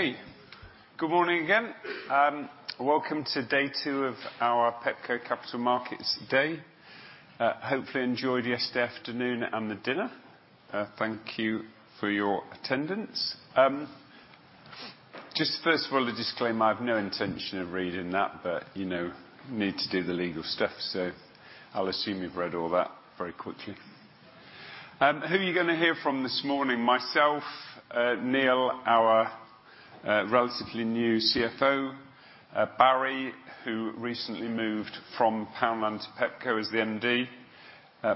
Hey, good morning again. Welcome to day two of our Pepco Capital Markets Day. Hopefully, you enjoyed yesterday afternoon and the dinner. Thank you for your attendance. Just first of all, a disclaimer, I have no intention of reading that, but, you know, need to do the legal stuff, so I'll assume you've read all that very quickly. Who are you going to hear from this morning? Myself, Neil, our relatively new CFO, Barry, who recently moved from Poundland to Pepco as the MD,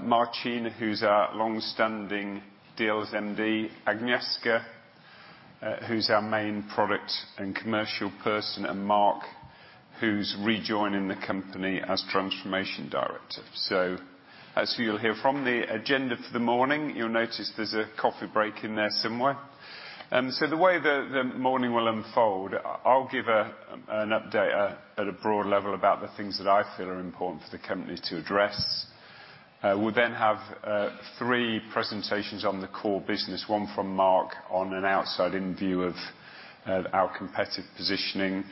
Marcin, who's our long-standing Dealz MD, Agnieszka, who's our main product and commercial person, and Mark, who's rejoining the company as Transformation Director. So that's who you'll hear from. The agenda for the morning, you'll notice there's a coffee break in there somewhere. So the way the morning will unfold, I'll give an update at a broad level about the things that I feel are important for the company to address. We'll then have three presentations on the core business, one from Mark on an outside-in view of our competitive positioning.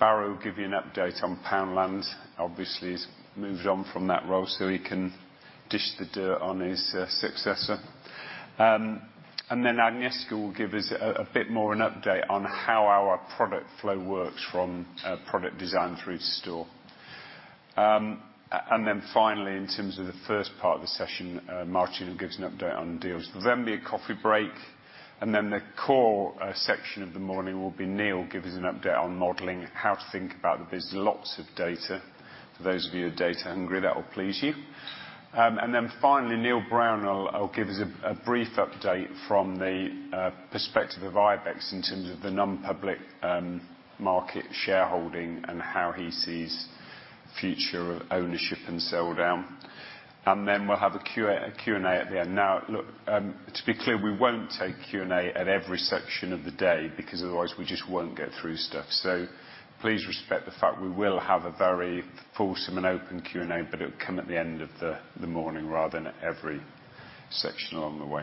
Barry will give you an update on Poundland. Obviously, he's moved on from that role, so he can dish the dirt on his successor. And then Agnieszka will give us a bit more an update on how our product flow works from product design through to store. And then finally, in terms of the first part of the session, Marcin gives an update on Dealz. There'll then be a coffee break, and then the core section of the morning will be Neil give us an update on modeling, how to think about the business. Lots of data. For those of you who are data hungry, that will please you. And then finally, Neil Brown will give us a brief update from the perspective of Ibex in terms of the non-public market shareholding and how he sees future ownership and sell down. And then we'll have a Q&A at the end. Now, look, to be clear, we won't take Q&A at every section of the day, because otherwise, we just won't get through stuff. So please respect the fact we will have a very fulsome and open Q&A, but it'll come at the end of the morning rather than at every section along the way.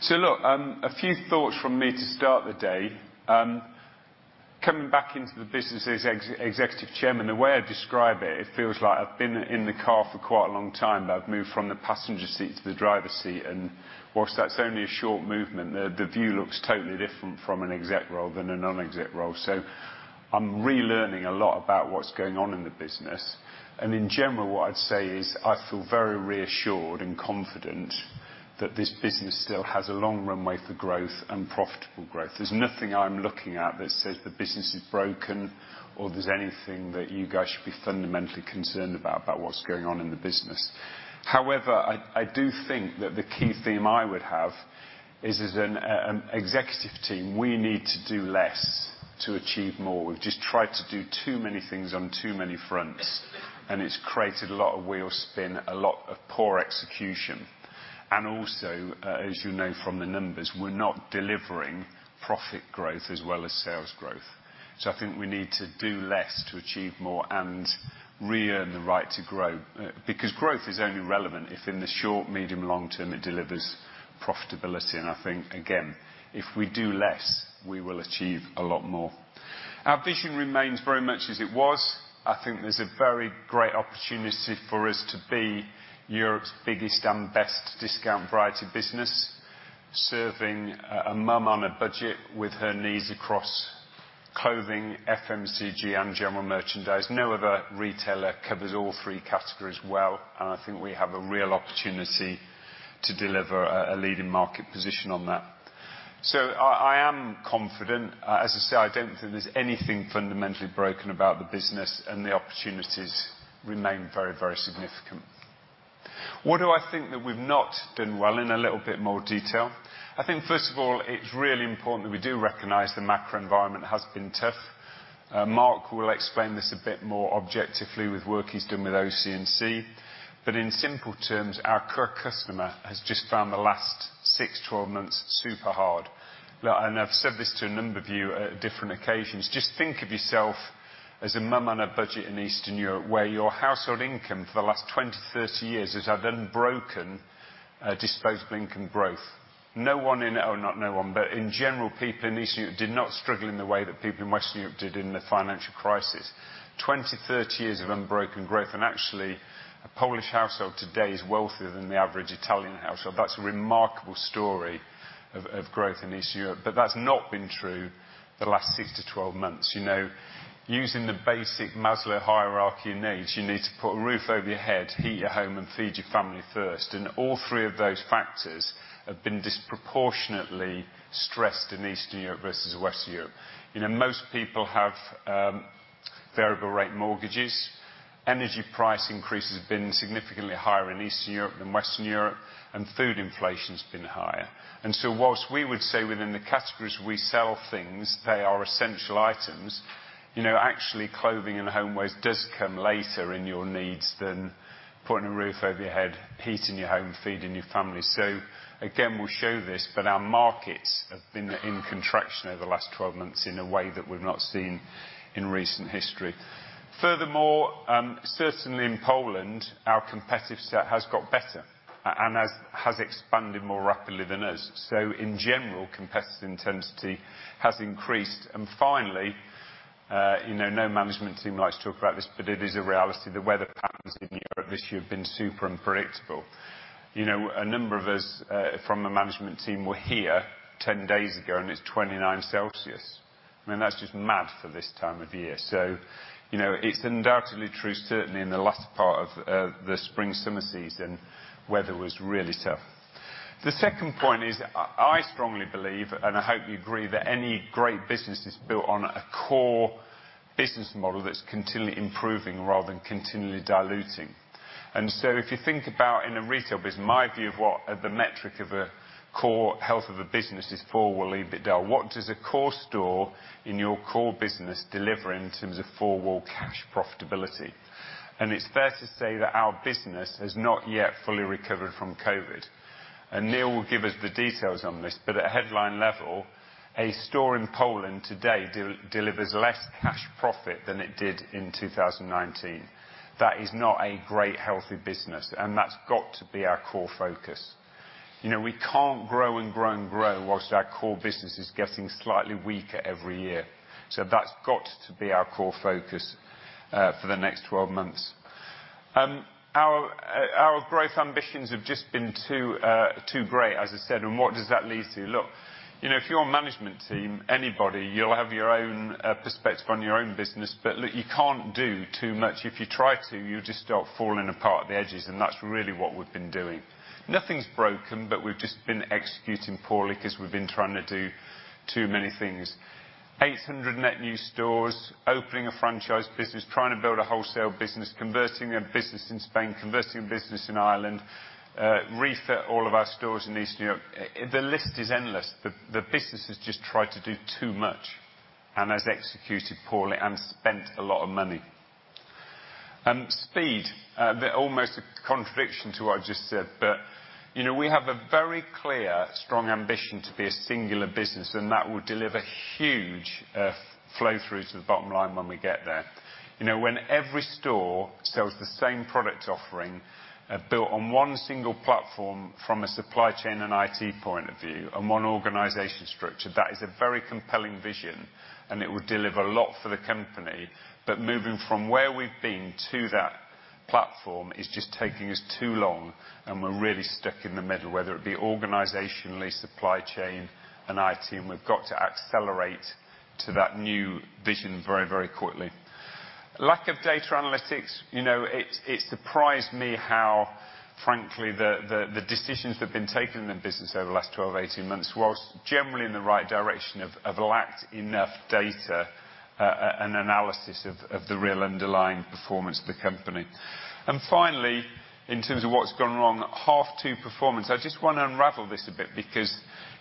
So look, a few thoughts from me to start the day. Coming back into the business as Executive Chairman, the way I describe it, it feels like I've been in the car for quite a long time, but I've moved from the passenger seat to the driver's seat, and while that's only a short movement, the view looks totally different from an exec role than a non-exec role. So I'm relearning a lot about what's going on in the business. In general, what I'd say is I feel very reassured and confident that this business still has a long runway for growth and profitable growth. There's nothing I'm looking at that says the business is broken or there's anything that you guys should be fundamentally concerned about what's going on in the business. However, I do think that the key theme I would have is as an executive team, we need to do less to achieve more. We've just tried to do too many things on too many fronts, and it's created a lot of wheel spin, a lot of poor execution. And also, as you know from the numbers, we're not delivering profit growth as well as sales growth. So I think we need to do less to achieve more and re-earn the right to grow, because growth is only relevant if in the short, medium, long term, it delivers profitability. And I think, again, if we do less, we will achieve a lot more. Our vision remains very much as it was. I think there's a very great opportunity for us to be Europe's biggest and best discount variety business, serving a mom on a budget with her needs across clothing, FMCG, and general merchandise. No other retailer covers all three categories well, and I think we have a real opportunity to deliver a leading market position on that. So I am confident. As I say, I don't think there's anything fundamentally broken about the business, and the opportunities remain very, very significant. What do I think that we've not done well in a little bit more detail? I think, first of all, it's really important that we do recognize the macro environment has been tough. Mark will explain this a bit more objectively with work he's done with OC&C. But in simple terms, our core customer has just found the last 6-12 months super hard. Look, and I've said this to a number of you at different occasions. Just think of yourself as a mum on a budget in Eastern Europe, where your household income for the last 20-30 years has had unbroken disposable income growth. No one in... Oh, not no one, but in general, people in Eastern Europe did not struggle in the way that people in Western Europe did in the financial crisis. 20-30 years of unbroken growth, and actually, a Polish household today is wealthier than the average Italian household. That's a remarkable story of growth in East Europe, but that's not been true the last 6-12 months. You know, using the basic Maslow hierarchy of needs, you need to put a roof over your head, heat your home, and feed your family first, and all three of those factors have been disproportionately stressed in Eastern Europe versus Western Europe. You know, most people have variable rate mortgages. Energy price increases have been significantly higher in Eastern Europe than Western Europe, and food inflation's been higher. And so while we would say within the categories we sell things, they are essential items, you know, actually, clothing and homewares does come later in your needs than putting a roof over your head, heating your home, feeding your family. So again, we'll show this, but our markets have been in contraction over the last 12 months in a way that we've not seen in recent history. Furthermore, certainly in Poland, our competitive set has got better and has expanded more rapidly than us. So in general, competitive intensity has increased. And finally, you know, no management team likes to talk about this, but it is a reality. The weather patterns in Europe this year have been super unpredictable. You know, a number of us from the management team were here ten days ago, and it's 29 degrees Celsius. I mean, that's just mad for this time of year. So, you know, it's undoubtedly true, certainly in the last part of the spring, summer season, weather was really tough. The second point is I strongly believe, and I hope you agree, that any great business is built on a core business model that's continually improving rather than continually diluting. If you think about in a retail business, my view of what the metric of a core health of a business is Four Wall EBITDA. What does a core store in your core business deliver in terms of Four Wall cash profitability? It's fair to say that our business has not yet fully recovered from COVID. Neil will give us the details on this, but at headline level, a store in Poland today delivers less cash profit than it did in 2019. That is not a great, healthy business, and that's got to be our core focus. You know, we can't grow and grow and grow while our core business is getting slightly weaker every year. So that's got to be our core focus for the next 12 months. Our growth ambitions have just been too great, as I said, and what does that lead to? Look, you know, if you're a management team, anybody, you'll have your own perspective on your own business, but, look, you can't do too much. If you try to, you'll just start falling apart at the edges, and that's really what we've been doing. Nothing's broken, but we've just been executing poorly because we've been trying to do too many things. 800 net new stores, opening a franchise business, trying to build a wholesale business, converting a business in Spain, converting a business in Ireland, refit all of our stores in Eastern Europe. The list is endless. The business has just tried to do too much and has executed poorly and spent a lot of money. Speed, almost a contradiction to what I've just said, but, you know, we have a very clear, strong ambition to be a singular business, and that will deliver huge flow through to the bottom line when we get there. You know, when every store sells the same product offering, built on one single platform from a supply chain and IT point of view and one organization structure, that is a very compelling vision, and it will deliver a lot for the company. But moving from where we've been to that platform is just taking us too long, and we're really stuck in the middle, whether it be organizationally, supply chain and IT, and we've got to accelerate to that new vision very, very quickly. Lack of data analytics, you know, it surprised me how, frankly, the decisions that have been taken in the business over the last 12-18 months, while generally in the right direction, have lacked enough data and analysis of the real underlying performance of the company. And finally, in terms of what's gone wrong, half two performance. I just want to unravel this a bit because,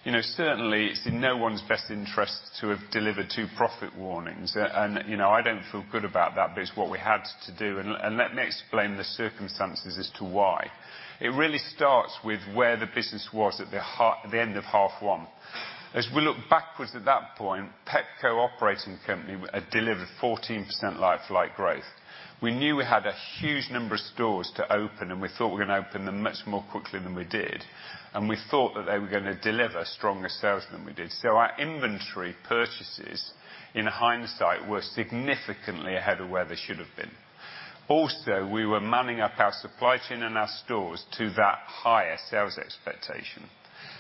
you know, certainly it's in no one's best interest to have delivered 2 profit warnings. And, you know, I don't feel good about that, but it's what we had to do, and let me explain the circumstances as to why. It really starts with where the business was at the half... the end of half one. As we look backwards at that point, Pepco operating company had delivered 14% like-for-like growth. We knew we had a huge number of stores to open, and we thought we were going to open them much more quickly than we did, and we thought that they were going to deliver stronger sales than we did. So our inventory purchases, in hindsight, were significantly ahead of where they should have been. Also, we were manning up our supply chain and our stores to that higher sales expectation.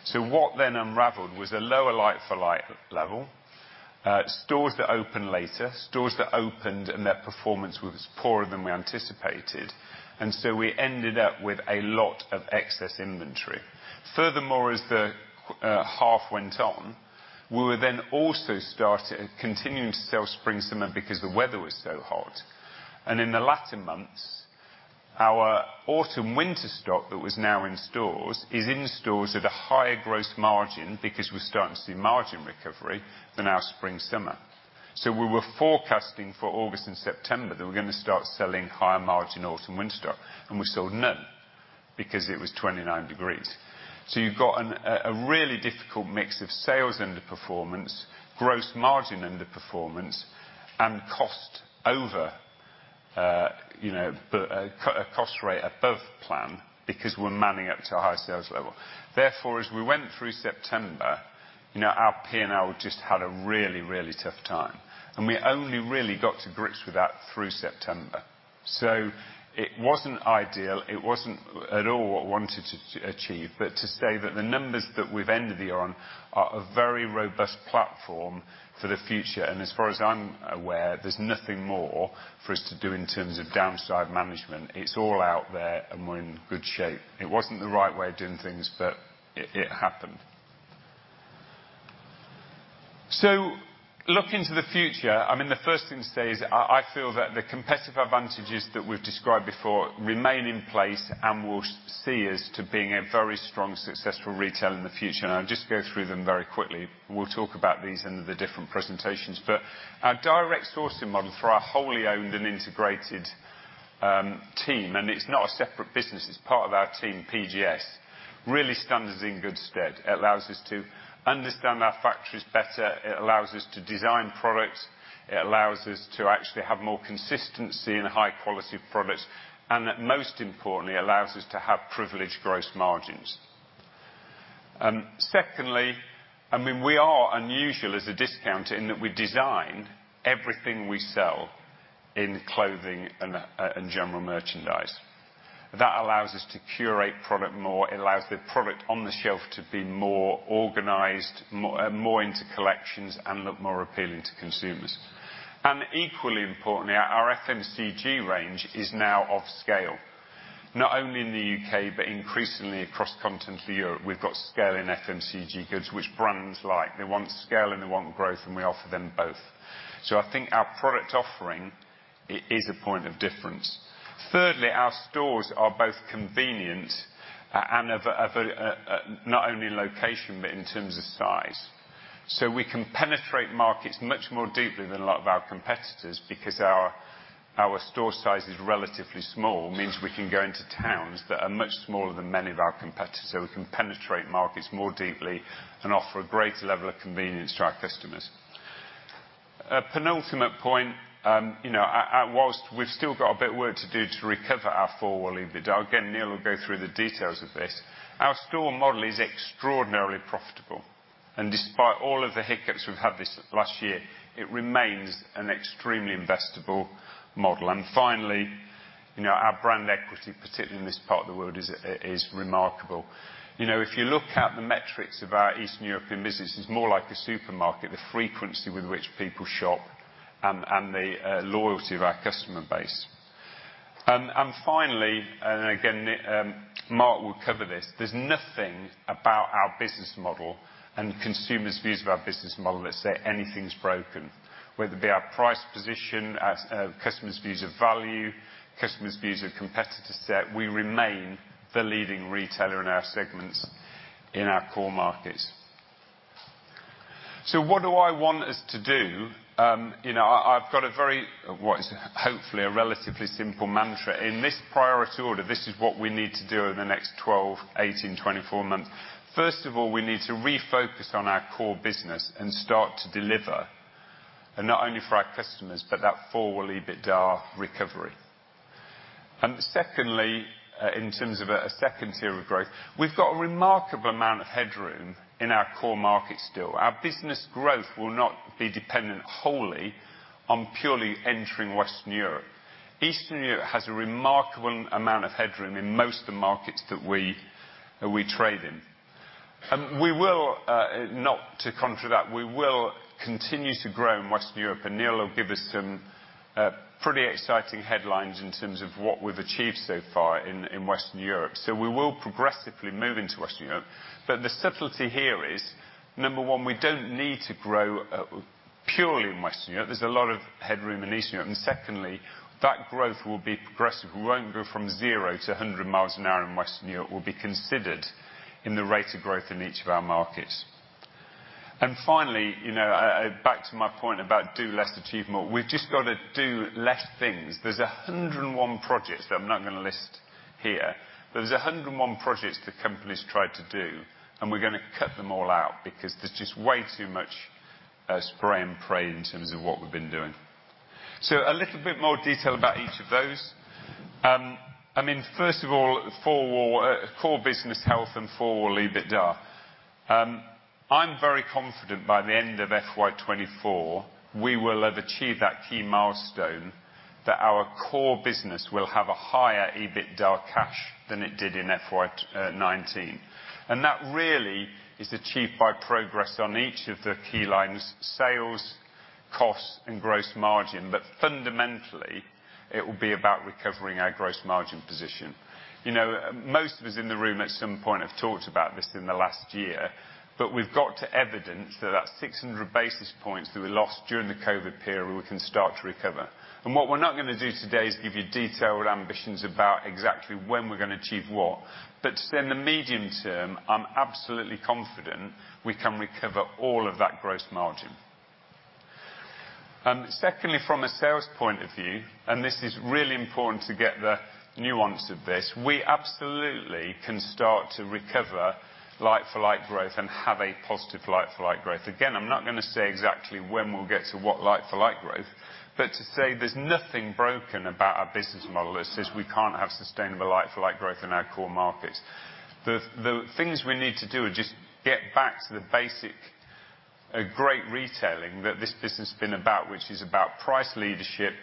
So what then unraveled was a lower like-for-like level, stores that opened later, stores that opened and their performance was poorer than we anticipated, and so we ended up with a lot of excess inventory. Furthermore, as the half went on, we were then also started continuing to sell Spring/Summer because the weather was so hot. In the latter months, our Autumn/Winter stock that was now in stores is in stores at a higher gross margin because we're starting to see margin recovery than our Spring/Summer. So we were forecasting for August and September that we're going to start selling higher margin Autumn/Winter stock, and we sold none because it was 29 degrees. So you've got a really difficult mix of sales underperformance, gross margin underperformance, and cost over, you know, a cost rate above plan because we're manning up to a higher sales level. Therefore, as we went through September, you know, our P&L just had a really, really tough time, and we only really got to grips with that through September. So it wasn't ideal. It wasn't at all what we wanted to achieve, but to say that the numbers that we've ended the year on are a very robust platform for the future, and as far as I'm aware, there's nothing more for us to do in terms of downside management. It's all out there, and we're in good shape. It wasn't the right way of doing things, but it happened. So looking to the future, I mean, the first thing to say is I feel that the competitive advantages that we've described before remain in place and will see us to being a very strong, successful retailer in the future. And I'll just go through them very quickly. We'll talk about these in the different presentations. But our direct sourcing model for our wholly owned and integrated team, and it's not a separate business, it's part of our team, PGS, really stands us in good stead. It allows us to understand our factories better, it allows us to design products, it allows us to actually have more consistency in high quality products, and most importantly, allows us to have privileged gross margins. Secondly, I mean, we are unusual as a discounter in that we design everything we sell in clothing and and general merchandise. That allows us to curate product more. It allows the product on the shelf to be more organized, more into collections and look more appealing to consumers. And equally importantly, our our FMCG range is now of scale, not only in the U.K., but increasingly across continental Europe. We've got scale in FMCG goods, which brands like. They want scale, and they want growth, and we offer them both. So I think our product offering is a point of difference. Thirdly, our stores are both convenient, not only in location, but in terms of size. So we can penetrate markets much more deeply than a lot of our competitors, because our store size is relatively small, means we can go into towns that are much smaller than many of our competitors. So we can penetrate markets more deeply and offer a greater level of convenience to our customers. A penultimate point, you know, while we've still got a bit of work to do to recover our Four Wall EBITDA, again, Neil will go through the details of this, our store model is extraordinarily profitable. Despite all of the hiccups we've had this last year, it remains an extremely investable model. Finally, you know, our brand equity, particularly in this part of the world, is remarkable. You know, if you look at the metrics of our Eastern European business, it's more like a supermarket, the frequency with which people shop, and the loyalty of our customer base. Finally, and again, Mark will cover this, there's nothing about our business model and consumers' views of our business model that say anything's broken. Whether it be our price position, as customers' views of value, customers' views of competitor set, we remain the leading retailer in our segments in our core markets. So what do I want us to do? You know, I, I've got a very, what is hopefully, a relatively simple mantra. In this priority order, this is what we need to do in the next 12, 18, 24 months. First of all, we need to refocus on our core business and start to deliver, and not only for our customers, but that Four Wall EBITDA recovery. And secondly, in terms of a second tier of growth, we've got a remarkable amount of headroom in our core markets still. Our business growth will not be dependent wholly on purely entering Western Europe. Eastern Europe has a remarkable amount of headroom in most of the markets that we trade in. We will not to contradict that, we will continue to grow in Western Europe, and Neil will give us some pretty exciting headlines in terms of what we've achieved so far in Western Europe. So we will progressively move into Western Europe. But the subtlety here is, number one, we don't need to grow purely in Western Europe. There's a lot of headroom in Eastern Europe. And secondly, that growth will be progressive. We won't go from 0 to 100 miles an hour in Western Europe. It will be considered in the rate of growth in each of our markets. And finally, you know, back to my point about do less, achieve more. We've just got to do less things. There's 101 projects that I'm not going to list here, but there's 101 projects the company's tried to do, and we're going to cut them all out because there's just way too much spray and pray in terms of what we've been doing. So a little bit more detail about each of those. I mean, first of all, for core business health and Four Wall EBITDA. I'm very confident by the end of FY 2024, we will have achieved that key milestone, that our core business will have a higher EBITDA cash than it did in FY 2019. And that really is achieved by progress on each of the key lines, sales, costs, and gross margin. But fundamentally, it will be about recovering our gross margin position. You know, most of us in the room, at some point, have talked about this in the last year, but we've got to evidence that that 600 basis points that we lost during the COVID period, we can start to recover. And what we're not going to do today is give you detailed ambitions about exactly when we're going to achieve what. But in the medium term, I'm absolutely confident we can recover all of that gross margin. Secondly, from a sales point of view, and this is really important to get the nuance of this, we absolutely can start to recover like-for-like growth and have a positive like-for-like growth. Again, I'm not going to say exactly when we'll get to what like-for-like growth, but to say there's nothing broken about our business model that says we can't have sustainable like-for-like growth in our core markets. The things we need to do are just get back to the basic great retailing that this business has been about, which is about price leadership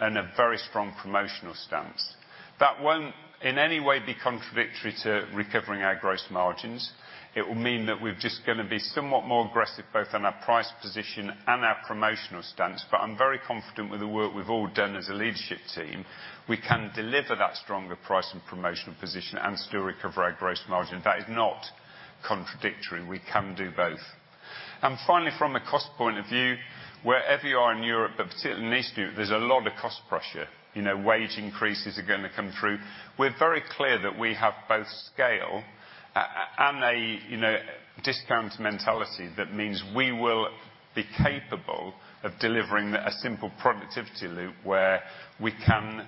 and a very strong promotional stance. That won't in any way be contradictory to recovering our gross margins. It will mean that we've just gonna be somewhat more aggressive, both on our price position and our promotional stance, but I'm very confident with the work we've all done as a leadership team, we can deliver that stronger price and promotional position and still recover our gross margin. That is not contradictory. We can do both. And finally, from a cost point of view, wherever you are in Europe, but particularly in Eastern Europe, there's a lot of cost pressure. You know, wage increases are going to come through. We're very clear that we have both scale and a, you know, discount mentality that means we will be capable of delivering a simple productivity loop, where we can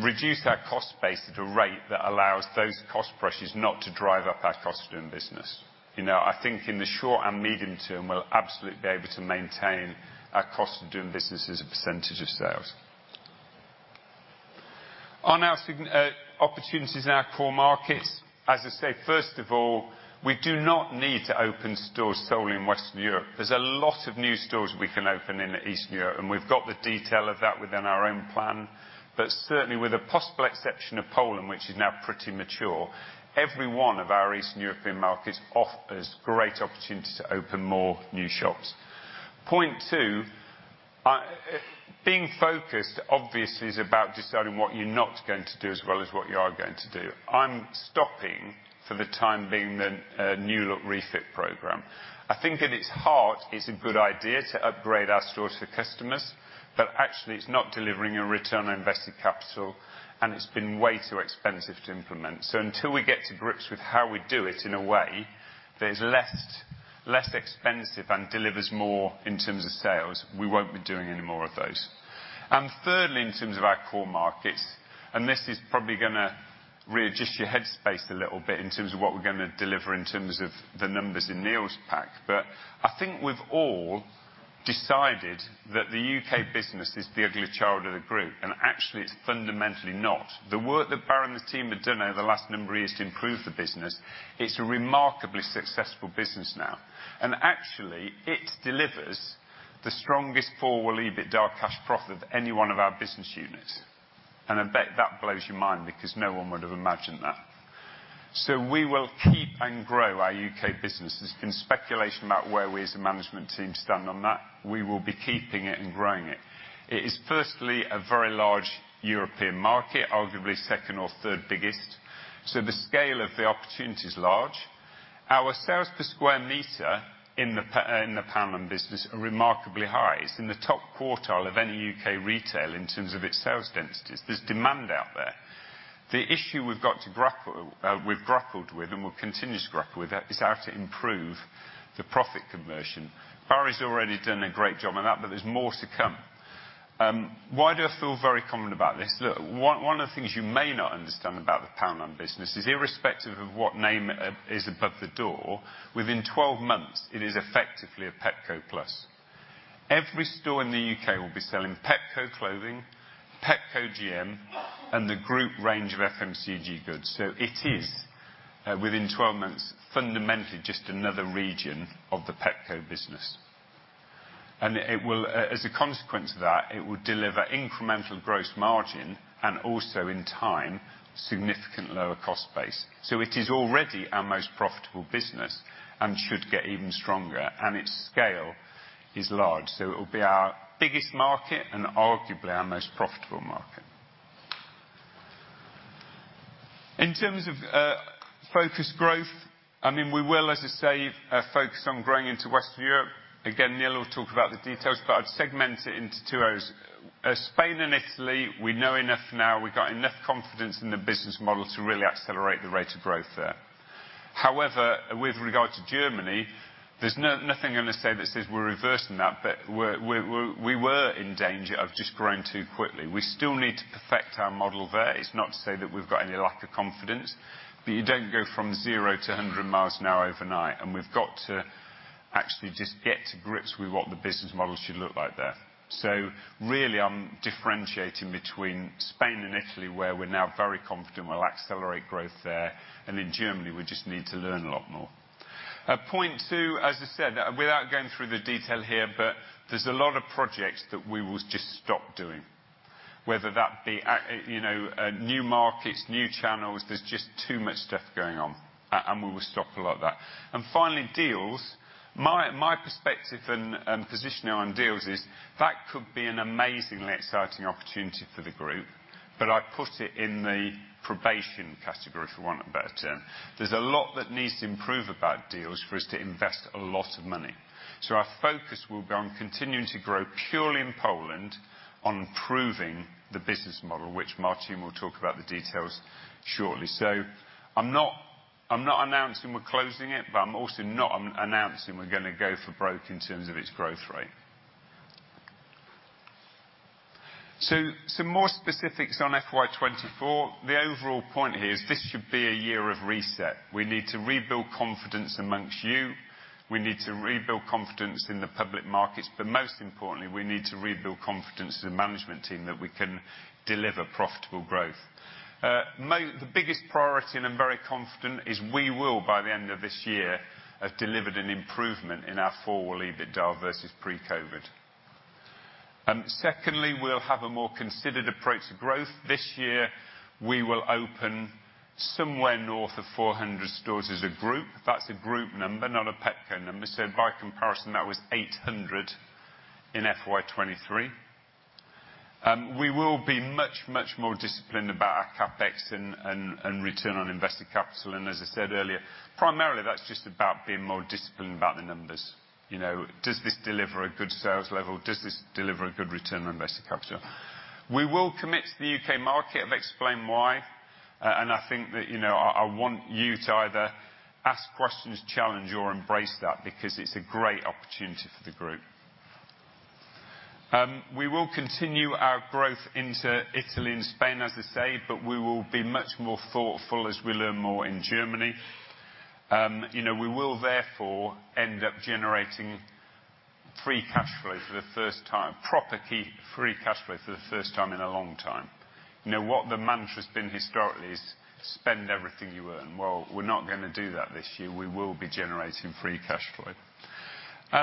reduce our cost base at a rate that allows those cost pressures not to drive up our cost of doing business. You know, I think in the short and medium term, we'll absolutely be able to maintain our cost of doing business as a percentage of sales. On our opportunities in our core markets, as I said, first of all, we do not need to open stores solely in Western Europe. There's a lot of new stores we can open in Eastern Europe, and we've got the detail of that within our own plan. But certainly, with the possible exception of Poland, which is now pretty mature, every one of our Eastern European markets offers great opportunity to open more new shops. Point two, being focused, obviously, is about deciding what you're not going to do as well as what you are going to do. I'm stopping, for the time being, the New Look refit program. I think at its heart, it's a good idea to upgrade our stores for customers, but actually, it's not delivering a return on invested capital, and it's been way too expensive to implement. So until we get to grips with how we do it in a way that is less, less expensive and delivers more in terms of sales, we won't be doing any more of those. And thirdly, in terms of our core markets, and this is probably gonna readjust your head space a little bit in terms of what we're gonna deliver in terms of the numbers in Neil's pack, but I think we've all decided that the U.K. business is the ugly child of the group, and actually, it's fundamentally not. The work that Barry and his team have done over the last number of years to improve the business, it's a remarkably successful business now. Actually, it delivers the strongest forward EBITDA cash profit of any one of our business units, and I bet that blows your mind because no one would have imagined that. We will keep and grow our U.K. business. There's been speculation about where we, as a management team, stand on that. We will be keeping it and growing it. It is firstly, a very large European market, arguably second or third biggest, so the scale of the opportunity is large. Our sales per square meter in the Poundland business are remarkably high. It's in the top quartile of any U.K. retail in terms of its sales densities. There's demand out there. The issue we've got to grapple, we've grappled with and will continue to grapple with, is how to improve the profit conversion. Barry's already done a great job on that, but there's more to come. Why do I feel very confident about this? Look, one of the things you may not understand about the Poundland business is irrespective of what name is above the door, within 12 months, it is effectively a Pepco Plus. Every store in the U.K. will be selling Pepco clothing, Pepco GM, and the group range of FMCG goods. So it is, within 12 months, fundamentally just another region of the Pepco business. And it will, as a consequence of that, it will deliver incremental gross margin and also, in time, significantly lower cost base. So it is already our most profitable business and should get even stronger, and its scale is large. So it'll be our biggest market and arguably our most profitable market. In terms of focused growth, I mean, we will, as I say, focus on growing into Western Europe. Again, Neil will talk about the details, but I'd segment it into two areas. Spain and Italy, we know enough now, we've got enough confidence in the business model to really accelerate the rate of growth there. However, with regard to Germany, there's nothing I'm going to say that says we're reversing that, but we're, we were in danger of just growing too quickly. We still need to perfect our model there. It's not to say that we've got any lack of confidence, but you don't go from zero to hundred miles an hour overnight, and we've got to actually just get to grips with what the business model should look like there. So really, I'm differentiating between Spain and Italy, where we're now very confident we'll accelerate growth there, and in Germany, we just need to learn a lot more. Point two, as I said, without going through the detail here, but there's a lot of projects that we will just stop doing. Whether that be at, you know, new markets, new channels, there's just too much stuff going on, and we will stop a lot of that. And finally, Dealz. My perspective and position now on Dealz is that could be an amazingly exciting opportunity for the group, but I'd put it in the probation category, if you want a better term. There's a lot that needs to improve about Dealz for us to invest a lot of money. So our focus will be on continuing to grow purely in Poland, on proving the business model, which Marcin will talk about the details shortly. So I'm not, I'm not announcing we're closing it, but I'm also not announcing we're going to go for broke in terms of its growth rate. So some more specifics on FY 2024. The overall point here is this should be a year of reset. We need to rebuild confidence amongst you. We need to rebuild confidence in the public markets, but most importantly, we need to rebuild confidence in the management team that we can deliver profitable growth. The biggest priority, and I'm very confident, is we will, by the end of this year, have delivered an improvement in our forward EBITDA versus pre-COVID. Secondly, we'll have a more considered approach to growth. This year, we will open somewhere north of 400 stores as a group. That's a group number, not a Pepco number. So by comparison, that was 800 in FY2023. We will be much, much more disciplined about our CapEx and return on invested capital, and as I said earlier, primarily, that's just about being more disciplined about the numbers. You know, does this deliver a good sales level? Does this deliver a good return on invested capital? We will commit to the U.K. market. I've explained why, and I think that, you know, I want you to either ask questions, challenge, or embrace that because it's a great opportunity for the group. We will continue our growth into Italy and Spain, as I said, but we will be much more thoughtful as we learn more in Germany. You know, we will, therefore, end up generating free cash flow for the first time, proper key free cash flow for the first time in a long time. You know, what the mantra has been historically is spend everything you earn. Well, we're not going to do that this year. We will be generating free cash flow.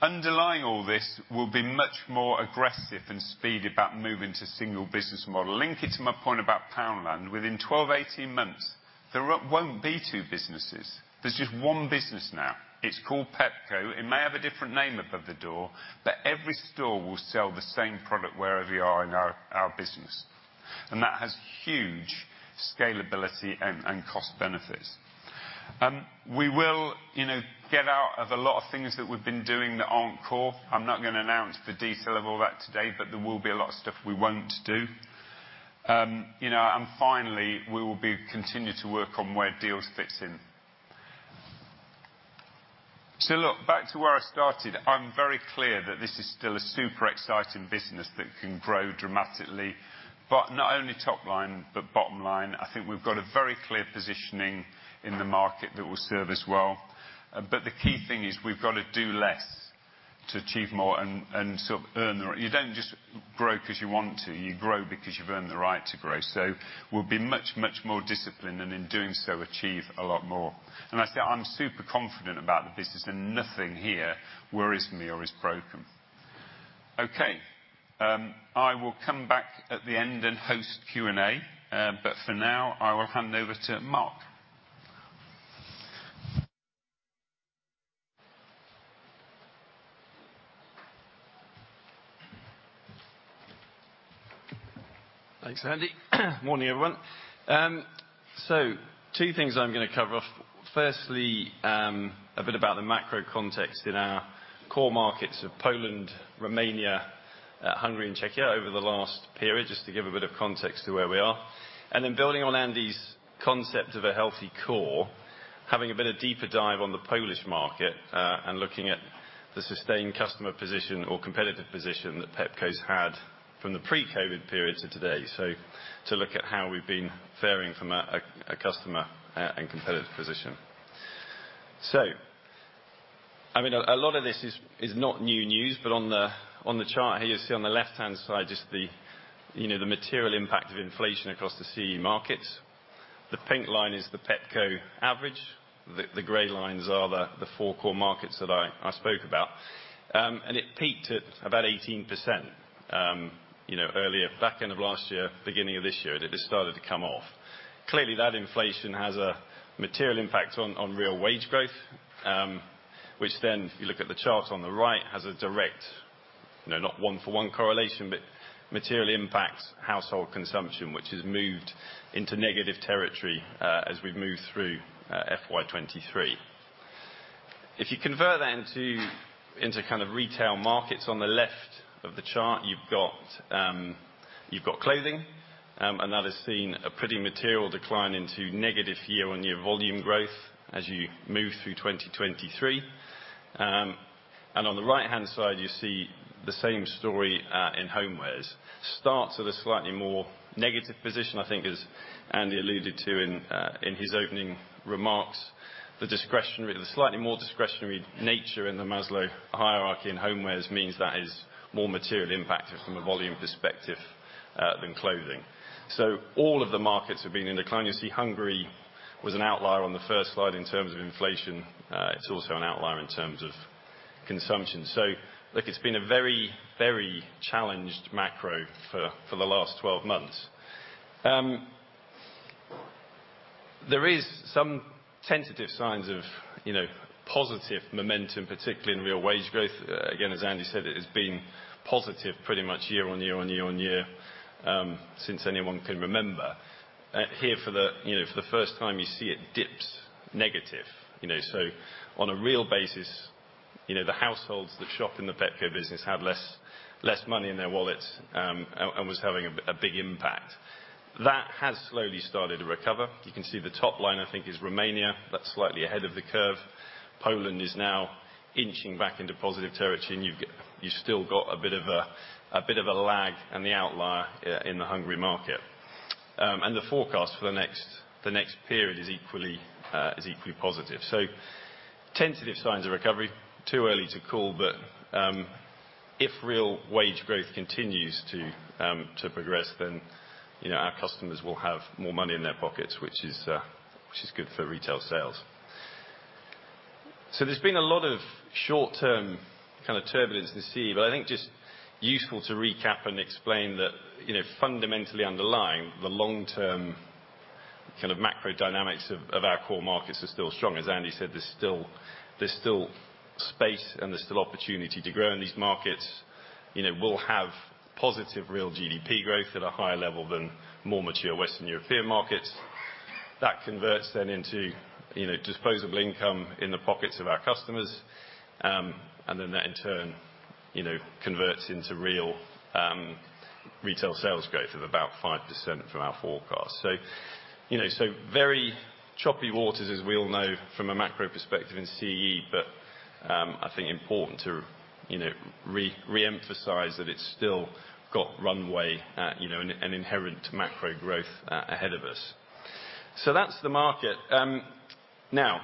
Underlying all this will be much more aggressive and speedy about moving to single business model. Link it to my point about Poundland, within 12-18 months, there won't be two businesses. There's just one business now. It's called Pepco. It may have a different name above the door, but every store will sell the same product wherever you are in our business, and that has huge scalability and cost benefits. We will, you know, get out of a lot of things that we've been doing that aren't core. I'm not going to announce the detail of all that today, but there will be a lot of stuff we won't do. You know, and finally, we will be continue to work on where Dealz fits in. So look, back to where I started, I'm very clear that this is still a super exciting business that can grow dramatically, but not only top line, but bottom line. I think we've got a very clear positioning in the market that will serve us well. But the key thing is we've got to do less to achieve more and sort of earn the right to grow. You don't just grow because you want to, you grow because you've earned the right to grow. We'll be much, much more disciplined, and in doing so, achieve a lot more. I say I'm super confident about the business, and nothing here worries me or is broken. Okay, I will come back at the end and host Q&A, but for now, I will hand over to Mark. Thanks, Andy. Morning, everyone. So two things I'm going to cover. Firstly, a bit about the macro context in our core markets of Poland, Romania, Hungary, and Czechia over the last period, just to give a bit of context to where we are. And then building on Andy's concept of a healthy core, having a bit of deeper dive on the Polish market, and looking at the sustained customer position or competitive position that Pepco's had from the pre-COVID period to today. So to look at how we've been faring from a customer and competitive position. So, I mean, a lot of this is not new news, but on the chart here, you'll see on the left-hand side, just the, you know, the material impact of inflation across the CE markets. The pink line is the Pepco average. The gray lines are the four core markets that I spoke about. And it peaked at about 18%, you know, earlier, back end of last year, beginning of this year, and it has started to come off. Clearly, that inflation has a material impact on real wage growth, which then, if you look at the charts on the right, has a direct, you know, not one for one correlation, but materially impacts household consumption, which has moved into negative territory, as we've moved through FY 2023. If you convert that into kind of retail markets, on the left of the chart, you've got clothing, and that has seen a pretty material decline into negative year-on-year volume growth as you move through 2023. And on the right-hand side, you see the same story in homewares. Starts at a slightly more negative position, I think, as Andy alluded to in his opening remarks. The discretionary, the slightly more discretionary nature in the Maslow hierarchy in homewares means that is more materially impacted from a volume perspective than clothing. So all of the markets have been in decline. You see, Hungary was an outlier on the first slide in terms of inflation. It's also an outlier in terms of consumption. So look, it's been a very, very challenged macro for the last 12 months. There is some tentative signs of, you know, positive momentum, particularly in real wage growth. Again, as Andy said, it has been positive pretty much year on year on year on year since anyone can remember. Here for the, you know, for the first time, you see it dips negative. You know, so on a real basis, you know, the households that shop in the Pepco business have less, less money in their wallets, and was having a big impact. That has slowly started to recover. You can see the top line, I think, is Romania. That's slightly ahead of the curve. Poland is now inching back into positive territory, and you've still got a bit of a lag and the outlier in the Hungary market. And the forecast for the next period is equally positive. So tentative signs of recovery, too early to call, but, if real wage growth continues to, to progress, then, you know, our customers will have more money in their pockets, which is, which is good for retail sales. So there's been a lot of short-term kind of turbulence in the CE, but I think just useful to recap and explain that, you know, fundamentally underlying the long-term kind of macro dynamics of, of our core markets are still strong. As Andy said, there's still, there's still space and there's still opportunity to grow in these markets. You know, we'll have positive real GDP growth at a higher level than more mature Western European markets. That converts then into, you know, disposable income in the pockets of our customers, and then that in turn, you know, converts into real retail sales growth of about 5% from our forecast. So, you know, so very choppy waters, as we all know from a macro perspective in CE, but I think important to, you know, re-emphasize that it's still got runway, you know, and inherent macro growth ahead of us. So that's the market. Now,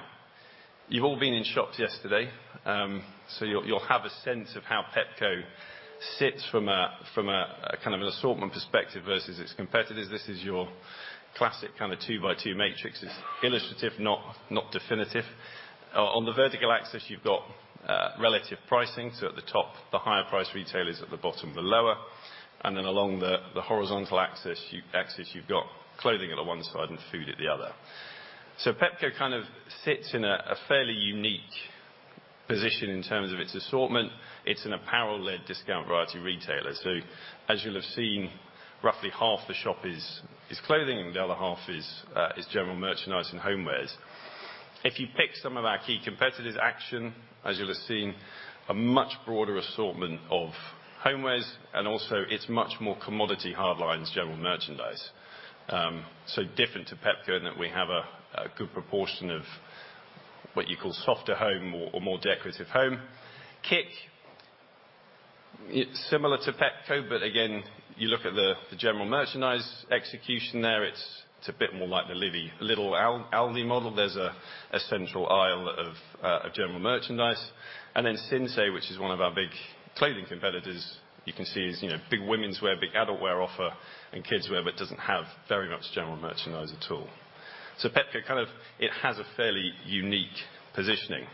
you've all been in shops yesterday, so you'll have a sense of how Pepco sits from a kind of an assortment perspective versus its competitors. This is your classic kind of 2-by-2 matrix. It's illustrative, not definitive. On the vertical axis, you've got relative pricing. So at the top, the higher price retailers, at the bottom, the lower, and then along the, the horizontal axis, you've got clothing on the one side and food at the other. So Pepco kind of sits in a fairly unique position in terms of its assortment. It's an apparel-led discount variety retailer. So as you'll have seen, roughly half the shop is clothing and the other half is general merchandise and homewares. If you pick some of our key competitors, Action, as you'll have seen, a much broader assortment of homewares, and also it's much more commodity hard lines, general merchandise. So different to Pepco, in that we have a good proportion of what you call softer home or more decorative home. KiK, it's similar to Pepco, but again, you look at the general merchandise execution there, it's a bit more like the Lidl, Aldi model. There's a central aisle of general merchandise. And then Sinsay, which is one of our big clothing competitors, you can see is, you know, big womenswear, big adult wear offer, and kidswear, but doesn't have very much general merchandise at all. So Pepco kind of... It has a fairly unique positioning.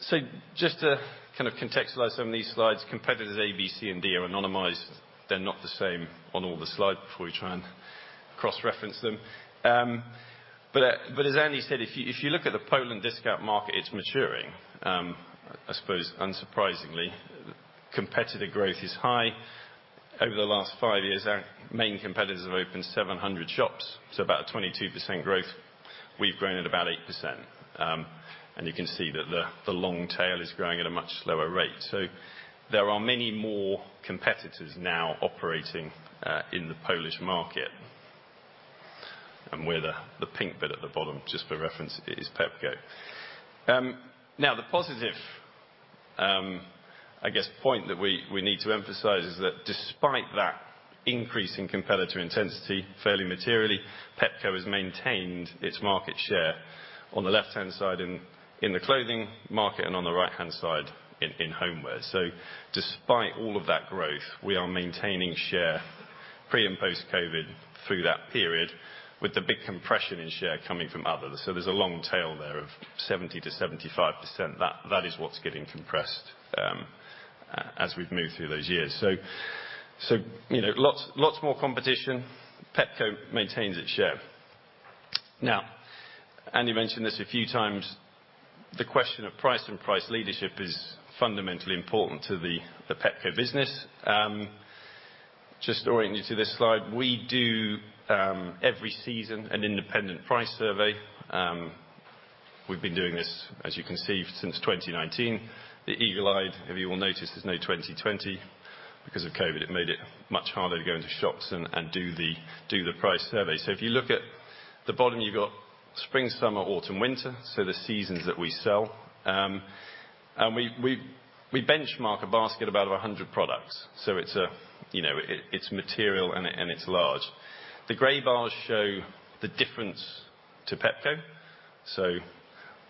So just to kind of contextualize some of these slides, competitors A, B, C, and D are anonymized. They're not the same on all the slides before we try and cross-reference them. But as Andy said, if you look at the Poland discount market, it's maturing. I suppose unsurprisingly, competitive growth is high. Over the last five years, our main competitors have opened 700 shops, so about a 22% growth. We've grown at about 8%. And you can see that the long tail is growing at a much slower rate. So there are many more competitors now operating in the Polish market. And we're the pink bit at the bottom, just for reference, is Pepco. Now, the positive, I guess, point that we need to emphasize is that despite that increase in competitor intensity, fairly materially, Pepco has maintained its market share on the left-hand side in the clothing market and on the right-hand side in homeware. So despite all of that growth, we are maintaining share pre- and post-COVID through that period, with the big compression in share coming from others. So there's a long tail there of 70%-75%. That is what's getting compressed as we've moved through those years. So you know, lots more competition. Pepco maintains its share. Now, Andy mentioned this a few times, the question of price and price leadership is fundamentally important to the Pepco business. Just orienting you to this slide, we do every season an independent price survey. We've been doing this, as you can see, since 2019. The eagle-eyed of you will notice there's no 2020. Because of COVID, it made it much harder to go into shops and do the price survey. So if you look at the bottom, you've got spring, summer, autumn, winter, so the seasons that we sell. And we benchmark a basket of about 100 products. So it's a... You know, it's material, and it's large. The gray bars show the difference to Pepco. So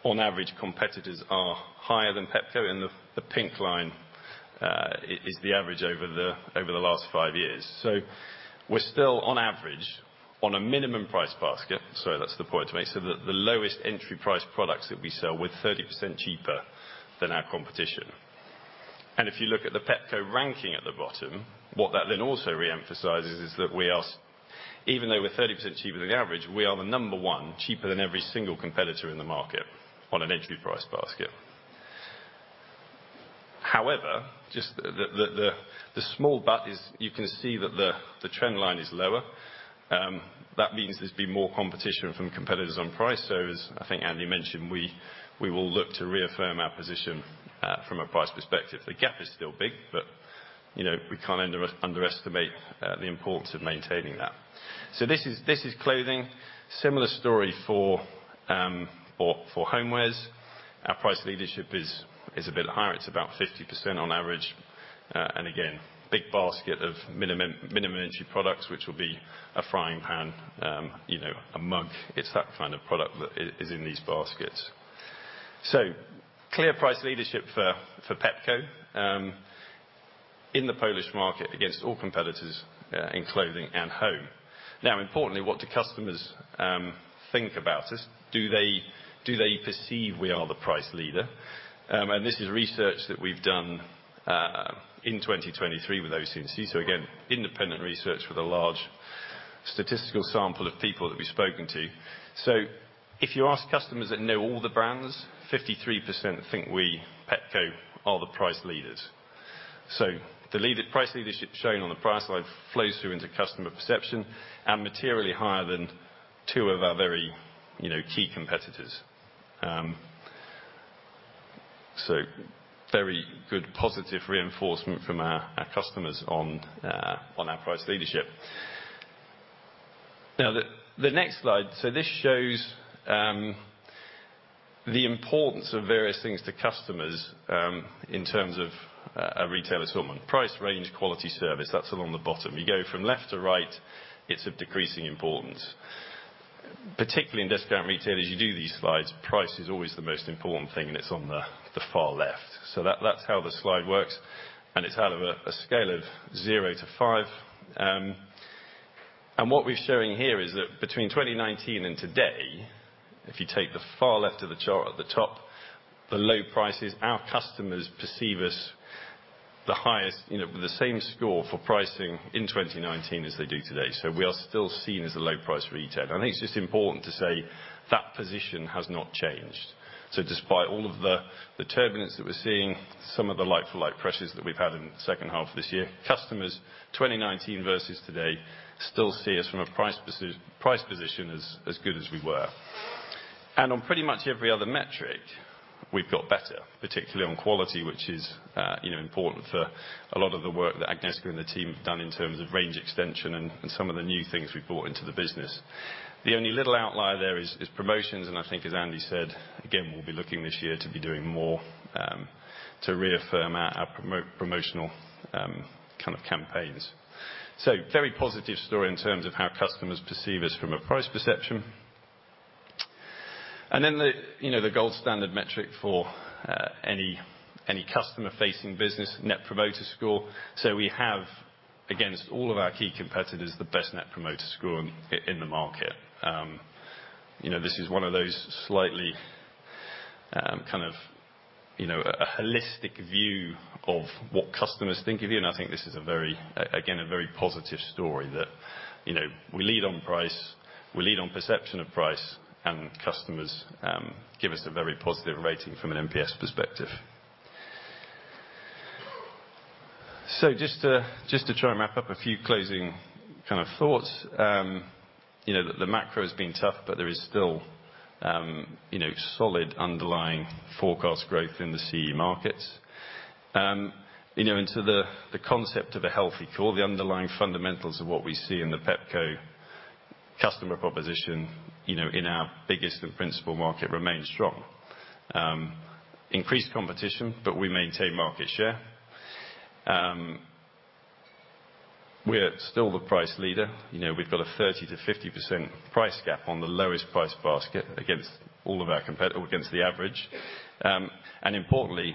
on average, competitors are higher than Pepco, and the pink line is the average over the last 5 years. So we're still on average on a minimum price basket, sorry, that's the point to make, so the lowest entry price products that we sell are 30% cheaper than our competition. And if you look at the Pepco ranking at the bottom, what that then also re-emphasizes is that we are, even though we're 30% cheaper than the average, we are the number one, cheaper than every single competitor in the market on an entry price basket. However, just the small but is you can see that the trend line is lower. That means there's been more competition from competitors on price. So as I think Andy mentioned, we will look to reaffirm our position from a price perspective. The gap is still big, but you know, we can't underestimate the importance of maintaining that. So this is clothing. Similar story for homewares. Our price leadership is a bit higher. It's about 50% on average. And again, big basket of minimum entry products, which will be a frying pan, you know, a mug. It's that kind of product that is in these baskets. So clear price leadership for Pepco in the Polish market against all competitors in clothing and home. Now, importantly, what do customers think about us? Do they perceive we are the price leader? This is research that we've done in 2023 with OC&C. So again, independent research with a large statistical sample of people that we've spoken to. So if you ask customers that know all the brands, 53% think we, Pepco, are the price leaders. So the price leadership shown on the price slide flows through into customer perception and materially higher than two of our very, you know, key competitors. So very good, positive reinforcement from our, our customers on our price leadership. Now, the next slide, so this shows the importance of various things to customers in terms of a retailer's offer. Price, range, quality, service, that's along the bottom. You go from left to right, it's of decreasing importance. Particularly in discount retailers, you do these slides, price is always the most important thing, and it's on the far left. So that's how the slide works, and it's out of a scale of 0 to 5. And what we're showing here is that between 2019 and today, if you take the far left of the chart at the top, the low prices, our customers perceive us the highest, you know, with the same score for pricing in 2019 as they do today. So we are still seen as a low price retailer. And I think it's just important to say that position has not changed. So despite all of the turbulence that we're seeing, some of the like-for-like pressures that we've had in the second half of this year, customers, 2019 versus today, still see us from a price position as good as we were. And on pretty much every other metric, we've got better, particularly on quality, which is, you know, important for a lot of the work that Agnieszka and the team have done in terms of range extension and some of the new things we've brought into the business. The only little outlier there is promotions, and I think, as Andy said, again, we'll be looking this year to be doing more to reaffirm our promotional kind of campaigns. So very positive story in terms of how customers perceive us from a price perception. And then the, you know, the gold standard metric for any customer-facing business, Net Promoter Score. So we have, against all of our key competitors, the best Net Promoter Score in the market. You know, this is one of those slightly, kind of, you know, a holistic view of what customers think of you, and I think this is a very, again, a very positive story that, you know, we lead on price, we lead on perception of price, and customers give us a very positive rating from an NPS perspective. So just to try and wrap up, a few closing kind of thoughts. You know, the macro has been tough, but there is still, you know, solid underlying forecast growth in the CE markets. You know, and so the concept of a healthy core, the underlying fundamentals of what we see in the Pepco customer proposition, you know, in our biggest and principal market, remains strong. Increased competition, but we maintain market share. We're still the price leader. You know, we've got a 30%-50% price gap on the lowest price basket against all of our competitors, against the average. And importantly,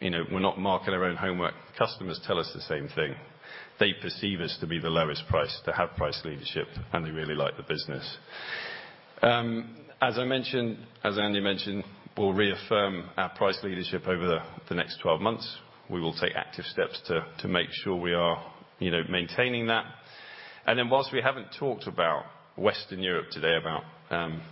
you know, we're not marking our own homework. Customers tell us the same thing. They perceive us to be the lowest price, to have price leadership, and they really like the business. As I mentioned, as Andy mentioned, we'll reaffirm our price leadership over the next 12 months. We will take active steps to make sure we are, you know, maintaining that. Then while we haven't talked about Western Europe today, about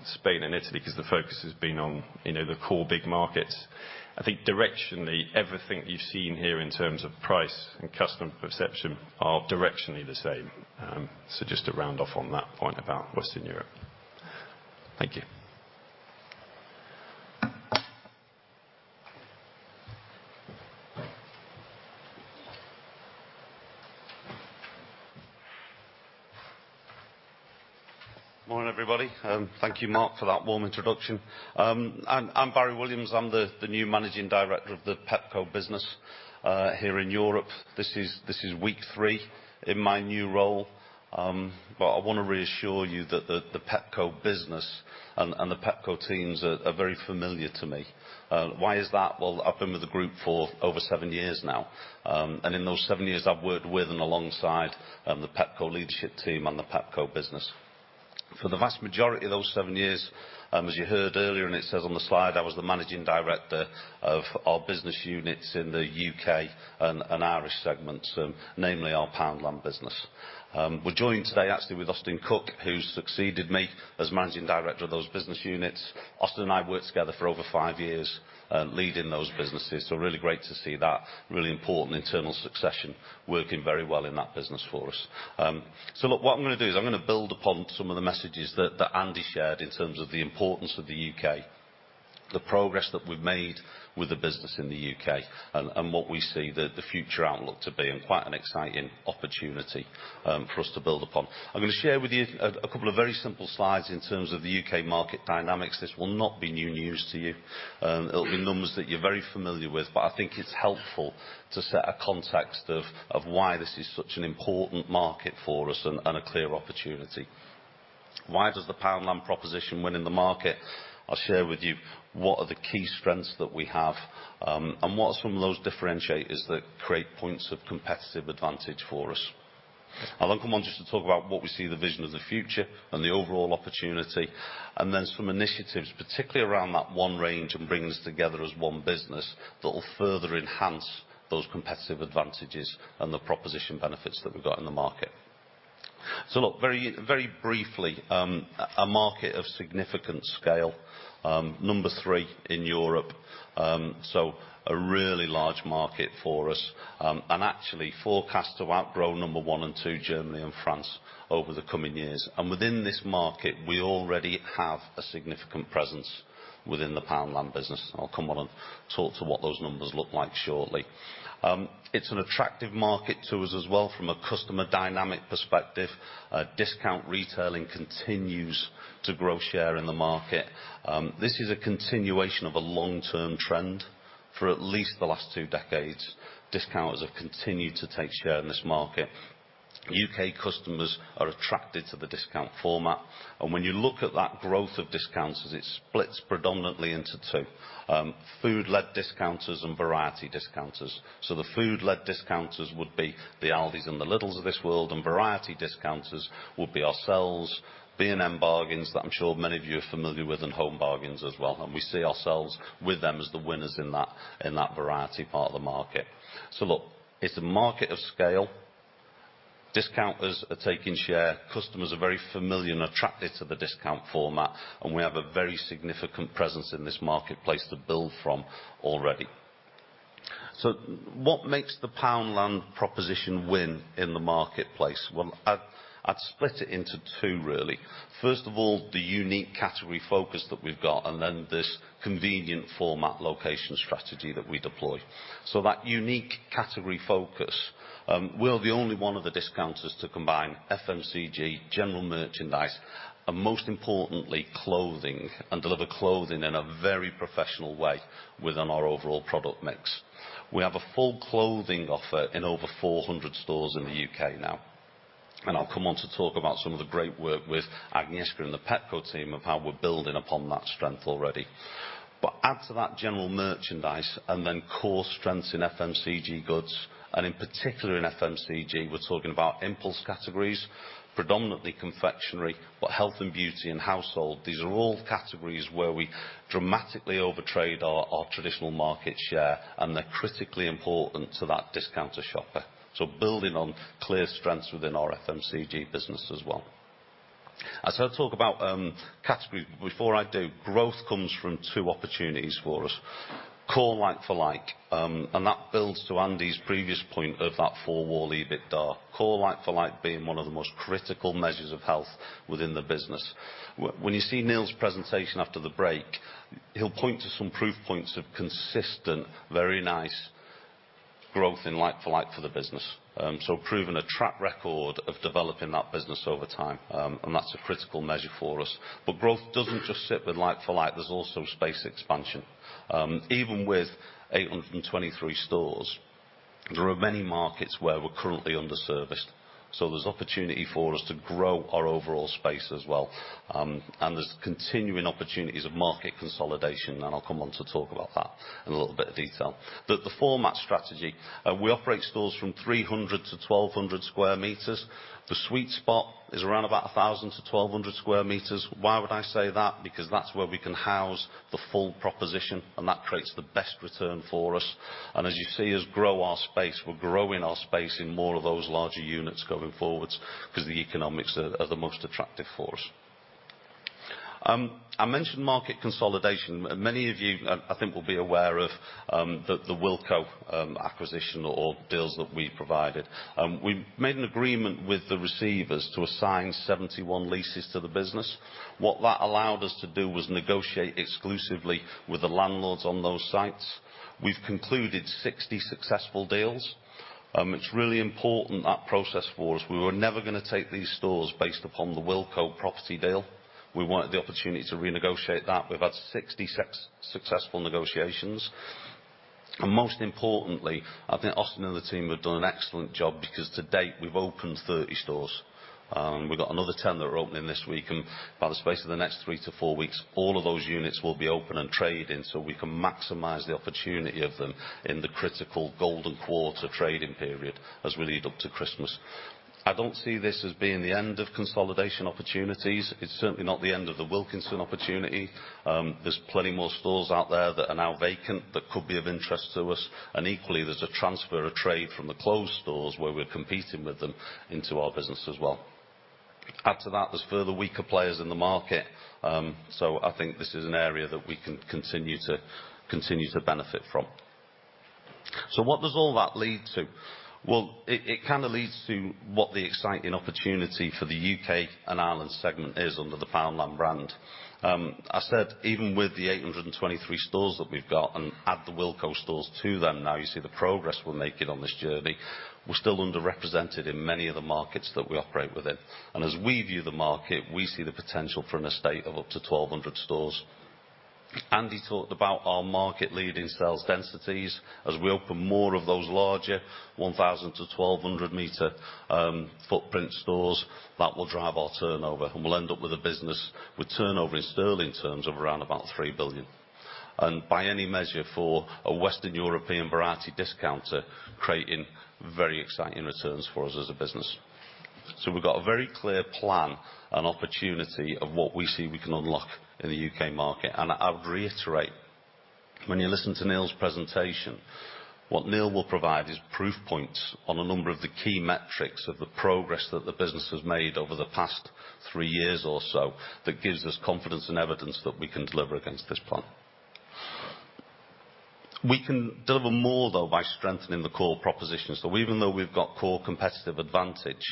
Spain and Italy, 'cause the focus has been on, you know, the core big markets, I think directionally, everything you've seen here in terms of price and customer perception are directionally the same. So just to round off on that point about Western Europe. Thank you. Morning, everybody, thank you, Mark, for that warm introduction. I'm Barry Williams. I'm the new Managing Director of the Pepco business here in Europe. This is week three in my new role, but I want to reassure you that the Pepco business and the Pepco teams are very familiar to me. Why is that? Well, I've been with the group for over seven years now, and in those seven years I've worked with and alongside the Pepco leadership team and the Pepco business. For the vast majority of those seven years, as you heard earlier, and it says on the slide, I was the Managing Director of our business units in the U.K. and Irish segments, namely our Poundland business. We're joined today, actually, with Austin Cooke, who succeeded me as managing director of those business units. Austin and I worked together for over five years, leading those businesses, so really great to see that really important internal succession working very well in that business for us. So look, what I'm gonna do is I'm gonna build upon some of the messages that, that Andy shared in terms of the importance of the U.K., the progress that we've made with the business in the U.K., and, and what we see the, the future outlook to be, and quite an exciting opportunity, for us to build upon. I'm gonna share with you a, a couple of very simple slides in terms of the U.K. market dynamics. This will not be new news to you. It'll be numbers that you're very familiar with, but I think it's helpful to set a context of why this is such an important market for us and a clear opportunity. Why does the Poundland proposition win in the market? I'll share with you what are the key strengths that we have, and what are some of those differentiators that create points of competitive advantage for us. I'll then come on just to talk about what we see the vision of the future and the overall opportunity, and then some initiatives, particularly around that one range and bringing us together as one business, that will further enhance those competitive advantages and the proposition benefits that we've got in the market. So look, very, very briefly, a market of significant scale, number three in Europe. So a really large market for us, and actually forecast to outgrow number one and two, Germany and France, over the coming years. And within this market, we already have a significant presence within the Poundland business. I'll come on and talk to what those numbers look like shortly. It's an attractive market to us as well from a customer dynamic perspective. Discount retailing continues to grow share in the market. This is a continuation of a long-term trend... For at least the last two decades, discounters have continued to take share in this market. U.K. customers are attracted to the discount format, and when you look at that growth of discounters, it splits predominantly into two: food-led discounters and variety discounters. So the food-led discounters would be the Aldis and the Lidls of this world, and variety discounters would be ourselves, B&M Bargains, that I'm sure many of you are familiar with, and Home Bargains as well, and we see ourselves with them as the winners in that, in that variety part of the market. So look, it's a market of scale. Discounters are taking share. Customers are very familiar and attracted to the discount format, and we have a very significant presence in this marketplace to build from already. So what makes the Poundland proposition win in the marketplace? Well, I'd, I'd split it into two, really. First of all, the unique category focus that we've got, and then this convenient format location strategy that we deploy. So that unique category focus, we're the only one of the discounters to combine FMCG, general merchandise, and most importantly, clothing, and deliver clothing in a very professional way within our overall product mix. We have a full clothing offer in over 400 stores in the U.K. now, and I'll come on to talk about some of the great work with Agnieszka and the Pepco team of how we're building upon that strength already. But add to that general merchandise, and then core strengths in FMCG goods, and in particular in FMCG, we're talking about impulse categories, predominantly confectionery, but health and beauty and household. These are all categories where we dramatically overtrade our traditional market share, and they're critically important to that discounter shopper. So building on clear strengths within our FMCG business as well. I said I'd talk about category. Before I do, growth comes from two opportunities for us, core like-for-like, and that builds to Andy's previous point of that four-wall EBITDA. Core like-for-like being one of the most critical measures of health within the business. When you see Neil's presentation after the break, he'll point to some proof points of consistent, very nice growth in like-for-like for the business. So proving a track record of developing that business over time, and that's a critical measure for us. But growth doesn't just sit with like-for-like, there's also space expansion. Even with 823 stores, there are many markets where we're currently underserviced, so there's opportunity for us to grow our overall space as well. And there's continuing opportunities of market consolidation, and I'll come on to talk about that in a little bit of detail. But the format strategy, we operate stores from 300 to 1,200 square meters. The sweet spot is around about 1,000 to 1,200 square meters. Why would I say that? Because that's where we can house the full proposition, and that creates the best return for us. And as you see us grow our space, we're growing our space in more of those larger units going forwards because the economics are, are the most attractive for us. I mentioned market consolidation. Many of you, I, I think, will be aware of, the, the Wilko, acquisition or deals that we provided. We made an agreement with the receivers to assign 71 leases to the business. What that allowed us to do was negotiate exclusively with the landlords on those sites. We've concluded 60 successful deals. It's really important that process for us. We were never gonna take these stores based upon the Wilko property deal. We wanted the opportunity to renegotiate that. We've had 60 successful negotiations. Most importantly, I think Austin and the team have done an excellent job because to date, we've opened 30 stores. We've got another 10 that are opening this week, and by the space of the next 3-4 weeks, all of those units will be open and trading, so we can maximize the opportunity of them in the critical golden quarter trading period as we lead up to Christmas. I don't see this as being the end of consolidation opportunities. It's certainly not the end of the Wilko opportunity. There's plenty more stores out there that are now vacant, that could be of interest to us, and equally, there's a transfer of trade from the closed stores, where we're competing with them, into our business as well. Add to that, there's further weaker players in the market, so I think this is an area that we can continue to benefit from. So what does all that lead to? Well, it kind of leads to what the exciting opportunity for the U.K. and Ireland segment is under the Poundland brand. I said, even with the 823 stores that we've got, and add the Wilko stores to them, now you see the progress we're making on this journey, we're still underrepresented in many of the markets that we operate within. As we view the market, we see the potential for an estate of up to 1,200 stores. Andy talked about our market-leading sales densities. As we open more of those larger 1,000-1,200 meter footprint stores, that will drive our turnover, and we'll end up with a business with turnover in sterling terms of around about 3 billion. By any measure, for a Western European variety discounter, creating very exciting returns for us as a business. We've got a very clear plan and opportunity of what we see we can unlock in the U.K. market. I would reiterate, when you listen to Neil's presentation, what Neil will provide is proof points on a number of the key metrics of the progress that the business has made over the past three years or so that gives us confidence and evidence that we can deliver against this plan. We can deliver more, though, by strengthening the core proposition. Even though we've got core competitive advantage,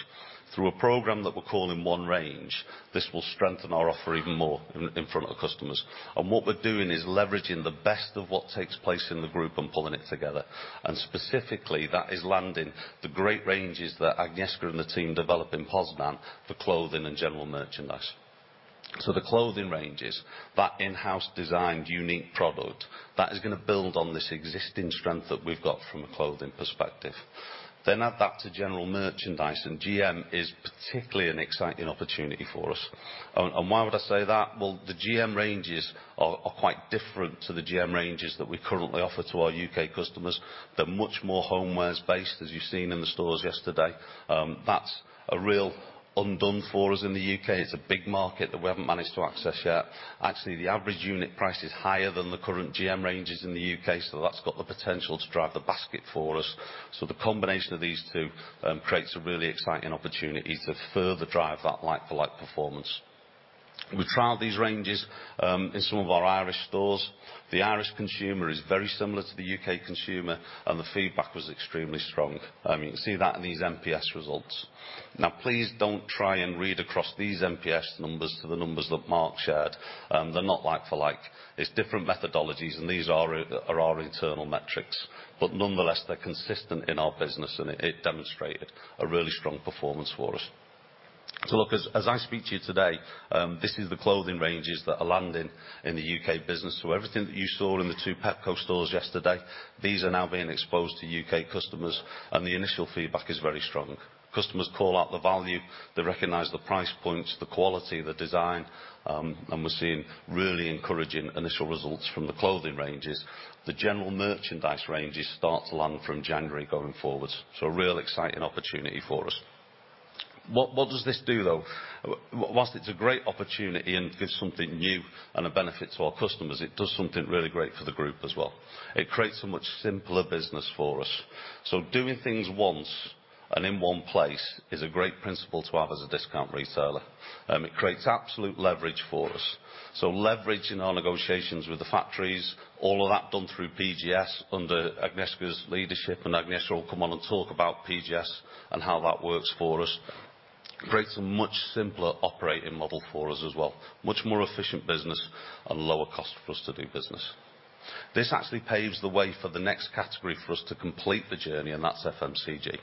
through a program that we're calling One Range, this will strengthen our offer even more in front of customers. What we're doing is leveraging the best of what takes place in the group and pulling it together. Specifically, that is landing the great ranges that Agnieszka and the team develop in Poznań for clothing and general merchandise. So the clothing ranges, that in-house designed, unique product, that is going to build on this existing strength that we've got from a clothing perspective. Then add that to general merchandise, and GM is particularly an exciting opportunity for us. And why would I say that? Well, the GM ranges are quite different to the GM ranges that we currently offer to our U.K. customers. They're much more homewares-based, as you've seen in the stores yesterday. That's a real untapped for us in the U.K.. It's a big market that we haven't managed to access yet. Actually, the average unit price is higher than the current GM ranges in the U.K., so that's got the potential to drive the basket for us. So the combination of these two creates a really exciting opportunity to further drive that like-for-like performance. We've trialed these ranges in some of our Irish stores. The Irish consumer is very similar to the U.K. consumer, and the feedback was extremely strong. You can see that in these NPS results. Now, please don't try and read across these NPS numbers to the numbers that Mark shared. They're not like-for-like. It's different methodologies, and these are our internal metrics, but nonetheless, they're consistent in our business, and it demonstrated a really strong performance for us. So look, as I speak to you today, this is the clothing ranges that are landing in the U.K. business. So everything that you saw in the two Pepco stores yesterday, these are now being exposed to U.K. customers, and the initial feedback is very strong. Customers call out the value, they recognize the price points, the quality, the design, and we're seeing really encouraging initial results from the clothing ranges. The general merchandise ranges start to land from January going forward, so a real exciting opportunity for us. What, what does this do, though? Whilst it's a great opportunity and gives something new and a benefit to our customers, it does something really great for the group as well. It creates a much simpler business for us. So doing things once and in one place is a great principle to have as a discount retailer. It creates absolute leverage for us. So leveraging our negotiations with the factories, all of that done through PGS under Agnieszka's leadership, and Agnieszka will come on and talk about PGS and how that works for us. Creates a much simpler operating model for us as well, much more efficient business and lower cost for us to do business. This actually paves the way for the next category for us to complete the journey, and that's FMCG.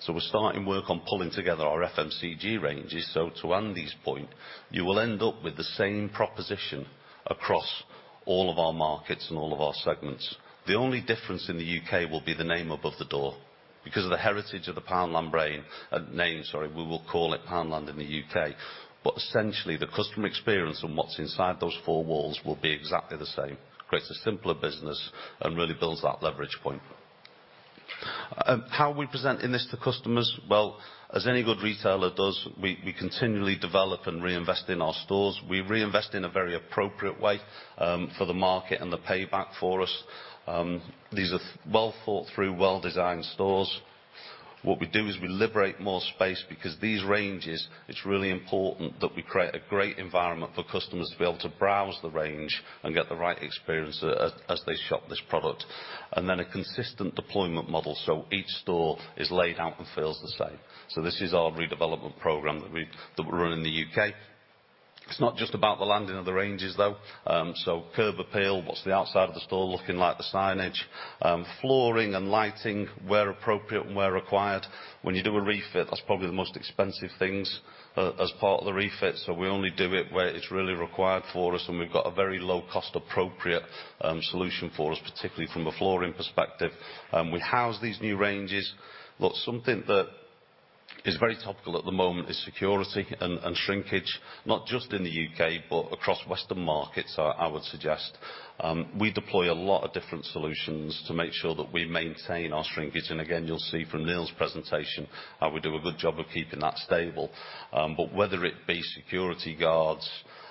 So we're starting work on pulling together our FMCG ranges, so to Andy's point, you will end up with the same proposition across all of our markets and all of our segments. The only difference in the U.K. will be the name above the door. Because of the heritage of the Poundland brand, name, sorry, we will call it Poundland in the U.K.. But essentially, the customer experience and what's inside those four walls will be exactly the same. Creates a simpler business and really builds that leverage point. How are we presenting this to customers? Well, as any good retailer does, we continually develop and reinvest in our stores. We reinvest in a very appropriate way, for the market and the payback for us. These are well thought through, well-designed stores. What we do is we liberate more space, because these ranges, it's really important that we create a great environment for customers to be able to browse the range and get the right experience as they shop this product. And then a consistent deployment model, so each store is laid out and feels the same. This is our redevelopment program that we're running in the U.K.. It's not just about the landing of the ranges, though. So curb appeal, what's the outside of the store looking like? The signage. Flooring and lighting, where appropriate and where required. When you do a refit, that's probably the most expensive things as part of the refit, so we only do it where it's really required for us, and we've got a very low-cost, appropriate solution for us, particularly from a flooring perspective. We house these new ranges. But something that is very topical at the moment is security and shrinkage, not just in the U.K., but across Western markets, I would suggest. We deploy a lot of different solutions to make sure that we maintain our shrinkage. And again, you'll see from Neil's presentation, how we do a good job of keeping that stable. But whether it be security guards,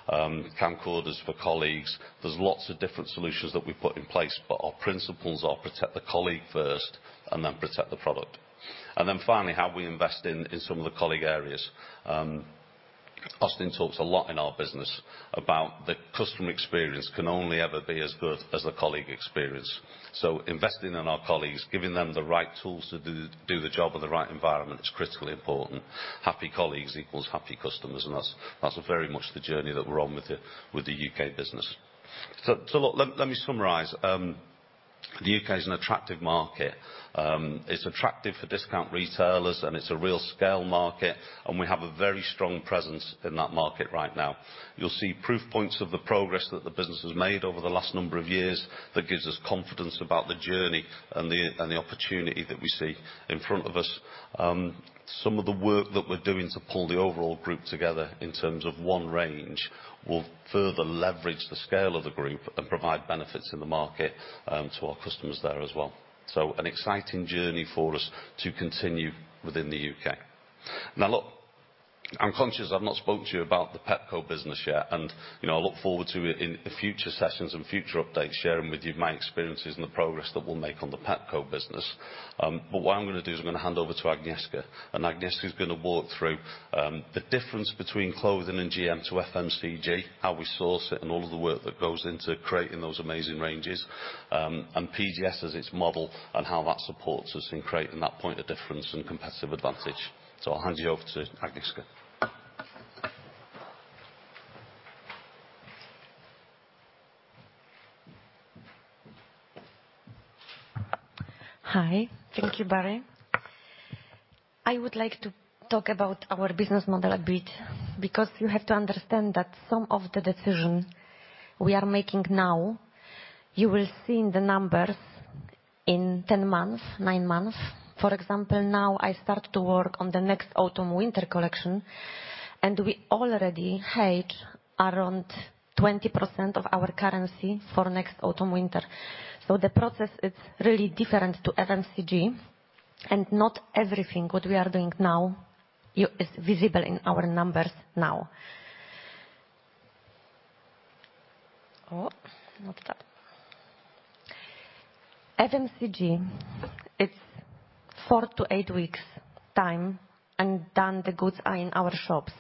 camcorders for colleagues, there's lots of different solutions that we've put in place, but our principles are protect the colleague first, and then protect the product. And then finally, how we invest in some of the colleague areas. Austin talks a lot in our business about the customer experience can only ever be as good as the colleague experience. So investing in our colleagues, giving them the right tools to do the job and the right environment is critically important. Happy colleagues equals happy customers, and that's very much the journey that we're on with the U.K. business. So look, let me summarize. The U.K. is an attractive market. It's attractive for discount retailers, and it's a real scale market, and we have a very strong presence in that market right now. You'll see proof points of the progress that the business has made over the last number of years that gives us confidence about the journey and the opportunity that we see in front of us. Some of the work that we're doing to pull the overall group together in terms of One Range will further leverage the scale of the group and provide benefits in the market to our customers there as well. So an exciting journey for us to continue within the U.K. Now, look, I'm conscious I've not spoken to you about the Pepco business yet, and, you know, I look forward to it in future sessions and future updates, sharing with you my experiences and the progress that we'll make on the Pepco business. What I'm gonna do is I'm gonna hand over to Agnieszka, and Agnieszka is gonna walk through the difference between clothing and GM to FMCG, how we source it, and all of the work that goes into creating those amazing ranges, and PGS as its model, and how that supports us in creating that point of difference and competitive advantage. So I'll hand you over to Agnieszka.... Hi. Thank you, Barry. I would like to talk about our business model a bit, because you have to understand that some of the decision we are making now, you will see in the numbers in 10 months, 9 months. For example, now I start to work on the next autumn-winter collection, and we already hedge around 20% of our currency for next autumn-winter. So the process is really different to FMCG, and not everything what we are doing now is visible in our numbers now. Oh, what's that? FMCG, it's 4-8 weeks time, and then the goods are in our shops.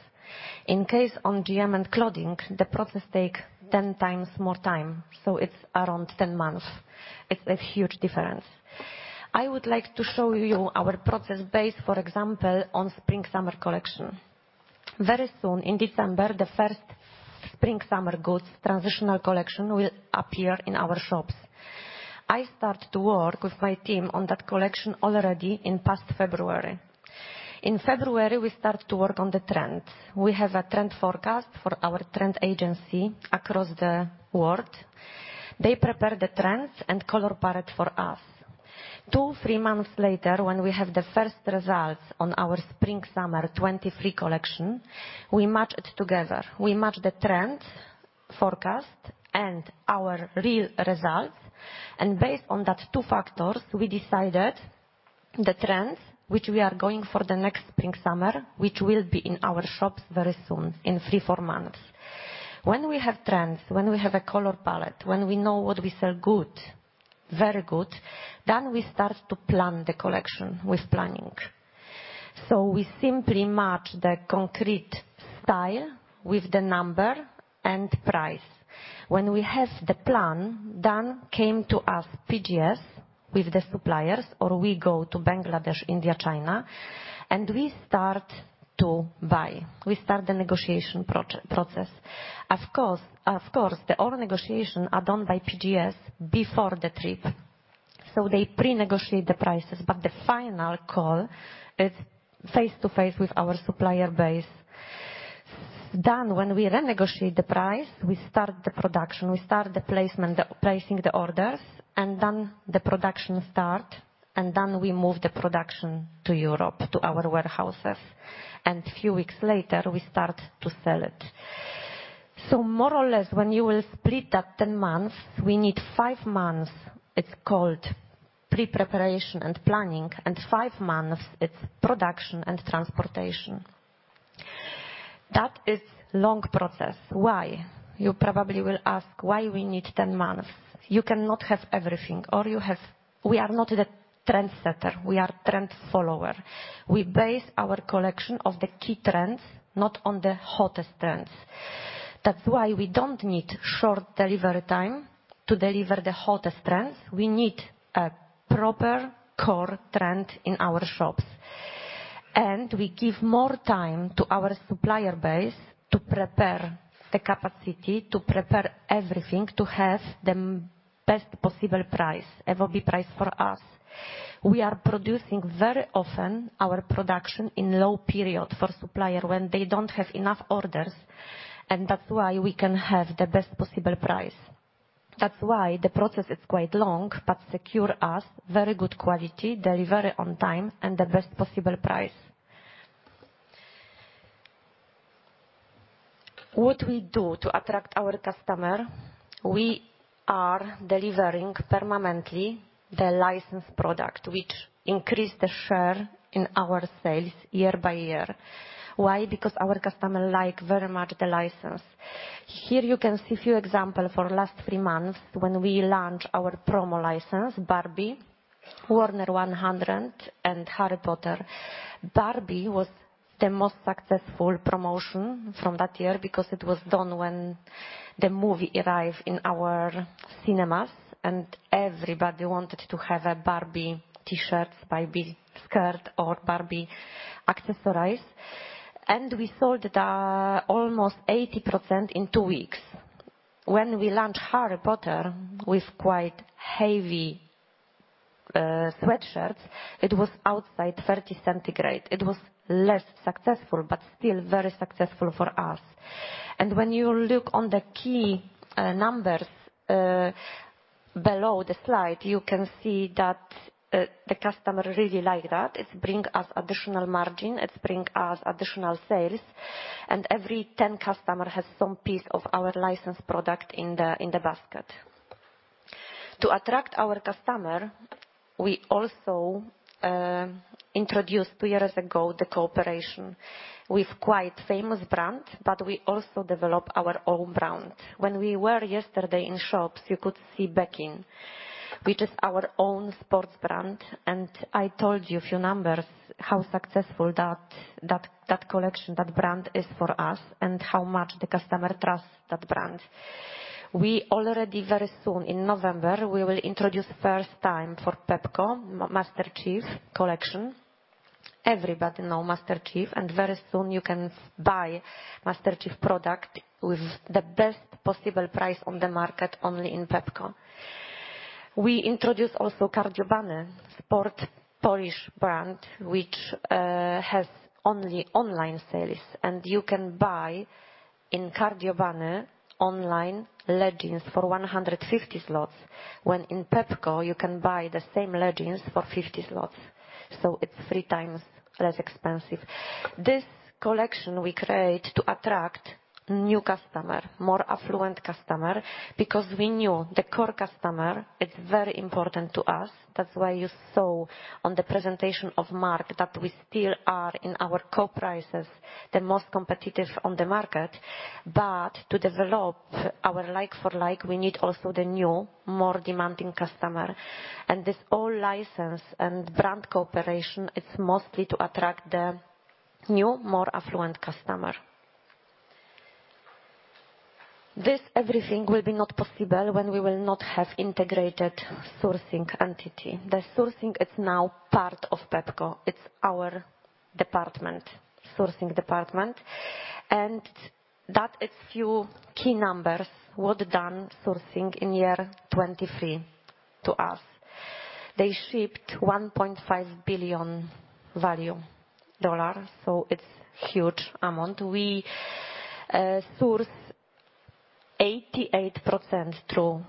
In case on GM and clothing, the process take 10 times more time, so it's around 10 months. It's a huge difference. I would like to show you our process base, for example, on spring, summer collection. Very soon, in December, the first Spring/Summer goods transitional collection will appear in our shops. I start to work with my team on that collection already in past February. In February, we start to work on the trends. We have a trend forecast for our trend agency across the world. They prepare the trends and color palette for us. 2-3 months later, when we have the first results on our Spring/Summer 2023 collection, we match it together. We match the trends, forecast, and our real results, and based on that two factors, we decided the trends which we are going for the next Spring/Summer, which will be in our shops very soon, in 3-4 months. When we have trends, when we have a color palette, when we know what we sell good, very good, then we start to plan the collection with planning. So we simply match the concrete style with the number and price. When we have the plan, then PGS came to us with the suppliers, or we go to Bangladesh, India, China, and we start to buy. We start the negotiation process. Of course, of course, all the negotiations are done by PGS before the trip, so they pre-negotiate the prices, but the final call is face-to-face with our supplier base. Then, when we renegotiate the price, we start the production, we start the placement, the placing the orders, and then the production starts, and then we move the production to Europe, to our warehouses, and a few weeks later, we start to sell it. So more or less, when you split that 10 months, we need 5 months; it's called pre-preparation and planning, and 5 months, it's production and transportation. That is a long process. Why? You probably will ask, why we need 10 months? You cannot have everything, or you have. We are not the trendsetter, we are trend follower. We base our collection of the key trends, not on the hottest trends. That's why we don't need short delivery time to deliver the hottest trends. We need a proper core trend in our shops, and we give more time to our supplier base to prepare the capacity, to prepare everything, to have the best possible price, FOB price for us. We are producing very often our production in low period for supplier, when they don't have enough orders, and that's why we can have the best possible price. That's why the process is quite long, but secure us very good quality, delivery on time, and the best possible price. What we do to attract our customer, we are delivering permanently the licensed product, which increase the share in our sales year by year. Why? Because our customer like very much the license. Here you can see a few example for last 3 months when we launched our promo license, Barbie, Warner 100, and Harry Potter. Barbie was the most successful promotion from that year because it was done when the movie arrived in our cinemas, and everybody wanted to have a Barbie T-shirt, Barbie skirt or Barbie accessories. And we sold almost 80% in 2 weeks. When we launched Harry Potter with quite heavy sweatshirts, it was outside 30 degrees Celsius. It was less successful, but still very successful for us. And when you look on the key numbers below the slide, you can see that the customer really like that. It bring us additional margin, it bring us additional sales, and every 10 customer has some piece of our licensed product in the basket. To attract our customer, we also introduced two years ago, the cooperation with quite famous brand, but we also develop our own brand. When we were yesterday in shops, you could see Bekkin, which is our own sports brand, and I told you a few numbers, how successful that collection, that brand is for us and how much the customer trusts that brand. We already, very soon, in November, we will introduce first time for Pepco, MasterChef collection. Everybody know MasterChef, and very soon you can buy MasterChef product with the best possible price on the market, only in Pepco. We introduce also Cardio Bunny, sport Polish brand, which has only online sales, and you can buy in Cardio Bunny online, leggings for 150 zlotys. When in Pepco, you can buy the same leggings for 50 zlotys, so it's three times less expensive. This collection we create to attract new customer, more affluent customer, because we knew the core customer, it's very important to us. That's why you saw on the presentation of Mark, that we still are in our core prices, the most competitive on the market. But to develop our like-for-like, we need also the new, more demanding customer, and this all license and brand cooperation, it's mostly to attract the new, more affluent customer. This everything will be not possible when we will not have integrated sourcing entity. The sourcing, it's now part of Pepco. It's our department, sourcing department, and that is few key numbers. What done sourcing in year 2023 to us. They shipped $1.5 billion value, so it's huge amount. We source 88% through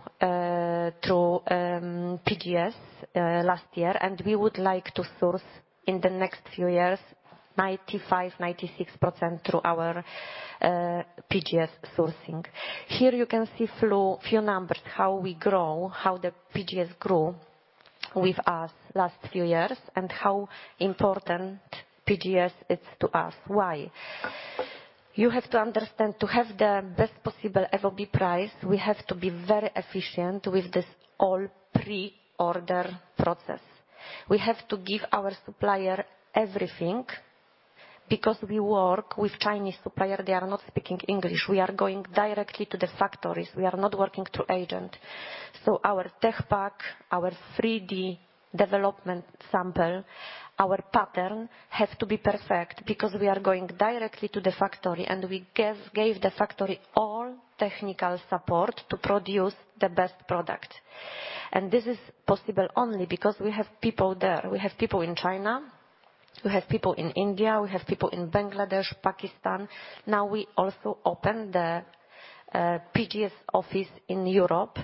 PGS last year, and we would like to source in the next few years 95-96% through our PGS sourcing. Here you can see flow-- few numbers, how we grow, how the PGS grow with us last few years, and how important PGS is to us. Why? You have to understand, to have the best possible FOB price, we have to be very efficient with this all pre-order process. We have to give our supplier everything, because we work with Chinese supplier, they are not speaking English. We are going directly to the factories. We are not working through agent. So our tech pack, our 3-D development sample, our pattern has to be perfect, because we are going directly to the factory and we give, gave the factory all technical support to produce the best product. And this is possible only because we have people there. We have people in China. We have people in India. We have people in Bangladesh, Pakistan. Now, we also open the PGS office in Europe,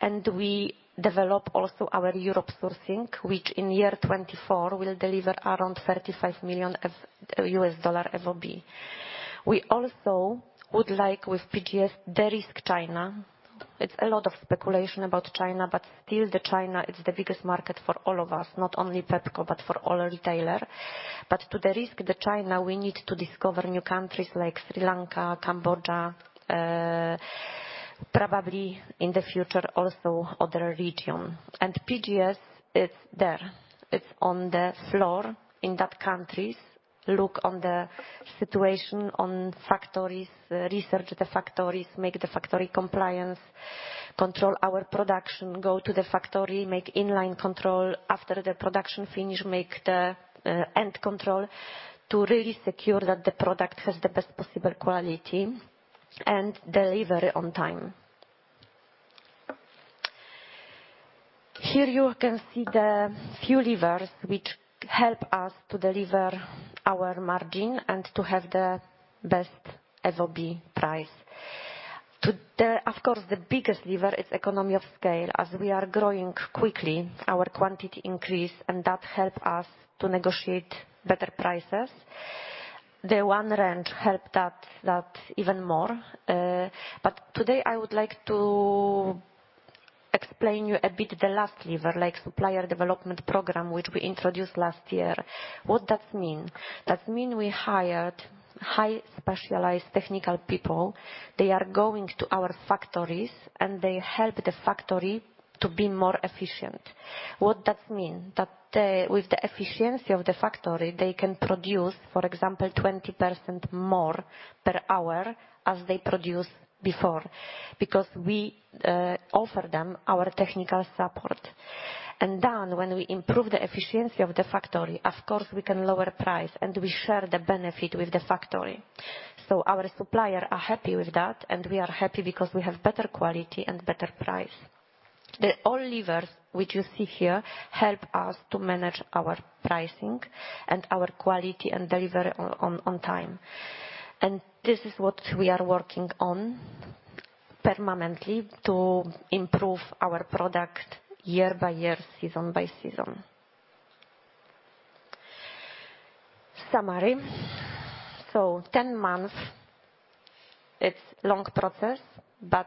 and we develop also our Europe sourcing, which in year 2024 will deliver around $35 million FOB. We also would like, with PGS, de-risk China. It's a lot of speculation about China, but still, the China is the biggest market for all of us, not only Pepco, but for all retailer. But to de-risk the China, we need to discover new countries like Sri Lanka, Cambodia, probably in the future, also other region. PGS is there. It's on the floor in that countries. Look on the situation, on factories, research the factories, make the factory compliance, control our production, go to the factory, make inline control. After the production finish, make the end control to really secure that the product has the best possible quality and delivery on time. Here you can see the few levers which help us to deliver our margin and to have the best FOB price. To the... Of course, the biggest lever is economy of scale. As we are growing quickly, our quantity increase, and that help us to negotiate better prices. The one range help that, that even more, but today I would like to explain you a bit the last lever, like supplier development program, which we introduced last year. What that mean? That mean we hired high specialized technical people. They are going to our factories, and they help the factory to be more efficient. What that mean? That, with the efficiency of the factory, they can produce, for example, 20% more per hour as they produced before, because we offer them our technical support. Then when we improve the efficiency of the factory, of course, we can lower price, and we share the benefit with the factory. So our supplier are happy with that, and we are happy because we have better quality and better price. The all levers which you see here help us to manage our pricing and our quality, and deliver on, on time. This is what we are working on permanently to improve our product year by year, season by season. Summary. So 10 months, it's a long process, but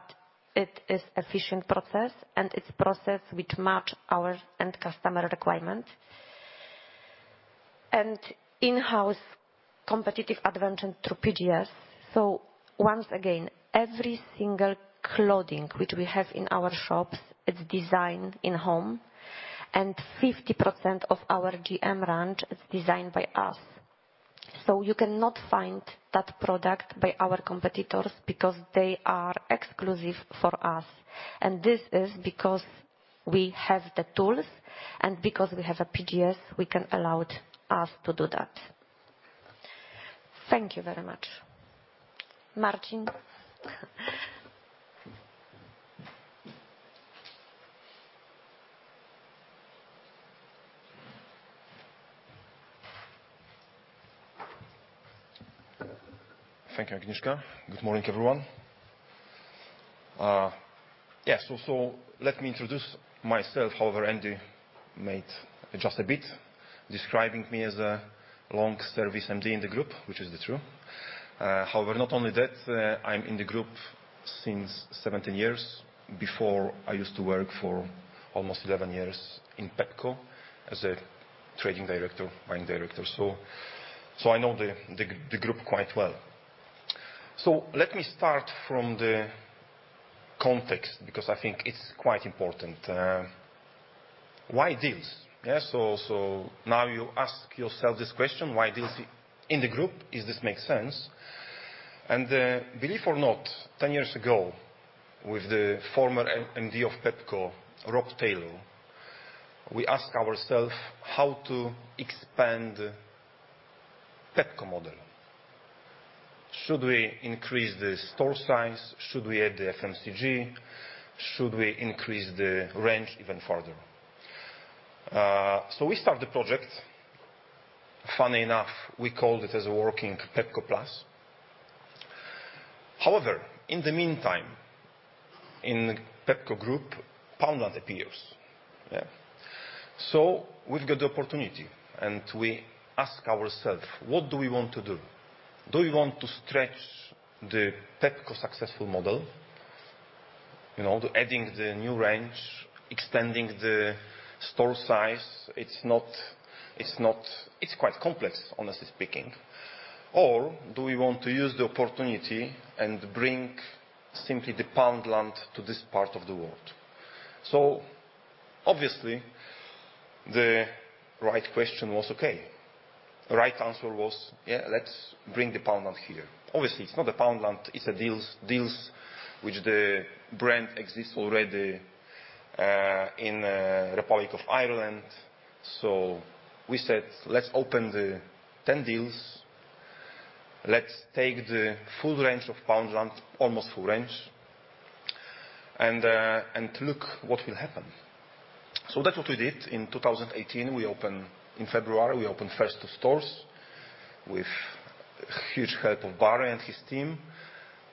it is an efficient process, and it's a process which matches our end customer requirements. And in-house competitive advantage through PGS. So once again, every single clothing which we have in our shops, it's designed in-house, and 50% of our GM range is designed by us. So you cannot find that product by our competitors because they are exclusive for us, and this is because we have the tools, and because we have a PGS, we can allow it us to do that. Thank you very much. Martin? Thank you, Agnieszka. Good morning, everyone. Yes, so let me introduce myself, however, Andy made just a bit, describing me as a long-service MD in the group, which is the true. However, not only that, I'm in the group since 17 years. Before, I used to work for almost 11 years in Pepco as a trading director, buying director, so I know the group quite well. So let me start from the context, because I think it's quite important. Why Dealz? Yeah, so now you ask yourself this question: Why Dealz in the group? Is this make sense? And, believe or not, 10 years ago, with the former MD of Pepco, Rob Taylor, we asked ourselves, "How to expand Pepco model? Should we increase the store size? Should we add the FMCG? Should we increase the range even further?" So we start the project. Funny enough, we called it as a working Pepco Plus. However, in the meantime, in Pepco Group, Poundland appears. Yeah. So we've got the opportunity, and we ask ourselves: What do we want to do? Do we want to stretch the Pepco successful model, you know, adding the new range, extending the store size? It's not, it's not... It's quite complex, honestly speaking. Or do we want to use the opportunity and bring simply the Poundland to this part of the world? So obviously, the right question was okay. The right answer was, "Yeah, let's bring the Poundland here." Obviously, it's not a Poundland, it's a Dealz, Dealz, which the brand exists already, in Republic of Ireland. So we said, "Let's open the 10 Dealz. Let's take the full range of Poundland, almost full range, and and look what will happen." So that's what we did. In 2018, we opened... In February, we opened the first two stores with huge help of Barry and his team,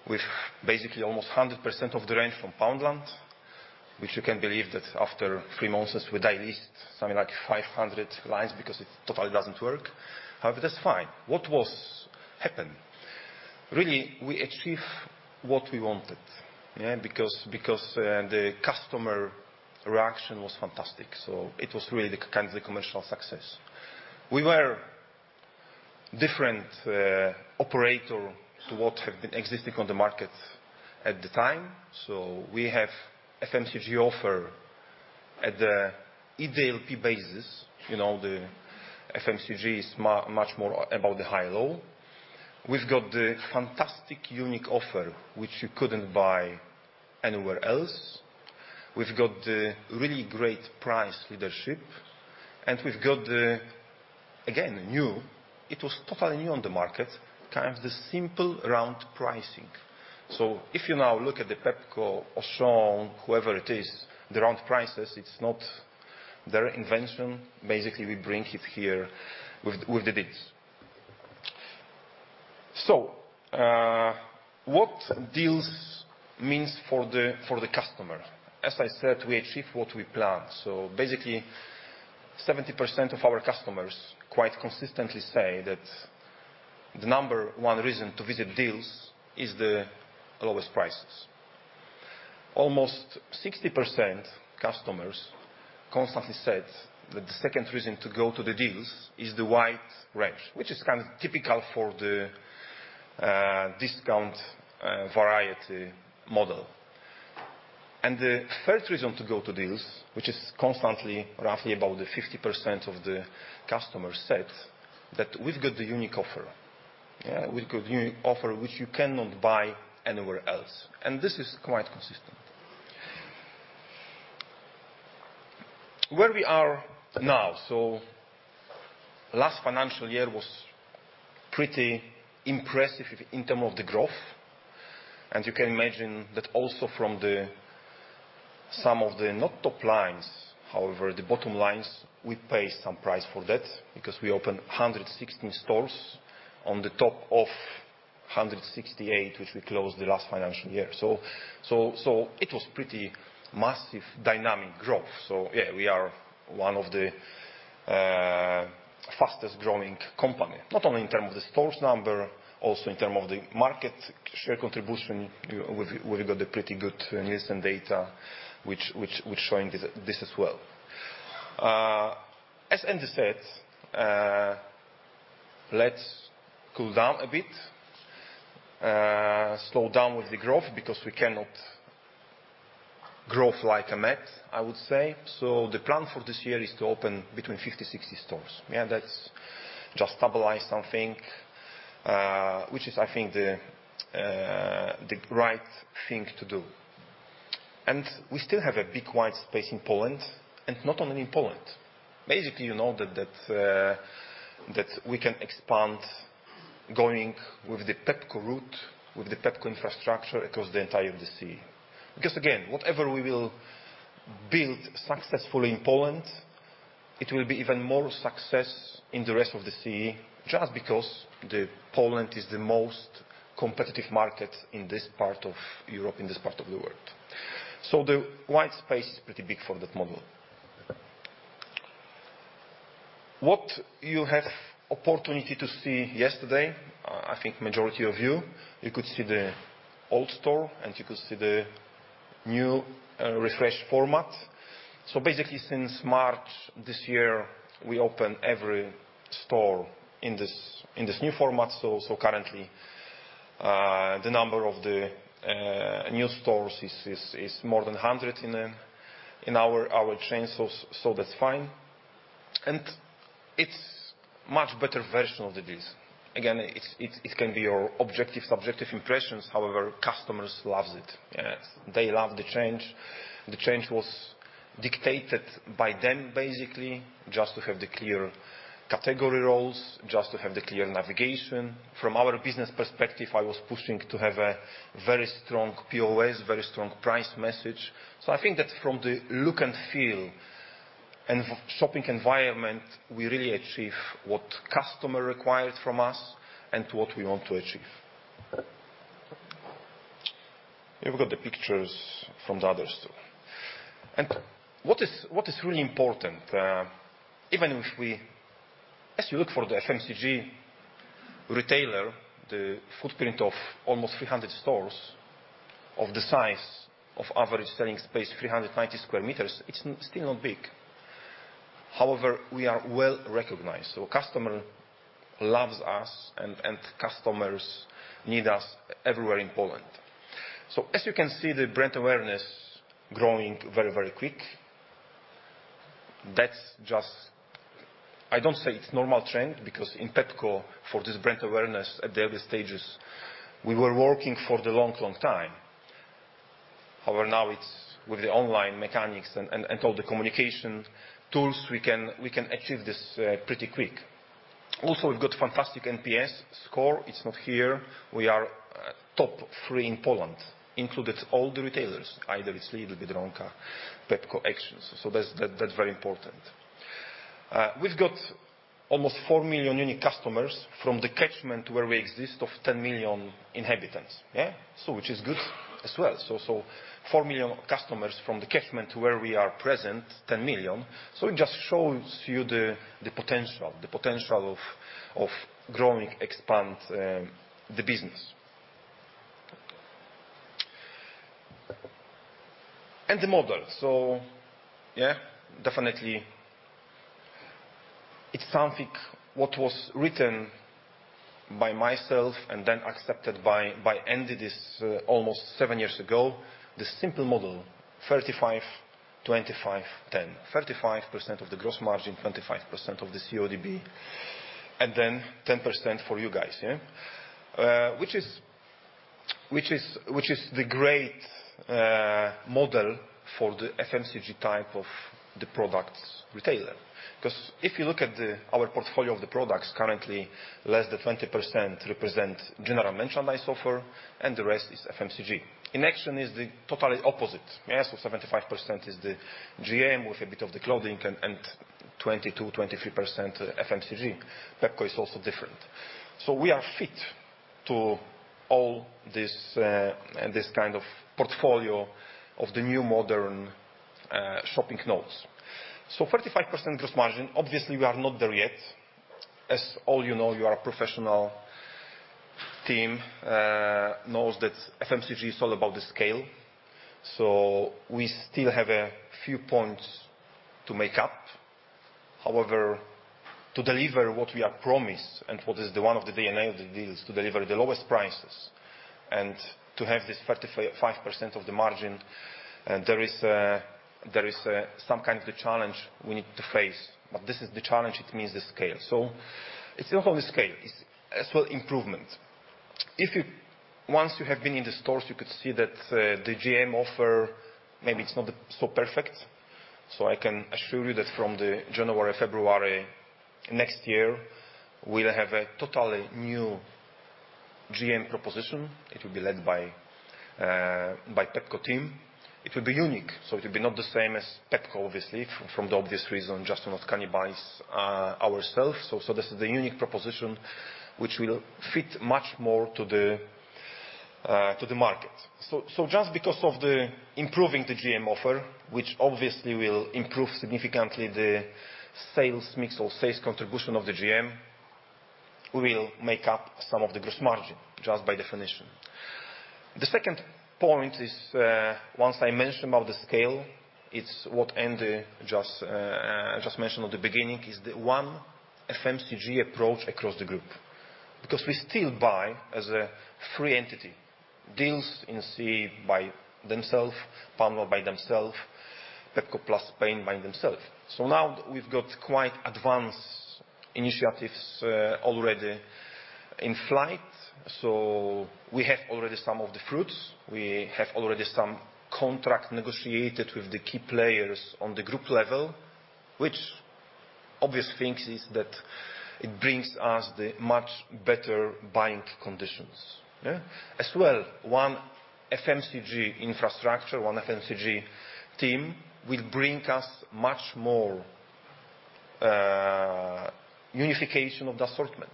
with basically almost 100% of the range from Poundland, which you can believe that after 3 months, we de-list something like 500 lines because it totally doesn't work. However, that's fine. What was happened? Really, we achieve what we wanted, yeah, because, because, the customer reaction was fantastic, so it was really the kind of the commercial success. We were different operator to what have been existing on the market at the time, so we have FMCG offer at the EDLP basis. You know, the FMCG is much more about the high-low. We've got the fantastic, unique offer, which you couldn't buy anywhere else. We've got a really great price leadership, and we've got the, again, new, it was totally new on the market, kind of the simple round pricing. So if you now look at the Pepco or Auchan, whoever it is, the round prices, it's not their invention. Basically, we bring it here with, with the Dealz. So, what Dealz means for the, for the customer? As I said, we achieve what we planned. So basically, 70% of our customers quite consistently say that the number one reason to visit Dealz is the lowest prices. Almost 60% customers constantly said that the second reason to go to the Dealz is the wide range, which is kind of typical for the, discount, variety model. And the third reason to go to Dealz, which is constantly, roughly about the 50% of the customers said, that we've got the unique offer. Yeah, we've got unique offer, which you cannot buy anywhere else, and this is quite consistent. Where we are now? Last financial year was pretty impressive in terms of the growth, and you can imagine that also from some of the not top lines; however, the bottom lines, we paid some price for that because we opened 116 stores on top of 168, which we closed the last financial year. It was pretty massive dynamic growth. So yeah, we are one of the fastest growing company, not only in terms of the stores number, also in term of the market share contribution, we've got a pretty good Nielsen data, which showing this as well. As Andy said, let's cool down a bit, slow down with the growth because we cannot growth like a net, I would say. So the plan for this year is to open between 50-60 stores. Yeah, that's just stabilize something, which is, I think, the right thing to do. And we still have a big wide space in Poland, and not only in Poland. Basically, you know, that we can expand, going with the Pepco route, with the Pepco infrastructure across the entire of the C. Because, again, whatever we will build successfully in Poland, it will be even more success in the rest of the C, just because the Poland is the most competitive market in this part of Europe, in this part of the world. So the wide space is pretty big for that model. What you have opportunity to see yesterday, I think majority of you, you could see the old store, and you could see the new, refreshed format. So basically since Mark this year, we open every store in this, in this new format. So, so currently, the number of the, new stores is more than 100 in, in our, our chain stores, so that's fine. And it's much better version of the this. Again, it's, it, it can be your objective, subjective impressions, however, customers loves it. They love the change. The change was dictated by them, basically, just to have the clear category roles, just to have the clear navigation. From our business perspective, I was pushing to have a very strong POS, very strong price message. So I think that from the look and feel and shopping environment, we really achieve what customer requires from us and what we want to achieve. You've got the pictures from the other store. And what is really important, even if we-as you look for the FMCG retailer, the footprint of almost 300 stores, of the size of average selling space, 390 square meters, it's still not big. However, we are well-recognized, so customer loves us and customers need us everywhere in Poland. So as you can see, the brand awareness growing very, very quick. That's just... I don't say it's normal trend, because in Pepco, for this brand awareness at the early stages, we were working for the long, long time. However, now it's with the online mechanics and, and, and all the communication tools, we can, we can achieve this, pretty quick. Also, we've got fantastic NPS score. It's not here. We are, top three in Poland, included all the retailers, either it's Lidl, Biedronka, Pepco, Action. So that's, that's very important. We've got almost 4 million unique customers from the catchment where we exist of 10 million inhabitants. Yeah, so which is good as well. So, so 4 million customers from the catchment where we are present, 10 million, so it just shows you the, the potential, the potential of, of growing, expand, the business. And the model. So, yeah, definitely it's something what was written by myself and then accepted by, by Andy, this, almost seven years ago, the simple model, 35, 25, 10. 35% of the gross margin, 25% of the CODB, and then 10% for you guys, yeah? Which is, which is, which is the great model for the FMCG type of the products retailer. Because if you look at the, our portfolio of the products, currently, less than 20% represent general merchandise offer, and the rest is FMCG. In Action is the totally opposite. Yeah, so 75% is the GM with a bit of the clothing and, and 22%-23% FMCG. Pepco is also different. So we are fit to all this, this kind of portfolio of the new modern shopping nodes. So 35% gross margin, obviously, we are not there yet. As all you know, you are a professional team, knows that FMCG is all about the scale, so we still have a few points to make up. However, to deliver what we have promised, and what is one of the DNA of the Dealz, to deliver the lowest prices and to have this 35% of the margin, there is some kind of a challenge we need to face, but this is the challenge, it means the scale. So it's not only scale, it's as well improvement. If you once you have been in the stores, you could see that, the GM offer, maybe it's not so perfect. So I can assure you that from January, February next year, we'll have a totally new GM proposition. It will be led by, by Pepco team. It will be unique, so it will be not the same as Pepco, obviously, from the obvious reason, just to not cannibalize ourselves. So this is a unique proposition which will fit much more to the market. So just because of improving the GM offer, which obviously will improve significantly the sales mix or sales contribution of the GM, we will make up some of the gross margin just by definition. The second point is, once I mentioned about the scale, it's what Andy just mentioned at the beginning, is the one FMCG approach across the group. Because we still buy as separate entities, Dealz in CEE by themselves, Poundland by themselves, Pepco Plus in Spain by themselves. So now we've got quite advanced initiatives already in flight, so we have already some of the fruits. We have already some contract negotiated with the key players on the group level, which obvious things, is that it brings us the much better buying conditions, yeah? As well, one FMCG infrastructure, one FMCG team, will bring us much more, unification of the assortment.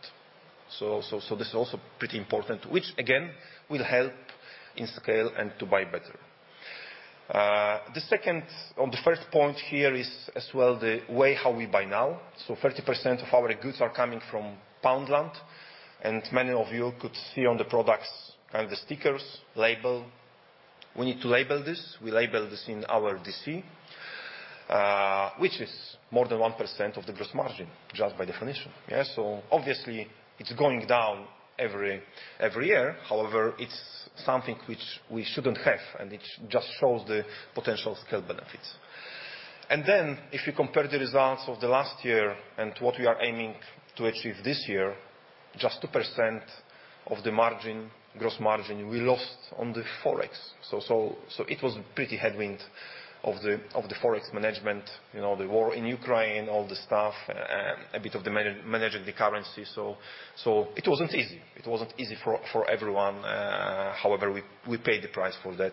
So, this is also pretty important, which again, will help in scale and to buy better. The second, on the first point here is as well, the way how we buy now. So 30% of our goods are coming from Poundland, and many of you could see on the products and the stickers, label. We need to label this. We label this in our DC, which is more than 1% of the gross margin, just by definition. Yeah, so obviously it's going down every year. However, it's something which we shouldn't have, and it just shows the potential scale benefits. And then, if you compare the results of the last year and what we are aiming to achieve this year, just 2% of the margin, gross margin we lost on the Forex. So it was pretty headwind of the, of the Forex management, you know, the war in Ukraine, all the stuff, a bit of the managing the currency. So it wasn't easy. It wasn't easy for, for everyone. However, we, we paid the price for that,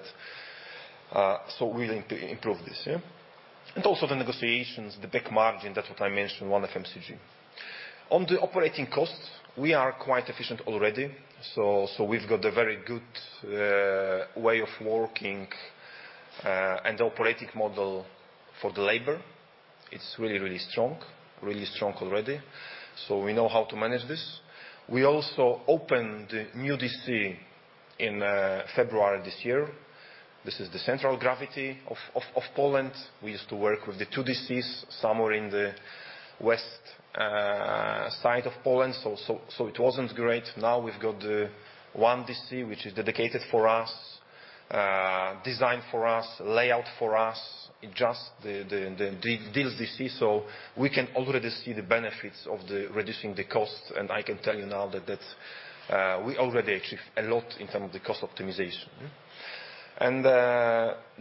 so we're going to improve this, yeah? And also the negotiations, the back margin, that's what I mentioned, one FMCG. On the operating costs, we are quite efficient already, so we've got a very good, way of working, and operating model for the labor. It's really, really strong. Really strong already, so we know how to manage this. We also opened a new DC in February this year. This is the central gravity of Poland. We used to work with the two DCs, somewhere in the west side of Poland, so it wasn't great. Now, we've got one DC, which is dedicated for us, designed for us, layout for us, it just the Dealz DC, so we can already see the benefits of the reducing the costs, and I can tell you now that we already achieve a lot in terms of the cost optimization. And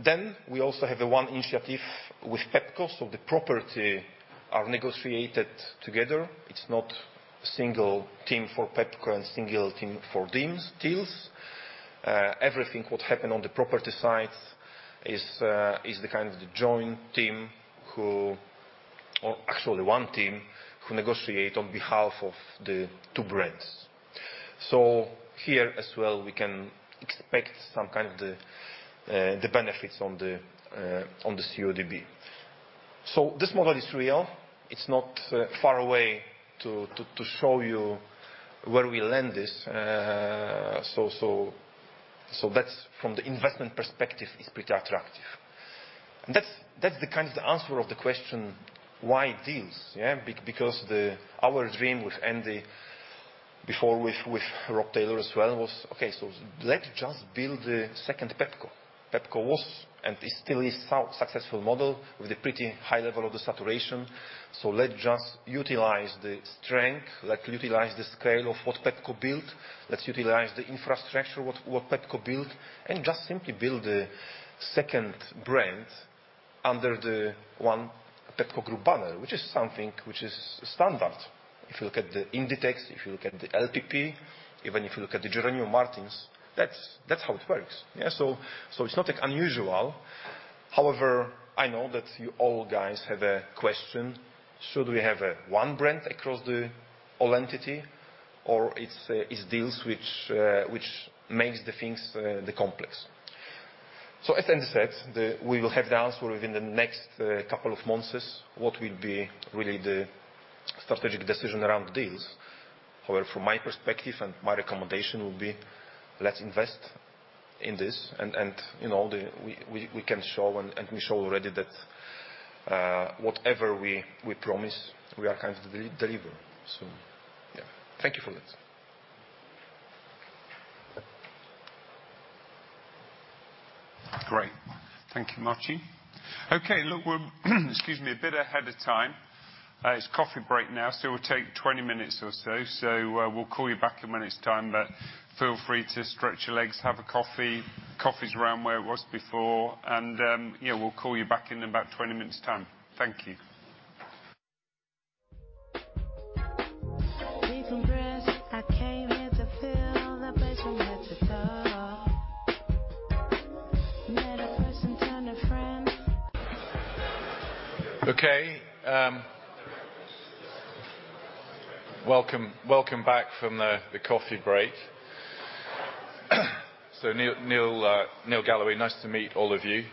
then we also have the one initiative with Pepco, so the property are negotiated together. It's not single team for Pepco and single team for Dealz, Dealz. Everything what happened on the property side is the kind of the joint team who. Or actually one team who negotiate on behalf of the two brands. So here as well, we can expect some kind of the benefits on the CODB. So this model is real. It's not far away to show you where we land this. So that's from the investment perspective, is pretty attractive. And that's the kind of the answer of the question, why Dealz? Yeah, because our dream with Andy, before with Rob Taylor as well, was, "Okay, so let's just build the second Pepco." Pepco was and is still is so successful model with a pretty high level of the saturation, so let's just utilize the strength, let's utilize the scale of what Pepco built. Let's utilize the infrastructure, what Pepco built, and just simply build a second brand under the one Pepco Group banner, which is something which is standard. If you look at the Inditex, if you look at the LPP, even if you look at the Jeronimo Martins, that's how it works. Yeah, so it's not like unusual. However, I know that you all guys have a question, should we have one brand across the whole entity, or it's Dealz which makes the things the complex? So as Andy said, we will have the answer within the next couple of months, what will be really the strategic decision around Dealz. However, from my perspective and my recommendation will be, let's invest in this and, you know, the... We can show and we show already that whatever we promise, we are going to deliver. So yeah, thank you for that. Great. Thank you, Marty. Okay, look, we're, excuse me, a bit ahead of time. It's coffee break now, so we'll take 20 minutes or so. So, we'll call you back in when it's time, but feel free to stretch your legs, have a coffee. Coffee's around where it was before, and, yeah, we'll call you back in about 20 minutes time. Thank you. Okay, welcome, welcome back from the coffee break. So Neil Galloway, nice to meet all of you.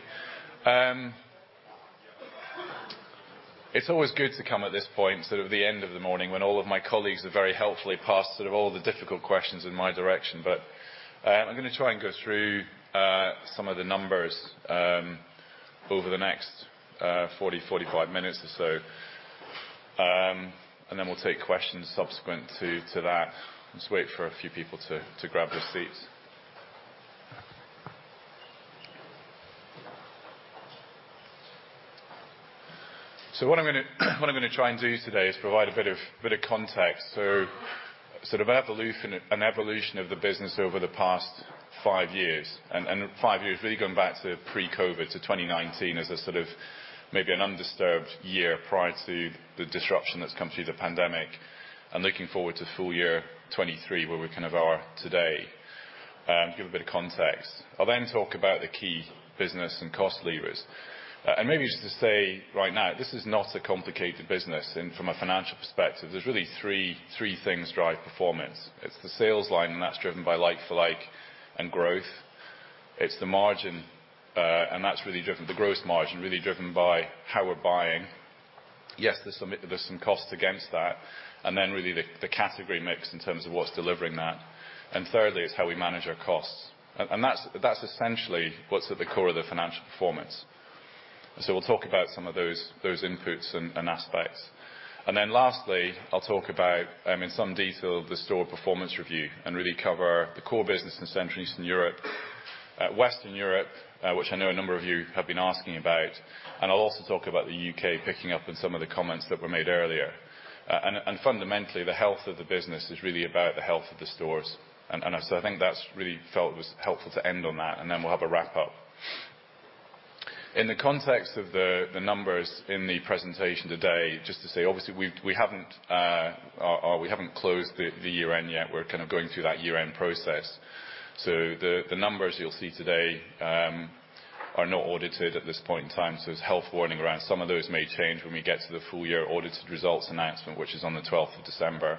It's always good to come at this point, sort of the end of the morning, when all of my colleagues are very helpfully passed sort of all the difficult questions in my direction. But, I'm gonna try and go through some of the numbers.... over the next 40-45 minutes or so. And then we'll take questions subsequent to that. Just wait for a few people to grab their seats. So what I'm gonna try and do today is provide a bit of context. So sort of evolution, an evolution of the business over the past five years. And five years, really going back to pre-COVID, to 2019, as a sort of maybe an undisturbed year prior to the disruption that's come through the pandemic, and looking forward to full year 2023, where we kind of are today, to give a bit of context. I'll then talk about the key business and cost levers. And maybe just to say right now, this is not a complicated business, and from a financial perspective, there's really three things drive performance. It's the sales line, and that's driven by like-for-like and growth. It's the margin, and that's really driven. The gross margin, really driven by how we're buying. Yes, there's some costs against that, and then really, the category mix in terms of what's delivering that. And thirdly, it's how we manage our costs. And that's essentially what's at the core of the financial performance. So we'll talk about some of those inputs and aspects. And then lastly, I'll talk about, in some detail, the store performance review, and really cover the core business in Central Eastern Europe, Western Europe, which I know a number of you have been asking about. And I'll also talk about the U.K., picking up on some of the comments that were made earlier. Fundamentally, the health of the business is really about the health of the stores. I think that's really felt was helpful to end on that, and then we'll have a wrap up. In the context of the numbers in the presentation today, just to say, obviously, we haven't closed the year-end yet. We're kind of going through that year-end process. So the numbers you'll see today are not audited at this point in time, so there's health warning around some of those may change when we get to the full year audited results announcement, which is on the twelfth of December.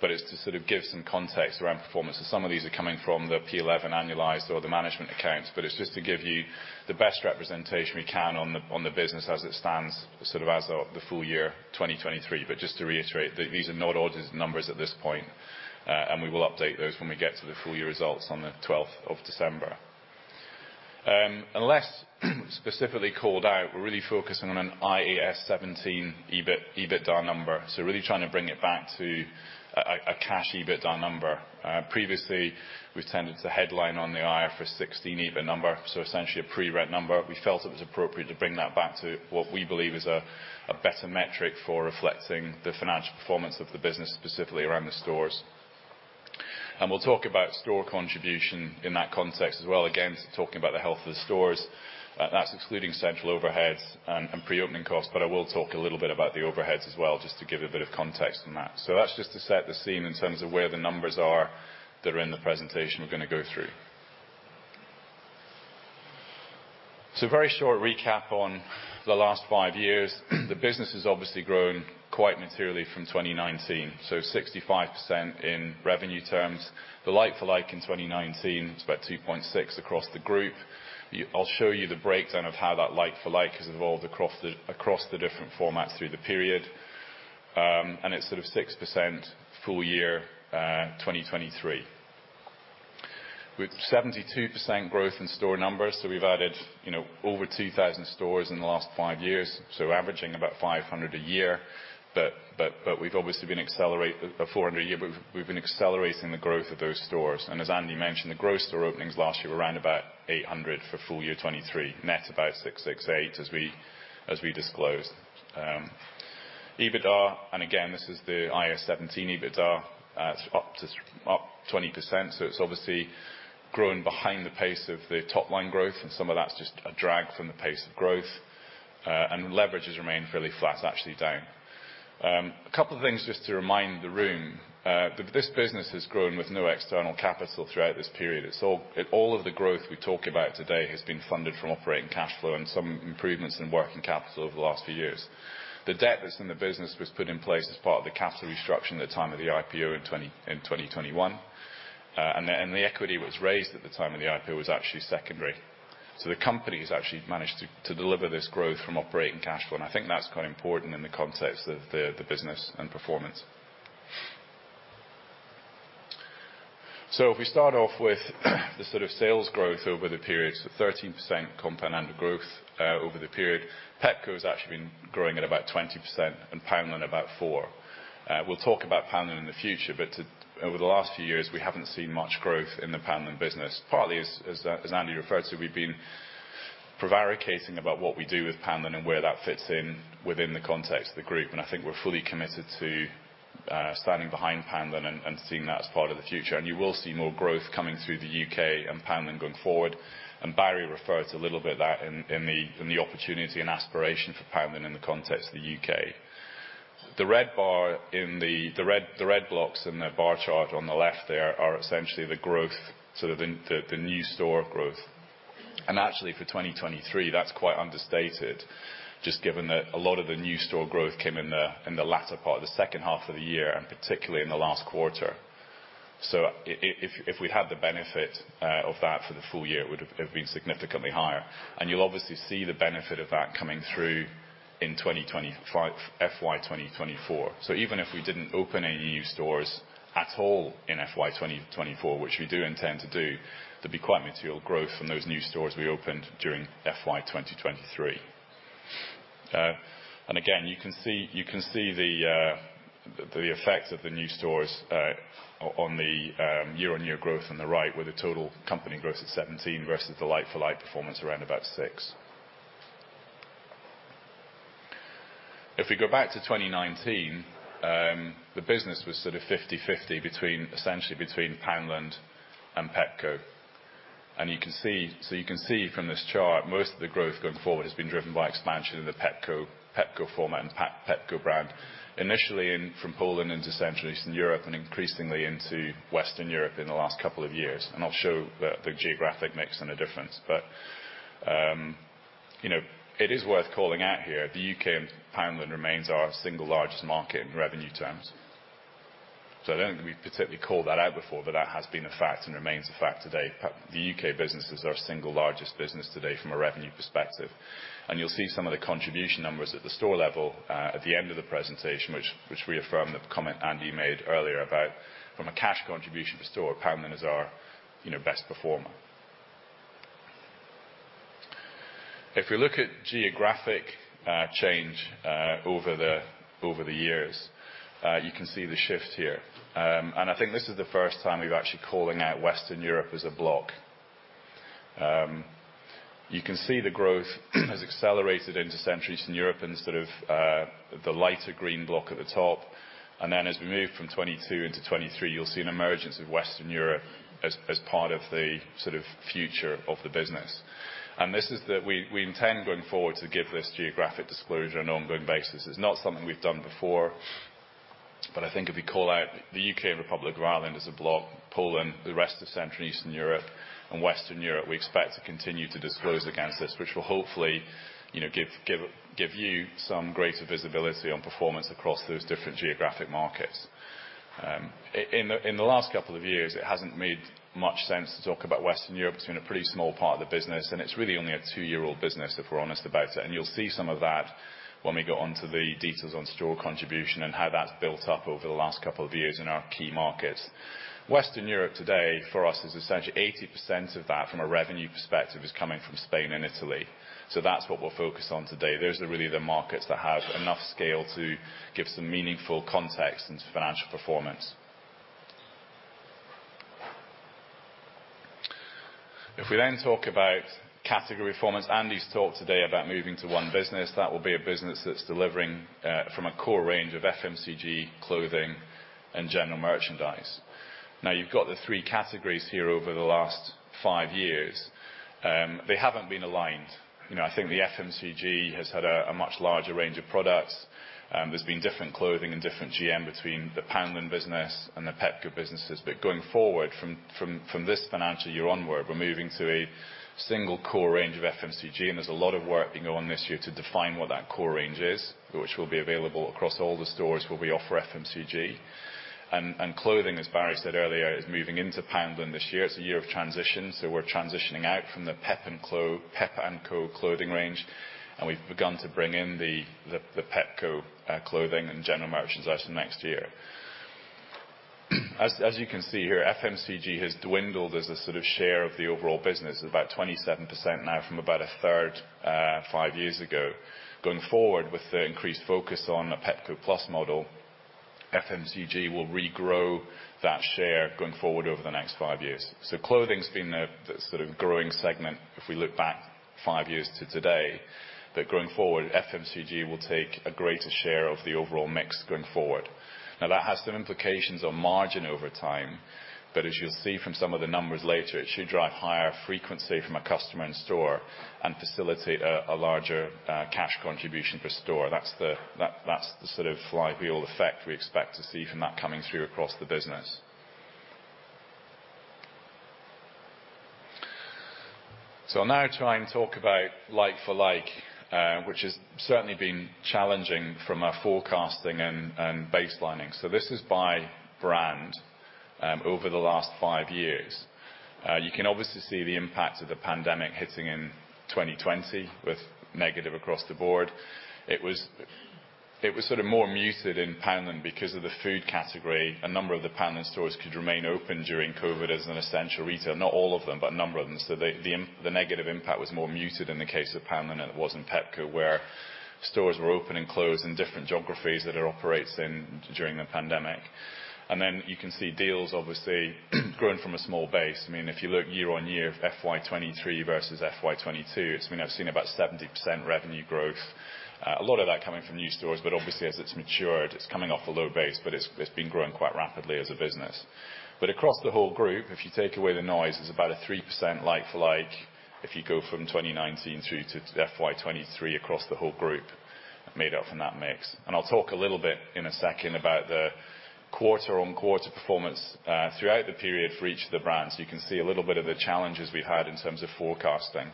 But it's to sort of give some context around performance. So some of these are coming from the P&L annualized or the management accounts, but it's just to give you the best representation we can on the, on the business as it stands, sort of as of the full year 2023. But just to reiterate, these are not audited numbers at this point, and we will update those when we get to the full year results on the twelfth of December. Unless specifically called out, we're really focusing on an IAS 17 EBIT, EBITDA number, so really trying to bring it back to a cash EBITDA number. Previously, we've tended to headline on the IFRS 16 EBIT number, so essentially a pre-rent number. We felt it was appropriate to bring that back to what we believe is a better metric for reflecting the financial performance of the business, specifically around the stores. We'll talk about store contribution in that context as well, again, talking about the health of the stores. That's excluding central overheads and pre-opening costs, but I will talk a little bit about the overheads as well, just to give a bit of context on that. That's just to set the scene in terms of where the numbers are that are in the presentation we're gonna go through. A very short recap on the last five years. The business has obviously grown quite materially from 2019, so 65% in revenue terms. The like-for-like in 2019, it's about 2.6 across the group. I'll show you the breakdown of how that like-for-like has evolved across the different formats through the period. And it's sort of 6% full year 2023. With 72% growth in store numbers, so we've added, you know, over 2,000 stores in the last five years, so averaging about 500 a year. But we've obviously been accelerating. 400 a year, but we've been accelerating the growth of those stores. And as Andy mentioned, the gross store openings last year were around about 800 for full year 2023, net about 668, as we disclosed. EBITDA, and again, this is the IAS 17 EBITDA, it's up 20%, so it's obviously growing behind the pace of the top line growth, and some of that's just a drag from the pace of growth, and leverage has remained fairly flat, actually down. A couple of things just to remind the room, this business has grown with no external capital throughout this period. It's all, all of the growth we talk about today has been funded from operating cash flow and some improvements in working capital over the last few years. The debt that's in the business was put in place as part of the capital restructure at the time of the IPO in 2021, and the equity was raised at the time of the IPO was actually secondary. So the company has actually managed to deliver this growth from operating cash flow, and I think that's quite important in the context of the business and performance. So if we start off with the sort of sales growth over the period, so 13% compound annual growth over the period. Pepco has actually been growing at about 20% and Poundland about 4%. We'll talk about Poundland in the future, but over the last few years, we haven't seen much growth in the Poundland business. Partly, as Andy referred to, we've been prevaricating about what we do with Poundland and where that fits in within the context of the group, and I think we're fully committed to standing behind Poundland and seeing that as part of the future. And you will see more growth coming through the U.K. and Poundland going forward. And Barry referred to a little bit of that in the opportunity and aspiration for Poundland in the context of the U.K.. The red bar in the... The red blocks in the bar chart on the left there are essentially the growth, sort of, the new store growth. And actually, for 2023, that's quite understated, just given that a lot of the new store growth came in the latter part, the second half of the year, and particularly in the last quarter. So if we had the benefit of that for the full year, it would've, it would have been significantly higher. And you'll obviously see the benefit of that coming through in 2025, FY 2024. So even if we didn't open any new stores at all in FY 2024, which we do intend to do, there'd be quite material growth from those new stores we opened during FY 2023.... And again, you can see, you can see the effects of the new stores on the year-on-year growth on the right, where the total company growth is 17, versus the like-for-like performance around about 6. If we go back to 2019, the business was sort of 50/50 between, essentially between Poundland and Pepco. And you can see, so you can see from this chart, most of the growth going forward has been driven by expansion in the Pepco format and Pepco brand. Initially, from Poland into Central Eastern Europe and increasingly into Western Europe in the last couple of years. And I'll show the geographic mix and the difference. But, you know, it is worth calling out here, the U.K. and Poundland remains our single largest market in revenue terms. So I don't think we've particularly called that out before, but that has been a fact and remains a fact today. Pep-- The U.K. business is our single largest business today from a revenue perspective. And you'll see some of the contribution numbers at the store level at the end of the presentation, which reaffirm the comment Andy made earlier about from a cash contribution perspective store, Poundland is our, you know, best performer. If we look at geographic change over the years, you can see the shift here. And I think this is the first time we've actually calling out Western Europe as a block. You can see the growth has accelerated into Central Eastern Europe and sort of the lighter green block at the top. And then as we move from 2022 into 2023, you'll see an emergence of Western Europe as part of the sort of future of the business. We intend going forward to give this geographic disclosure an ongoing basis. It's not something we've done before, but I think if we call out the U.K. and Republic of Ireland as a block, Poland, the rest of Central Eastern Europe and Western Europe, we expect to continue to disclose against this, which will hopefully, you know, give you some greater visibility on performance across those different geographic markets. In the last couple of years, it hasn't made much sense to talk about Western Europe. It's been a pretty small part of the business, and it's really only a two-year-old business, if we're honest about it. You'll see some of that when we go onto the details on store contribution and how that's built up over the last couple of years in our key markets. Western Europe today, for us, is essentially 80% of that from a revenue perspective, is coming from Spain and Italy. That's what we'll focus on today. Those are really the markets that have enough scale to give some meaningful context into financial performance. If we then talk about category performance, Andy's talked today about moving to one business. That will be a business that's delivering from a core range of FMCG, clothing, and general merchandise. Now, you've got the three categories here over the last 5 years. They haven't been aligned. You know, I think the FMCG has had a much larger range of products. There's been different clothing and different GM between the Poundland business and the Pepco businesses. But going forward, from this financial year onward, we're moving to a single core range of FMCG, and there's a lot of work being going on this year to define what that core range is, which will be available across all the stores where we offer FMCG. And clothing, as Barry said earlier, is moving into Poundland this year. It's a year of transition, so we're transitioning out from the Pep&Co clothing range, and we've begun to bring in the Pepco clothing and general merchandise for next year. As you can see here, FMCG has dwindled as a sort of share of the overall business. It's about 27% now from about a third five years ago. Going forward, with the increased focus on a Pepco Plus model, FMCG will regrow that share going forward over the next five years. So clothing's been the sort of growing segment, if we look back five years to today, but going forward, FMCG will take a greater share of the overall mix going forward. Now, that has some implications on margin over time, but as you'll see from some of the numbers later, it should drive higher frequency from a customer in store and facilitate a larger cash contribution per store. That's the sort of flywheel effect we expect to see from that coming through across the business. So I'll now try and talk about like-for-like, which has certainly been challenging from a forecasting and baselining. So this is by brand, over the last five years. You can obviously see the impact of the pandemic hitting in 2020, with negative across the board. It was sort of more muted in Poundland because of the food category. A number of the Poundland stores could remain open during COVID as an essential retailer, not all of them, but a number of them. So the negative impact was more muted in the case of Poundland than it was in Pepco, where stores were open and closed in different geographies that it operates in during the pandemic. And then you can see Dealz obviously growing from a small base. I mean, if you look year-on-year, FY 2023 versus FY 2022, it's, I mean, I've seen about 70% revenue growth. A lot of that coming from new stores, but obviously as it's matured, it's coming off a low base, but it's been growing quite rapidly as a business. But across the whole group, if you take away the noise, it's about a 3% like-for-like, if you go from 2019 through to FY 2023 across the whole group, made up from that mix. And I'll talk a little bit in a second about the quarter-on-quarter performance throughout the period for each of the brands. You can see a little bit of the challenges we've had in terms of forecasting.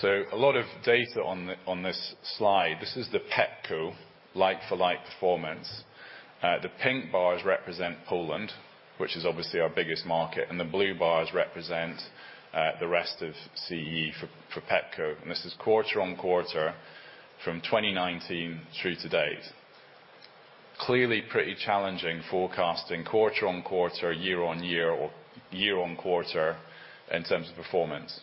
So a lot of data on this slide. This is the Pepco like-for-like performance. The pink bars represent Poland, which is obviously our biggest market, and the blue bars represent the rest of CEE for Pepco. This is quarter-on-quarter from 2019 through to date. Clearly, pretty challenging forecasting quarter-on-quarter, year-on-year, or year-on-quarter in terms of performance.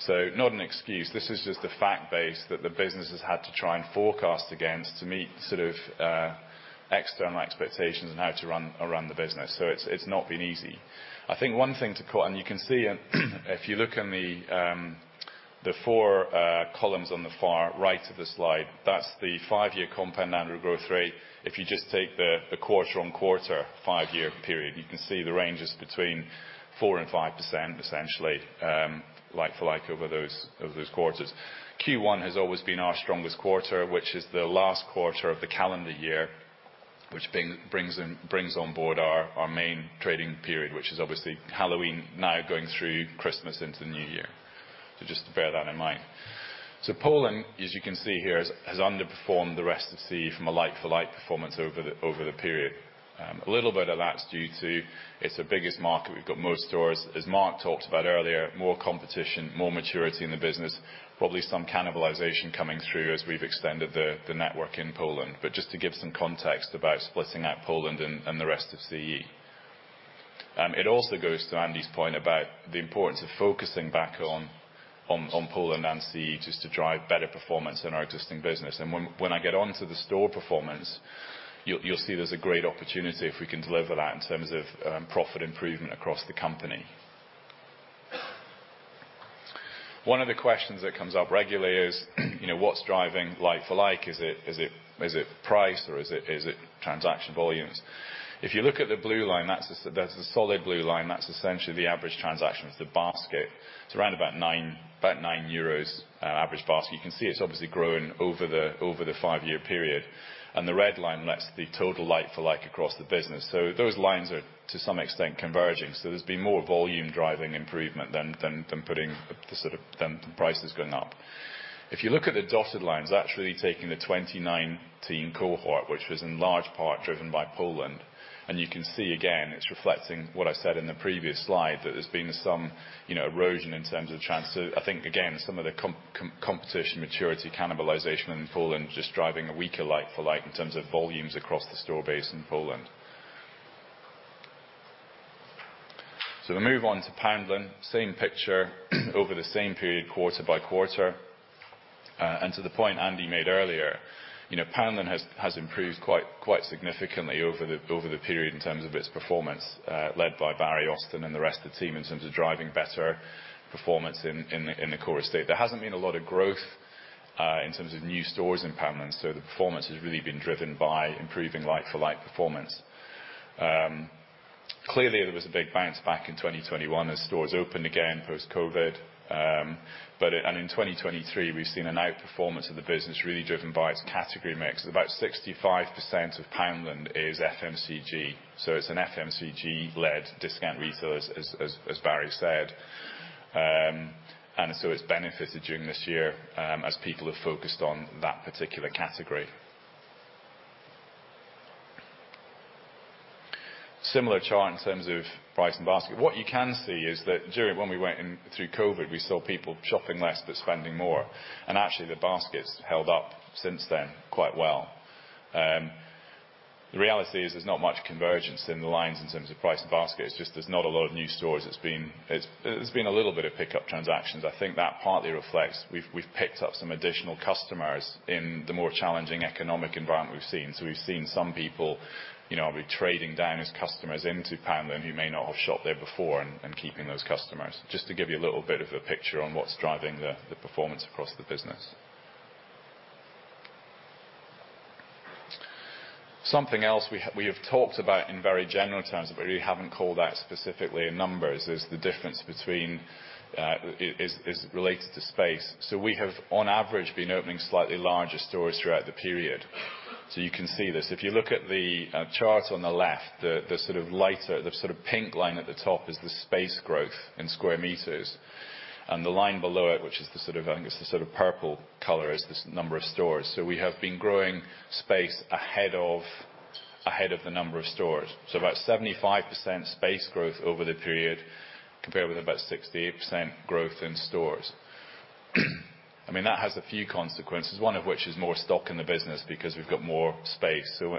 So not an excuse, this is just the fact base that the business has had to try and forecast against to meet sort of, external expectations and how to run the business. So it's not been easy. I think one thing to call, and you can see if you look in the 4 columns on the far right of the slide, that's the 5-year compound annual growth rate. If you just take the quarter-on-quarter, 5-year period, you can see the range is between 4 and 5%, essentially, like-for-like over those quarters. Q1 has always been our strongest quarter, which is the last quarter of the calendar year, which brings on board our main trading period, which is obviously Halloween, now going through Christmas into the new year. So just to bear that in mind. So Poland, as you can see here, has underperformed the rest of CE from a like-for-like performance over the period. A little bit of that's due to it's the biggest market. We've got more stores. As Mark talked about earlier, more competition, more maturity in the business, probably some cannibalization coming through as we've extended the network in Poland. But just to give some context about splitting out Poland and the rest of CE. It also goes to Andy's point about the importance of focusing back on Poland and CE, just to drive better performance in our existing business. And when I get onto the store performance, you'll see there's a great opportunity if we can deliver that in terms of profit improvement across the company. One of the questions that comes up regularly is, you know, what's driving like for like? Is it price, or is it transaction volumes? If you look at the blue line, that's the solid blue line. That's essentially the average transactions, the basket. It's around about 9, about 9 euros average basket. You can see it's obviously growing over the five-year period. And the red line, that's the total like for like across the business. So those lines are, to some extent, converging. So there's been more volume driving improvement than prices going up. If you look at the dotted lines, actually taking the 2019 cohort, which was in large part driven by Poland, and you can see again, it's reflecting what I said in the previous slide, that there's been some, you know, erosion in terms of trans. So I think, again, some of the competition, maturity, cannibalization in Poland, just driving a weaker like for like in terms of volumes across the store base in Poland. So we move on to Poundland. Same picture over the same period, quarter by quarter. To the point Andy made earlier, you know, Poundland has improved quite significantly over the period in terms of its performance, led by Barry and Austin and the rest of the team, in terms of driving better performance in the core estate. There hasn't been a lot of growth in terms of new stores in Poundland, so the performance has really been driven by improving like-for-like performance. Clearly, there was a big bounce back in 2021 as stores opened again post-COVID. But in 2023, we've seen an outperformance of the business, really driven by its category mix. About 65% of Poundland is FMCG, so it's an FMCG-led discount retailer, as Barry said. And so it's benefited during this year, as people have focused on that particular category. Similar chart in terms of price and basket. What you can see is that during, when we went in, through COVID, we saw people shopping less, but spending more, and actually, the baskets held up since then quite well. The reality is there's not much convergence in the lines in terms of price and basket. It's just there's not a lot of new stores. It's been, there's been a little bit of pickup transactions. I think that partly reflects, we've picked up some additional customers in the more challenging economic environment we've seen. So we've seen some people, you know, be trading down as customers into Poundland, who may not have shopped there before and keeping those customers. Just to give you a little bit of a picture on what's driving the performance across the business. Something else we have talked about in very general terms, but we haven't called out specifically in numbers, is the difference between, is related to space. So we have, on average, been opening slightly larger stores throughout the period. So you can see this. If you look at the chart on the left, the lighter, the pink line at the top is the space growth in square meters. And the line below it, which is the purple color, is the number of stores. So we have been growing space ahead of the number of stores. So about 75% space growth over the period, compared with about 68% growth in stores. I mean, that has a few consequences, one of which is more stock in the business because we've got more space. So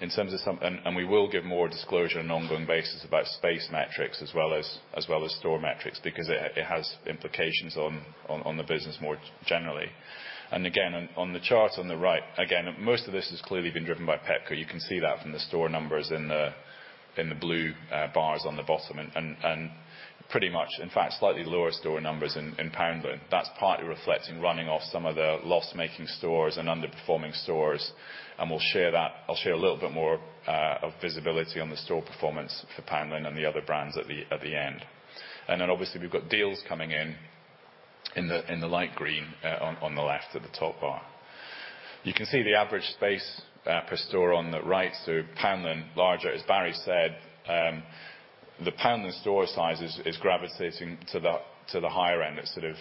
in terms of some... And we will give more disclosure on an ongoing basis about space metrics as well as store metrics, because it has implications on the business more generally. And again, on the chart on the right, again, most of this has clearly been driven by Pepco. You can see that from the store numbers in the blue bars on the bottom and pretty much, in fact, slightly lower store numbers in Poundland. That's partly reflecting running off some of the loss-making stores and underperforming stores, and we'll share that. I'll share a little bit more of visibility on the store performance for Poundland and the other brands at the end. And then, obviously, we've got deals coming in in the light green on the left at the top bar. You can see the average space per store on the right, so Poundland, larger, as Barry said. The Poundland store size is gravitating to the higher end. It's sort of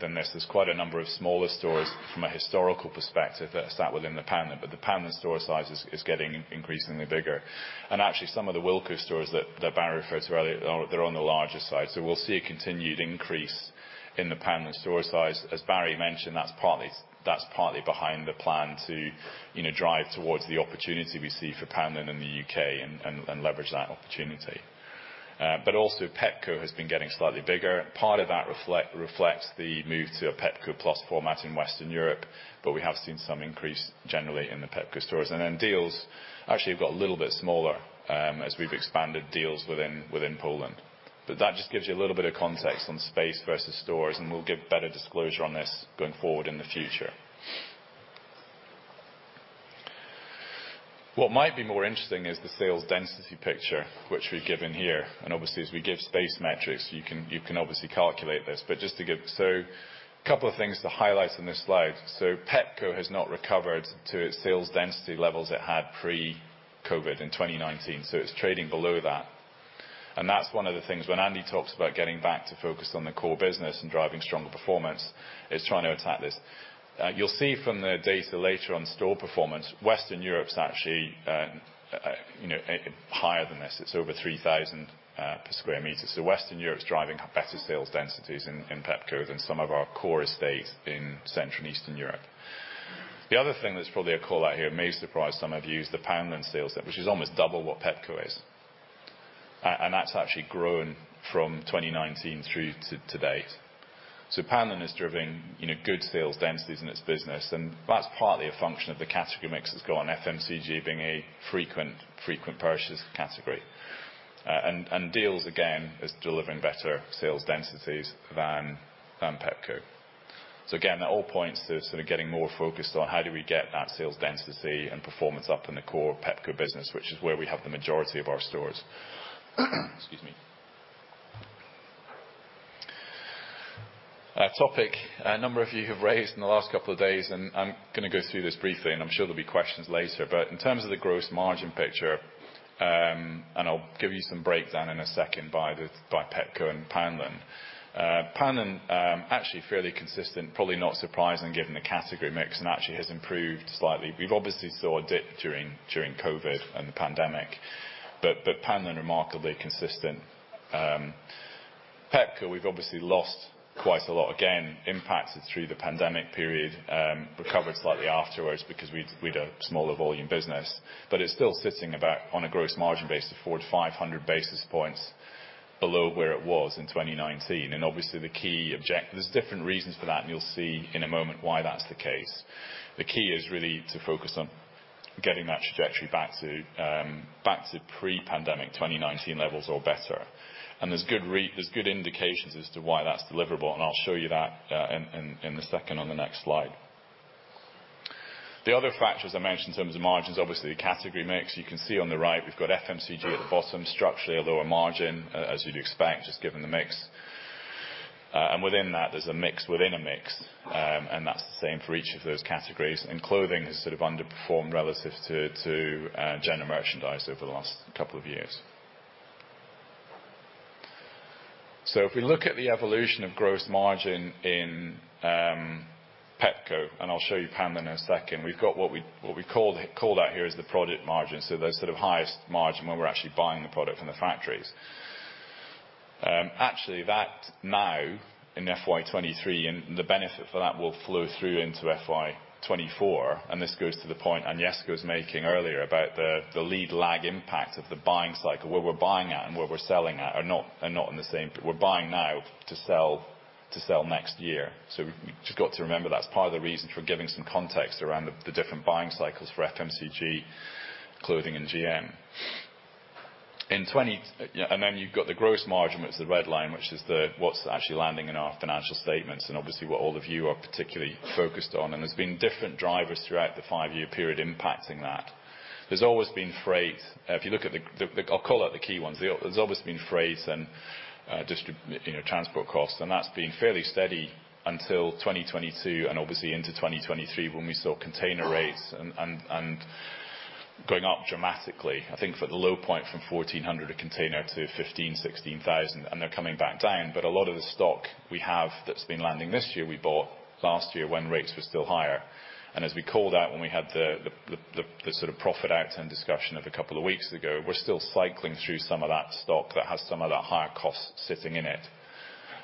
than this. There's quite a number of smaller stores from a historical perspective that sat within the Poundland, but the Poundland store size is getting increasingly bigger. And actually, some of the Wilko stores that Barry referred to earlier are on the larger side. So we'll see a continued increase in the Poundland store size. As Barry mentioned, that's partly, that's partly behind the plan to, you know, drive towards the opportunity we see for Poundland in the U.K. and leverage that opportunity, but also Pepco has been getting slightly bigger. Part of that reflect, reflects the move to a Pepco Plus format in Western Europe, but we have seen some increase generally in the Pepco stores. And then Dealz actually have got a little bit smaller, as we've expanded Dealz within Poland. But that just gives you a little bit of context on space versus stores, and we'll give better disclosure on this going forward in the future. What might be more interesting is the sales density picture, which we've given here, and obviously, as we give space metrics, you can obviously calculate this. So couple of things to highlight on this slide. So Pepco has not recovered to its sales density levels it had pre-COVID in 2019, so it's trading below that. And that's one of the things, when Andy talks about getting back to focus on the core business and driving stronger performance, is trying to attack this. You'll see from the data later on, store performance, Western Europe's actually, you know, higher than this. It's over 3,000 per square meter. So Western Europe's driving better sales densities in Pepco than some of our core estates in Central and Eastern Europe. The other thing that's probably a call-out here, it may surprise some of you, is the Poundland sales, which is almost double what Pepco is. And that's actually grown from 2019 through to date. So Poundland is driving, you know, good sales densities in its business, and that's partly a function of the category mix that's gone, FMCG being a frequent, frequent purchase category. And Dealz, again, is delivering better sales densities than Pepco. So again, that all points to sort of getting more focused on how do we get that sales density and performance up in the core Pepco business, which is where we have the majority of our stores. Excuse me. A topic a number of you have raised in the last couple of days, and I'm gonna go through this briefly, and I'm sure there'll be questions later. But in terms of the gross margin picture, and I'll give you some breakdown in a second by the Pepco and Poundland. Poundland, actually fairly consistent, probably not surprising given the category mix, and actually has improved slightly. We've obviously saw a dip during, during COVID and the pandemic, but, but Poundland, remarkably consistent. Pepco, we've obviously lost quite a lot, again, impacted through the pandemic period, recovered slightly afterwards because we'd, we'd a smaller volume business. But it's still sitting about, on a gross margin base of 400-500 basis points below where it was in 2019. And obviously, the key object... There's different reasons for that, and you'll see in a moment why that's the case. The key is really to focus on getting that trajectory back to, back to pre-pandemic 2019 levels or better. There's good indications as to why that's deliverable, and I'll show you that in a second on the next slide. The other factors I mentioned in terms of margins, obviously, category mix. You can see on the right, we've got FMCG at the bottom, structurally, a lower margin, as you'd expect, just given the mix. And within that, there's a mix within a mix, and that's the same for each of those categories. And clothing has sort of underperformed relative to general merchandise over the last couple of years. So if we look at the evolution of gross margin in Pepco, and I'll show you Poundland in a second, we've got what we call that here is the product margin, so the sort of highest margin when we're actually buying the product from the factories. Actually, that now in FY 2023, and the benefit for that will flow through into FY 2024, and this goes to the point Agnieszka was making earlier about the lead lag impact of the buying cycle, where we're buying at and where we're selling at are not in the same. We're buying now to sell next year. So we've just got to remember that's part of the reason for giving some context around the different buying cycles for FMCG, clothing, and GM. In twenty... And then you've got the gross margin, which is the red line, which is the, what's actually landing in our financial statements, and obviously, what all of you are particularly focused on. And there's been different drivers throughout the five-year period impacting that. There's always been freight. If you look at the... I'll call out the key ones. There's always been freight and distribution, you know, transport costs, and that's been fairly steady until 2022, and obviously into 2023, when we saw container rates and going up dramatically. I think for the low point from $1,400 a container to $15,000-$16,000, and they're coming back down. But a lot of the stock we have that's been landing this year, we bought last year when rates were still higher. And as we called out when we had the sort of profit outturn discussion of a couple of weeks ago, we're still cycling through some of that stock that has some of that higher cost sitting in it.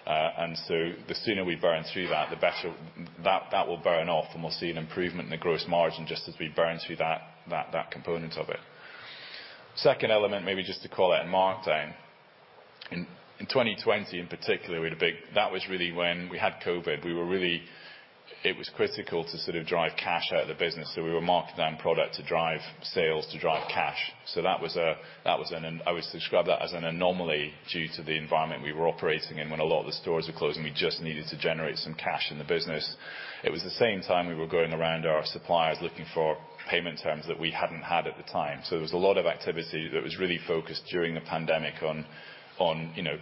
And so the sooner we burn through that, the better. That will burn off, and we'll see an improvement in the gross margin just as we burn through that component of it. Second element, maybe just to call out, markdown. In 2020, in particular, we had a big one. That was really when we had COVID. It was critical to sort of drive cash out of the business, so we were marking down product to drive sales, to drive cash. So that was an anomaly due to the environment we were operating in. When a lot of the stores were closing, we just needed to generate some cash in the business. It was the same time we were going around our suppliers, looking for payment terms that we hadn't had at the time. So there was a lot of activity that was really focused during the pandemic on, you know,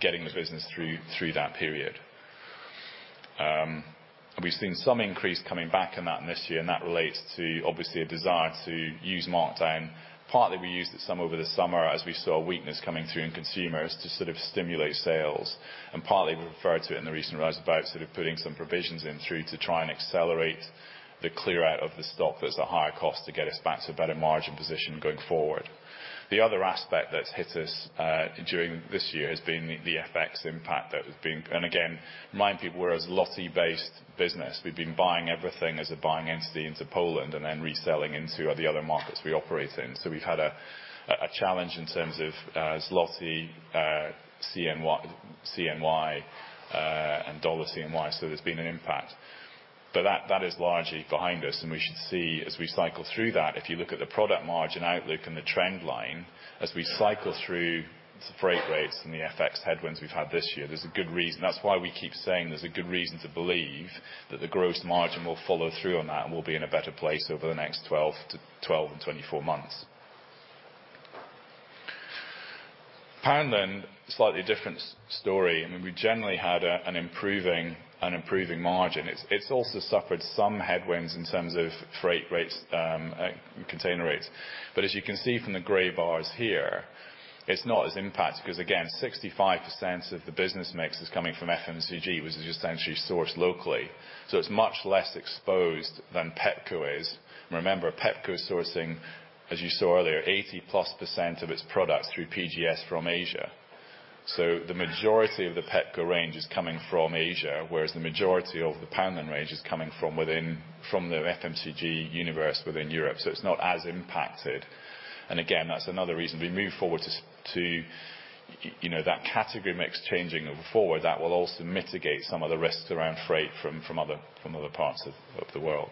getting the business through that period. We've seen some increase coming back on that in this year, and that relates to, obviously, a desire to use markdown. Partly, we used it some over the summer as we saw weakness coming through in consumers to sort of stimulate sales, and partly, we referred to it in the recent rise about sort of putting some provisions in through to try and accelerate the clear-out of the stock that's a higher cost to get us back to a better margin position going forward. The other aspect that's hit us during this year has been the FX impact that has been... And again, mind you, we're a zloty-based business. We've been buying everything as a buying entity into Poland and then reselling into the other markets we operate in. So we've had a challenge in terms of zloty, CNY, CNY, and dollar CNY, so there's been an impact.... But that, that is largely behind us, and we should see, as we cycle through that, if you look at the product margin outlook and the trend line, as we cycle through the freight rates and the FX headwinds we've had this year, there's a good reason. That's why we keep saying there's a good reason to believe that the gross margin will follow through on that, and we'll be in a better place over the next 12 to 12 and 24 months. Poundland, slightly different story, and we generally had a, an improving, an improving margin. It's, it's also suffered some headwinds in terms of freight rates, and container rates. But as you can see from the gray bars here, it's not as impacted, 'cause again, 65% of the business mix is coming from FMCG, which is essentially sourced locally. So it's much less exposed than Pepco is. Remember, Pepco is sourcing, as you saw earlier, 80+% of its products through PGS from Asia. So the majority of the Pepco range is coming from Asia, whereas the majority of the Poundland range is coming from within, from the FMCG universe within Europe, so it's not as impacted. And again, that's another reason we move forward to, you know, that category mix changing forward, that will also mitigate some of the risks around freight from other parts of the world.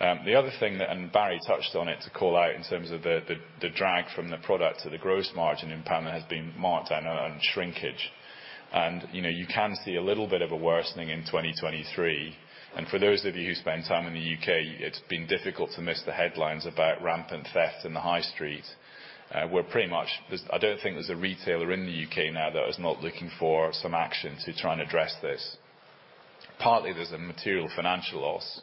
The other thing that, and Barry touched on it, to call out in terms of the drag from the product to the gross margin in Poundland has been markdown on shrinkage. And, you know, you can see a little bit of a worsening in 2023. For those of you who spend time in the U.K., it's been difficult to miss the headlines about rampant theft in the high street. I don't think there's a retailer in the U.K. now that is not looking for some action to try and address this. Partly, there's a material financial loss.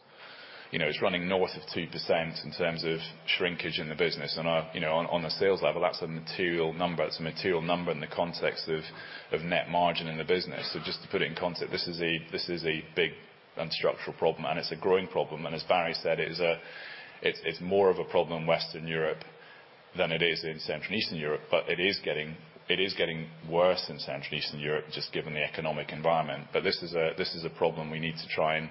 You know, it's running north of 2% in terms of shrinkage in the business, and, you know, on a sales level, that's a material number. It's a material number in the context of net margin in the business. Just to put it in context, this is a big and structural problem, and it's a growing problem. As Barry said, it is a... It's more of a problem in Western Europe than it is in Central and Eastern Europe, but it is getting worse in Central and Eastern Europe, just given the economic environment. But this is a problem we need to try and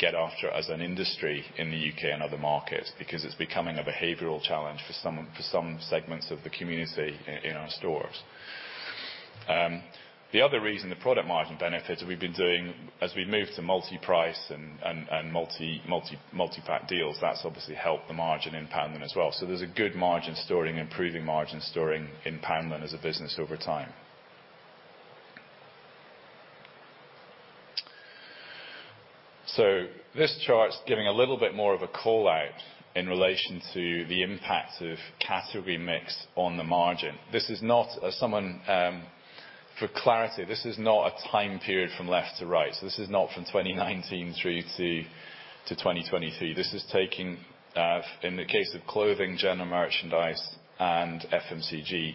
get after as an industry in the U.K. and other markets, because it's becoming a behavioral challenge for some segments of the community in our stores. The other reason, the product margin benefit, is we've been doing as we move to multi-price and multi-pack deals, that's obviously helped the margin in Poundland as well. So there's a good margin story, improving margin story in Poundland as a business over time. So this chart's giving a little bit more of a call-out in relation to the impact of category mix on the margin. This is not, as someone, for clarity, this is not a time period from left to right. So this is not from 2019 through to 2023. This is taking, in the case of clothing, general merchandise, and FMCG,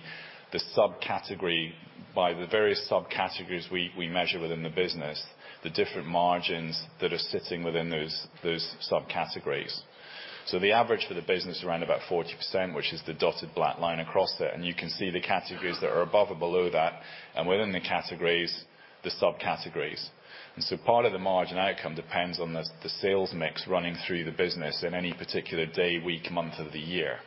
the subcategory, by the various subcategories we measure within the business, the different margins that are sitting within those subcategories. So the average for the business is around about 40%, which is the dotted black line across there. And you can see the categories that are above and below that, and within the categories, the subcategories. And so part of the margin outcome depends on the sales mix running through the business in any particular day, week, month of the year.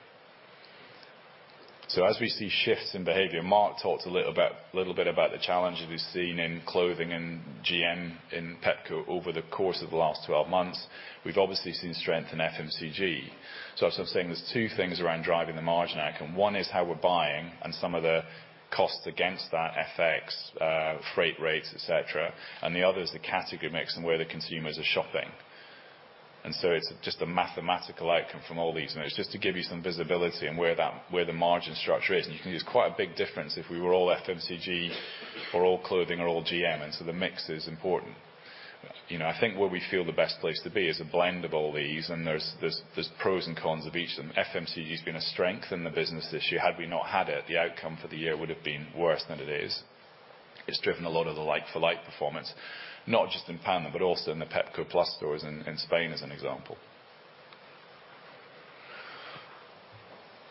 So as we see shifts in behavior, Mark talked a little about, little bit about the challenges we've seen in clothing and GM in Pepco over the course of the last 12 months. We've obviously seen strength in FMCG. So as I was saying, there's two things around driving the margin outcome. One is how we're buying and some of the costs against that, FX, freight rates, et cetera. And the other is the category mix and where the consumers are shopping. And so it's just a mathematical outcome from all these. And it's just to give you some visibility on where that, where the margin structure is. And you can see it's quite a big difference if we were all FMCG or all clothing or all GM, and so the mix is important. You know, I think where we feel the best place to be is a blend of all these, and there's pros and cons of each of them. FMCG has been a strength in the business this year. Had we not had it, the outcome for the year would have been worse than it is. It's driven a lot of the like-for-like performance, not just in Poundland, but also in the Pepco Plus stores in Spain, as an example.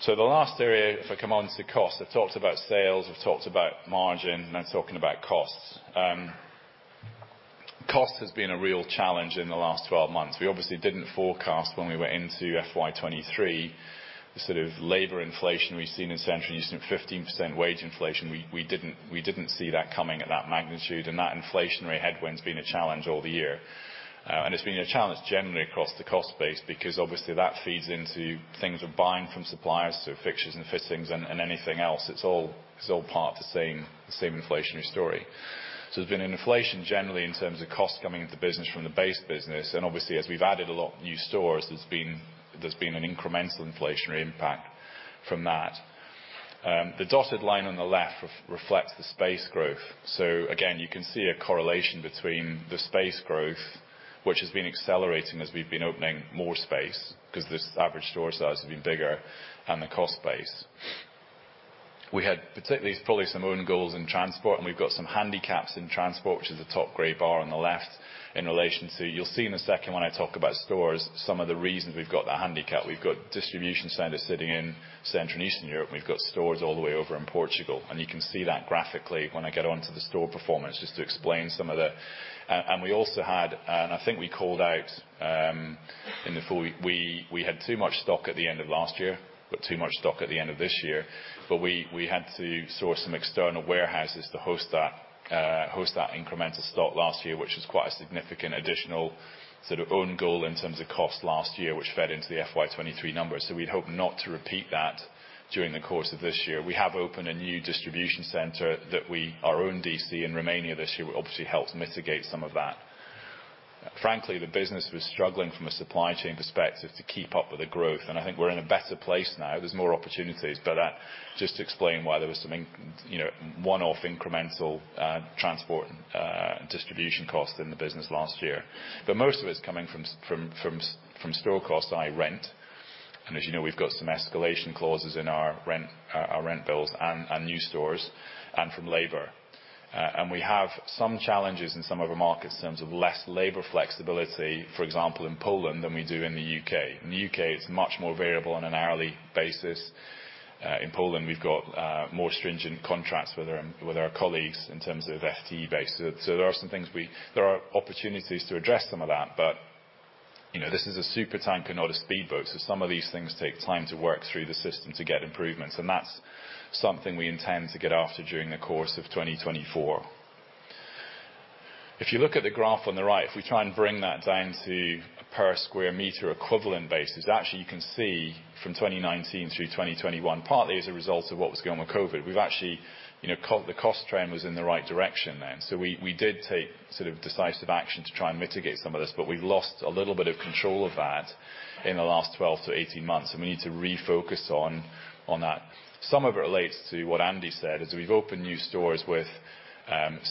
So the last area, if I come on to costs, I've talked about sales, I've talked about margin, now talking about costs. Cost has been a real challenge in the last twelve months. We obviously didn't forecast when we went into FY 2023, the sort of labor inflation we've seen in Central and Eastern, 15% wage inflation. We didn't see that coming at that magnitude, and that inflationary headwind's been a challenge all the year. And it's been a challenge generally across the cost base, because obviously that feeds into things we're buying from suppliers to fixtures and fittings and anything else. It's all part of the same inflationary story. So there's been an inflation generally in terms of costs coming into the business from the base business, and obviously, as we've added a lot of new stores, there's been an incremental inflationary impact from that. The dotted line on the left reflects the space growth. So again, you can see a correlation between the space growth, which has been accelerating as we've been opening more space, 'cause this average store size has been bigger and the cost base. We had particularly, probably some own goals in transport, and we've got some handicaps in transport, which is the top gray bar on the left in relation to... You'll see in a second when I talk about stores, some of the reasons we've got that handicap. We've got distribution centers sitting in Central and Eastern Europe. We've got stores all the way over in Portugal, and you can see that graphically when I get on to the store performance, just to explain some of the... and we also had, and I think we called out, in the full week, we, we had too much stock at the end of last year, got too much stock at the end of this year, but we, we had to source some external warehouses to host that.... lost that incremental stock last year, which is quite a significant additional sort of own goal in terms of cost last year, which fed into the FY 2023 numbers. So we hope not to repeat that during the course of this year. We have opened a new distribution center that we, our own DC in Romania this year, will obviously help mitigate some of that. Frankly, the business was struggling from a supply chain perspective to keep up with the growth, and I think we're in a better place now. There's more opportunities, but, just to explain why there was some you know, one-off incremental, transport, distribution costs in the business last year. But most of it's coming from store costs, i.e., rent. As you know, we've got some escalation clauses in our rent, our rent bills and new stores and from labor. And we have some challenges in some of our markets in terms of less labor flexibility, for example, in Poland, than we do in the U.K.. In the U.K., it's much more variable on an hourly basis. In Poland, we've got more stringent contracts with our, with our colleagues in terms of FTE base. There are opportunities to address some of that, but, you know, this is a supertanker, not a speedboat, so some of these things take time to work through the system to get improvements, and that's something we intend to get after during the course of 2024. If you look at the graph on the right, if we try and bring that down to a per square meter equivalent basis, actually you can see from 2019 through 2021, partly as a result of what was going on with COVID, we've actually, you know, the cost trend was in the right direction then. So we, we did take sort of decisive action to try and mitigate some of this, but we've lost a little bit of control of that in the last 12-18 months, and we need to refocus on, on that. Some of it relates to what Andy said, is we've opened new stores with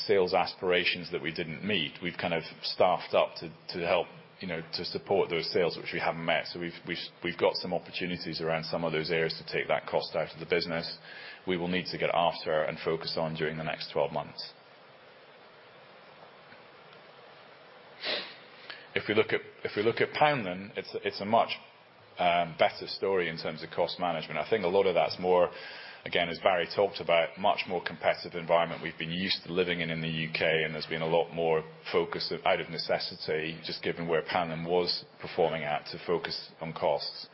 sales aspirations that we didn't meet. We've kind of staffed up to, to help, you know, to support those sales, which we haven't met. So we've got some opportunities around some of those areas to take that cost out of the business. We will need to get after and focus on during the next 12 months. If we look at Poundland, it's a much better story in terms of cost management. I think a lot of that's more, again, as Barry talked about, much more competitive environment we've been used to living in, in the U.K., and there's been a lot more focus out of necessity, just given where Poundland was performing at, to focus on costs.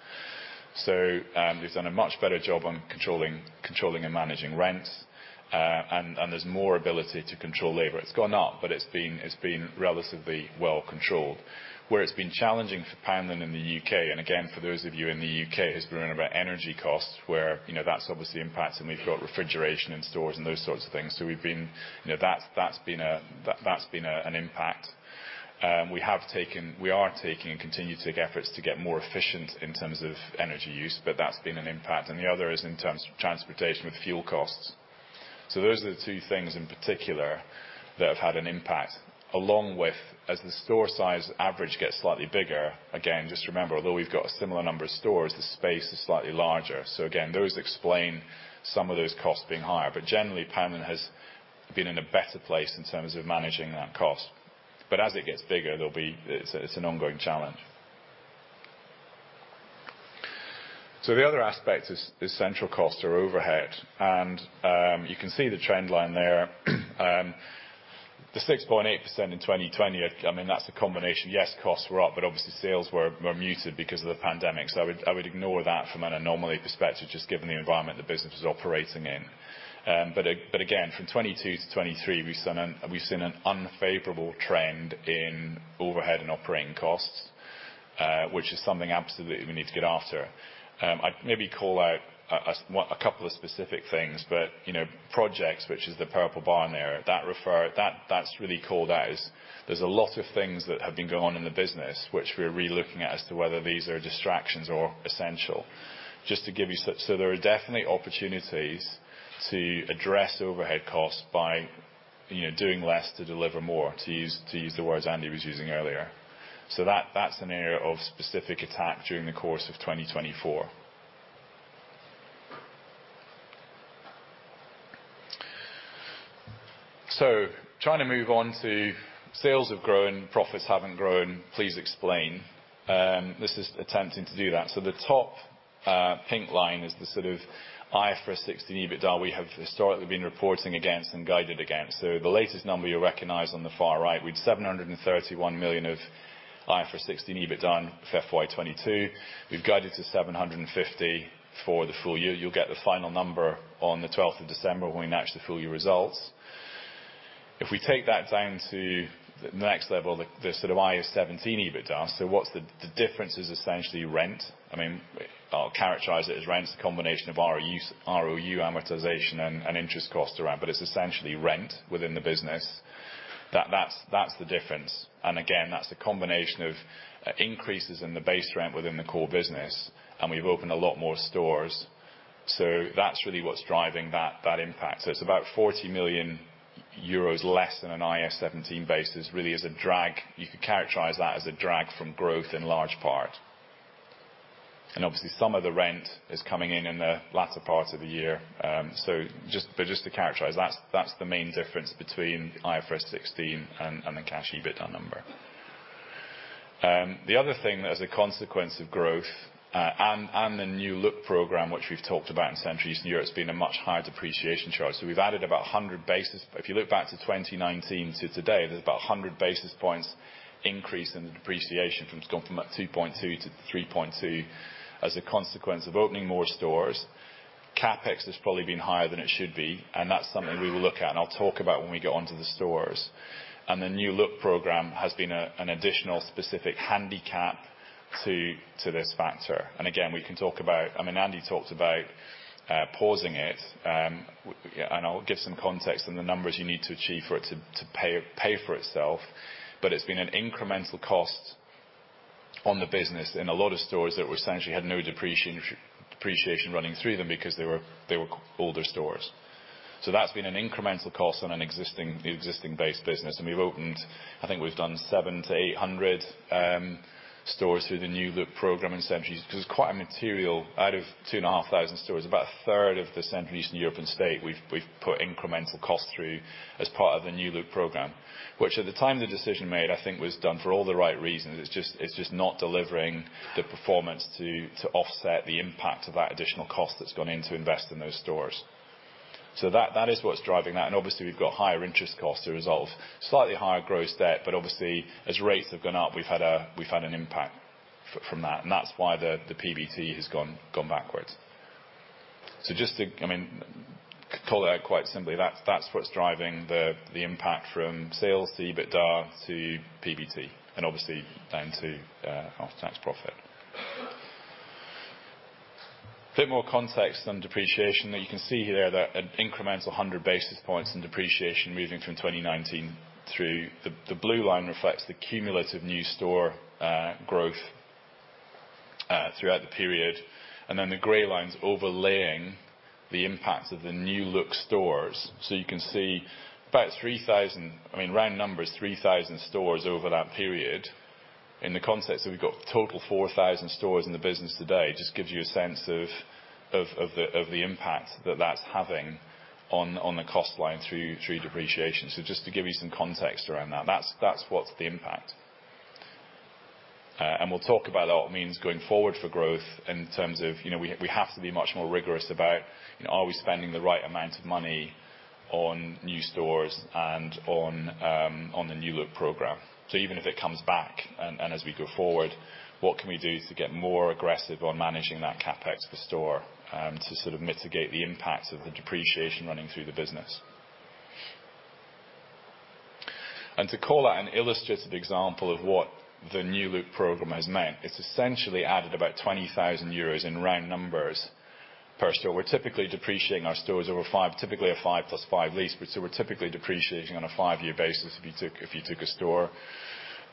So, we've done a much better job on controlling and managing rents, and there's more ability to control labor. It's gone up, but it's been relatively well controlled. Where it's been challenging for Poundland in the U.K., and again, for those of you in the U.K., has been around about energy costs, where, you know, that's obviously impacted, and we've got refrigeration in stores and those sorts of things. So we've been. You know, that's been an impact. We have taken, we are taking and continue to take efforts to get more efficient in terms of energy use, but that's been an impact, and the other is in terms of transportation with fuel costs. So those are the two things in particular that have had an impact, along with, as the store size average gets slightly bigger, again, just remember, although we've got a similar number of stores, the space is slightly larger. So again, those explain some of those costs being higher. But generally, Poundland has been in a better place in terms of managing that cost. But as it gets bigger, there'll be... It's an ongoing challenge. So the other aspect is central cost or overhead, and you can see the trend line there. The 6.8% in 2020, I mean, that's a combination. Yes, costs were up, but obviously sales were muted because of the pandemic. So I would ignore that from an anomaly perspective, just given the environment the business is operating in. But again, from 2022 to 2023, we've seen an unfavorable trend in overhead and operating costs, which is something absolutely we need to get after. I'd maybe call out a couple of specific things, but, you know, projects, which is the purple bar in there, that's really called out as there's a lot of things that have been going on in the business, which we're re-looking at as to whether these are distractions or essential. Just to give you some... So there are definitely opportunities to address overhead costs by, you know, doing less to deliver more, to use the words Andy was using earlier. So that's an area of specific attack during the course of 2024. So trying to move on to sales have grown, profits haven't grown, please explain. This is attempting to do that. So the top pink line is the sort of IFRS 16 EBITDA we have historically been reporting against and guided against. So the latest number you recognize on the far right, we had 731 million of IFRS 16 EBITDA for FY 2022. We've guided to 750 million for the full year. You'll get the final number on the twelfth of December when we announce the full year results. If we take that down to the next level, the sort of IAS 17 EBITDA, so what's the difference is essentially rent. I mean, I'll characterize it as rent, it's a combination of ROU amortization and interest costs around, but it's essentially rent within the business. That's the difference. And again, that's a combination of increases in the base rent within the core business, and we've opened a lot more stores. So that's really what's driving that impact. So it's about 40 million euros less than an IAS 17 basis, really is a drag. You could characterize that as a drag from growth in large part. And obviously, some of the rent is coming in in the latter part of the year. So just to characterize, that's the main difference between IFRS 16 and the cash EBITDA number. The other thing, as a consequence of growth, and the New Look program, which we've talked about in Central and Eastern Europe, it's been a much higher depreciation charge. So we've added about 100 basis points. If you look back to 2019 to today, there's about 100 basis points increase in the depreciation from, it's gone from about 2.2 to 3.2 as a consequence of opening more stores. CapEx has probably been higher than it should be, and that's something we will look at, and I'll talk about when we get onto the stores. And the New Look program has been an additional specific handicap to this factor. And again, we can talk about, I mean, Andy talked about pausing it. And I'll give some context on the numbers you need to achieve for it to pay for itself. But it's been an incremental cost on the business in a lot of stores that were essentially had no depreciation running through them because they were older stores. So that's been an incremental cost on an existing base business, and we've opened... I think we've done 700-800 stores through the New Look program in Central East, which is quite a material out of 2,500 stores. About a third of the Central Eastern European state, we've put incremental costs through as part of the New Look program, which at the time, the decision made, I think, was done for all the right reasons. It's just not delivering the performance to offset the impact of that additional cost that's gone in to invest in those stores. So that is what's driving that, and obviously, we've got higher interest costs to resolve. Slightly higher gross debt, but obviously, as rates have gone up, we've had an impact from that, and that's why the PBT has gone backwards. So just to, I mean, call it out quite simply, that's what's driving the impact from sales to EBITDA to PBT and obviously down to after-tax profit. A bit more context on depreciation, that you can see here that an incremental 100 basis points in depreciation moving from 2019 through... The blue line reflects the cumulative new store growth throughout the period, and then the gray line's overlaying the impact of the New Look stores. So you can see about 3,000, I mean, round numbers, 3,000 stores over that period. In the context that we've got total 4,000 stores in the business today, just gives you a sense of the impact that that's having on the cost line through depreciation. So just to give you some context around that, that's what's the impact. And we'll talk about what it means going forward for growth in terms of, you know, we have to be much more rigorous about, you know, are we spending the right amount of money on new stores and on the New Look program? So even if it comes back and as we go forward, what can we do to get more aggressive on managing that CapEx of the store to sort of mitigate the impact of the depreciation running through the business? And to call out an illustrative example of what the New Look program has meant, it's essentially added about 20,000 euros in round numbers per store. We're typically depreciating our stores over 5, typically a 5 + 5 lease, but so we're typically depreciating on a 5-year basis if you took a store.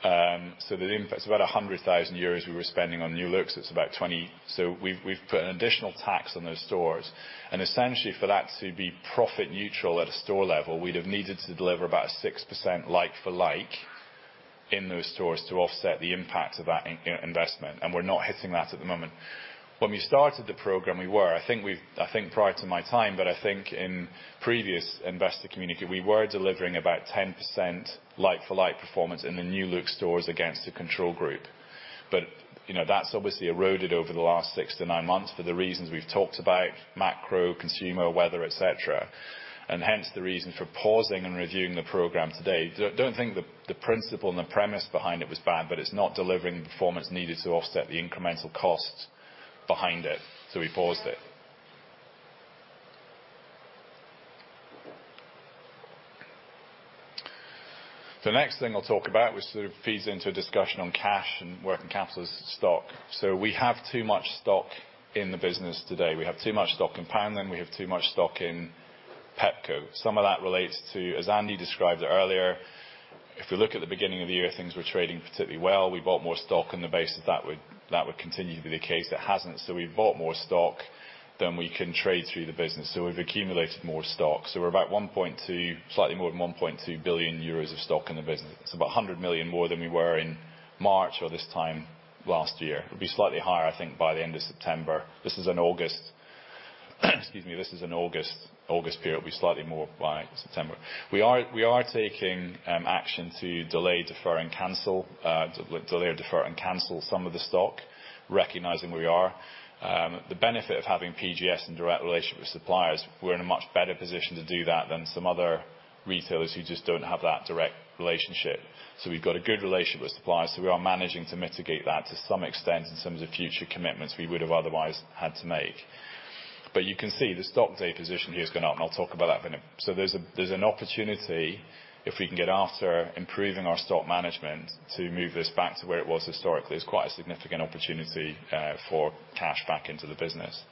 So the impact is about 100,000 euros we were spending on New Look, so it's about twenty... So we've, we've put an additional tax on those stores, and essentially, for that to be profit neutral at a store level, we'd have needed to deliver about a 6% like for like in those stores to offset the impact of that investment, and we're not hitting that at the moment. When we started the program, we were. I think we've-- I think prior to my time, but I think in previous investor community, we were delivering about 10% like for like performance in the New Look stores against the control group. But, you know, that's obviously eroded over the last 6-9 months for the reasons we've talked about, macro, consumer, weather, et cetera. And hence, the reason for pausing and reviewing the program today. Don't think the principle and the premise behind it was bad, but it's not delivering the performance needed to offset the incremental cost behind it, so we paused it. The next thing I'll talk about, which sort of feeds into a discussion on cash and working capital, is stock. So we have too much stock in the business today. We have too much stock in Poundland, we have too much stock in Pepco. Some of that relates to, as Andy described earlier, if you look at the beginning of the year, things were trading particularly well. We bought more stock on the basis that would continue to be the case. It hasn't. So we've bought more stock than we can trade through the business, so we've accumulated more stock. So we're about 1.2 billion, slightly more than 1.2 billion euros of stock in the business. It's about 100 million more than we were in Mark or this time last year. It'll be slightly higher, I think, by the end of September. This is in August. Excuse me, this is in August, August period. It'll be slightly more by September. We are, we are taking action to delay, defer, and cancel some of the stock, recognizing where we are. The benefit of having PGS in direct relationship with suppliers, we're in a much better position to do that than some other retailers who just don't have that direct relationship. So we've got a good relationship with suppliers, so we are managing to mitigate that to some extent, in terms of future commitments we would have otherwise had to make. But you can see the stock day position here has gone up, and I'll talk about that in a... So there's an opportunity if we can get after improving our stock management, to move this back to where it was historically. It's quite a significant opportunity for cash back into the business.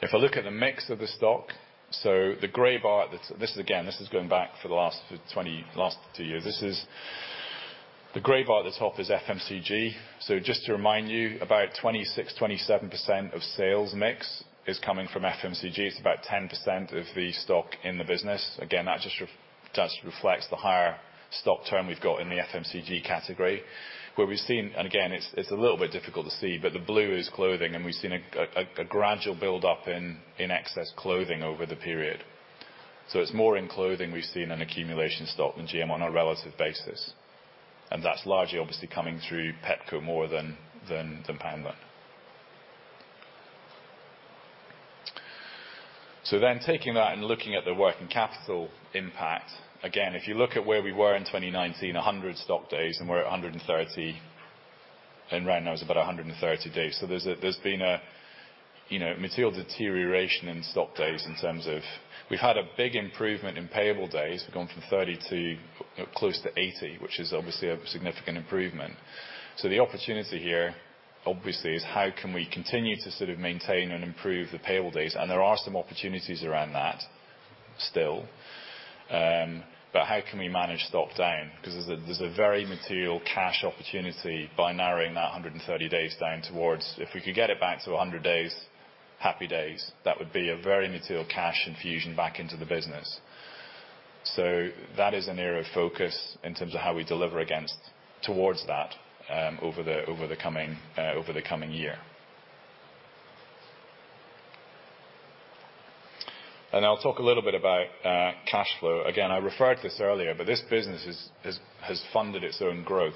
If I look at the mix of the stock, so the gray bar at the... This is, again, this is going back for the last 20, last 2 years. This is, the gray bar at the top is FMCG. So just to remind you, about 26%-27% of sales mix is coming from FMCG. It's about 10% of the stock in the business. Again, that just reflects the higher stock turn we've got in the FMCG category. Where we've seen, and again, it's a little bit difficult to see, but the blue is clothing, and we've seen a gradual build-up in excess clothing over the period. So it's more in clothing we've seen an accumulation stock than GM on a relative basis. And that's largely obviously coming through Pepco more than Poundland. So then taking that and looking at the working capital impact, again, if you look at where we were in 2019, 100 stock days, and we're at 130, and right now is about 130 days. So there's been a, you know, material deterioration in stock days in terms of. We've had a big improvement in payable days. We've gone from 30 to close to 80, which is obviously a significant improvement. So the opportunity here, obviously, is how can we continue to sort of maintain and improve the payable days? And there are some opportunities around that still, but how can we manage stock down? Because there's a very material cash opportunity by narrowing that 130 days down towards-- If we could get it back to 100 days, happy days, that would be a very material cash infusion back into the business. So that is an area of focus in terms of how we deliver against, towards that, over the coming year. And I'll talk a little bit about cash flow. Again, I referred to this earlier, but this business has funded its own growth.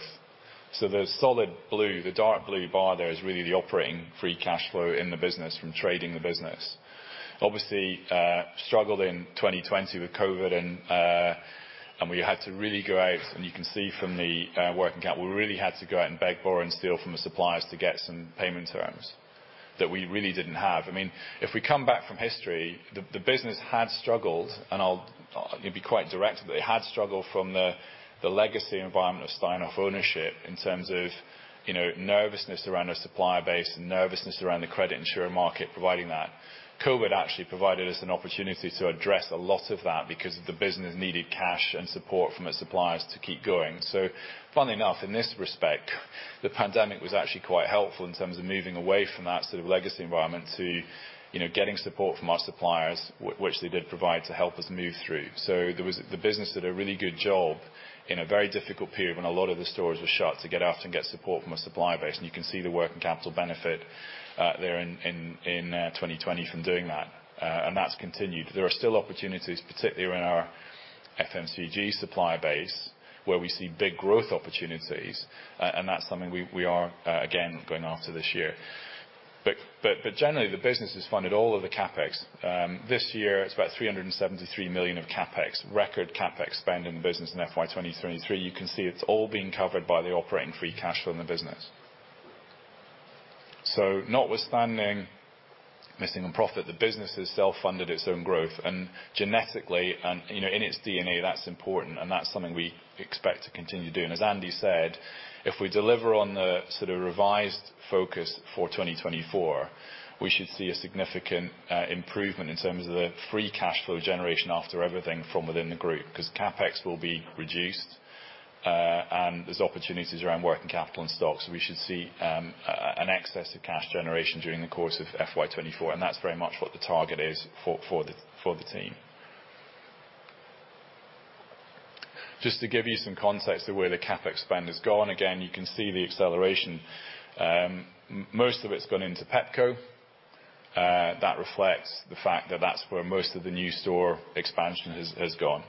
So the solid blue, the dark blue bar there, is really the operating free cash flow in the business from trading the business. Obviously, struggled in 2020 with COVID, and we had to really go out, and you can see from the working capital, we really had to go out and beg, borrow, and steal from the suppliers to get some payment terms that we really didn't have. I mean, if we come back from history, the business had struggled, and I'll be quite direct, that it had struggled from the legacy environment of Steinhoff ownership in terms of, you know, nervousness around our supplier base and nervousness around the credit insurer market providing that. COVID actually provided us an opportunity to address a lot of that because the business needed cash and support from its suppliers to keep going. So funnily enough, in this respect, the pandemic was actually quite helpful in terms of moving away from that sort of legacy environment to, you know, getting support from our suppliers, which they did provide to help us move through. So there was... The business did a really good job in a very difficult period when a lot of the stores were shut, to get out and get support from our supplier base, and you can see the working capital benefit there in 2020 from doing that, and that's continued. There are still opportunities, particularly in our FMCG supplier base, where we see big growth opportunities, and that's something we are again going after this year. But generally, the business has funded all of the CapEx. This year, it's about 373 million of CapEx, record CapEx spend in the business in FY 2023. You can see it's all being covered by the operating free cash flow in the business. So notwithstanding missing on profit, the business has self-funded its own growth, and genetically, and, you know, in its DNA, that's important, and that's something we expect to continue doing. As Andy said, if we deliver on the sort of revised focus for 2024, we should see a significant improvement in terms of the free cash flow generation after everything from within the group, 'cause CapEx will be reduced, and there's opportunities around working capital and stocks. We should see an excess of cash generation during the course of FY 2024, and that's very much what the target is for the team. Just to give you some context of where the CapEx spend has gone, again, you can see the acceleration. Most of it's gone into Pepco. That reflects the fact that that's where most of the new store expansion has gone.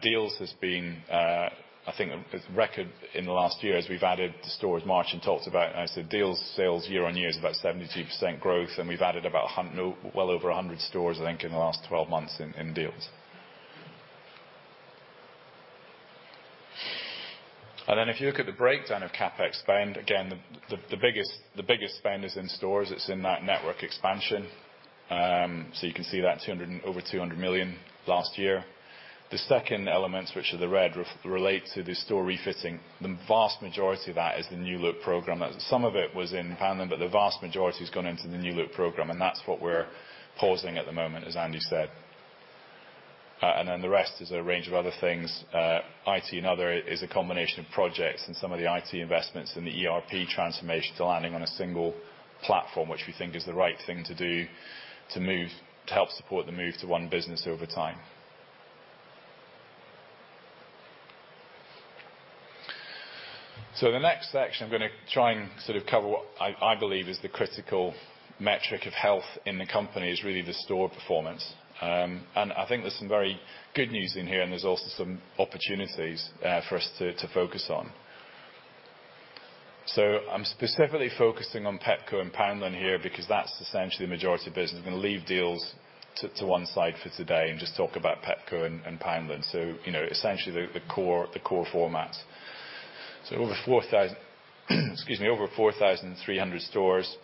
Dealz has been, I think, it's record in the last year, as we've added the stores Mark and talked about, as the Dealz sales year on year is about 72% growth, and we've added about, no, well over 100 stores, I think, in the last twelve months in Dealz. And then if you look at the breakdown of CapEx spend, again, the biggest spend is in stores. It's in that network expansion. So you can see that, over 200 million last year. The second elements, which are the red, relate to the store refitting. The vast majority of that is the New Look program. Some of it was in Poundland, but the vast majority has gone into the New Look program, and that's what we're pausing at the moment, as Andy said. And then the rest is a range of other things. IT and other is a combination of projects and some of the IT investments and the ERP transformation to landing on a single platform, which we think is the right thing to do to move, to help support the move to one business over time. So the next section, I'm gonna try and sort of cover what I believe is the critical metric of health in the company, is really the store performance. I think there's some very good news in here, and there's also some opportunities for us to focus on. So I'm specifically focusing on Pepco and Poundland here, because that's essentially the majority of the business. I'm gonna leave Dealz to one side for today and just talk about Pepco and Poundland, so you know, essentially the core formats. So over 4,300 stores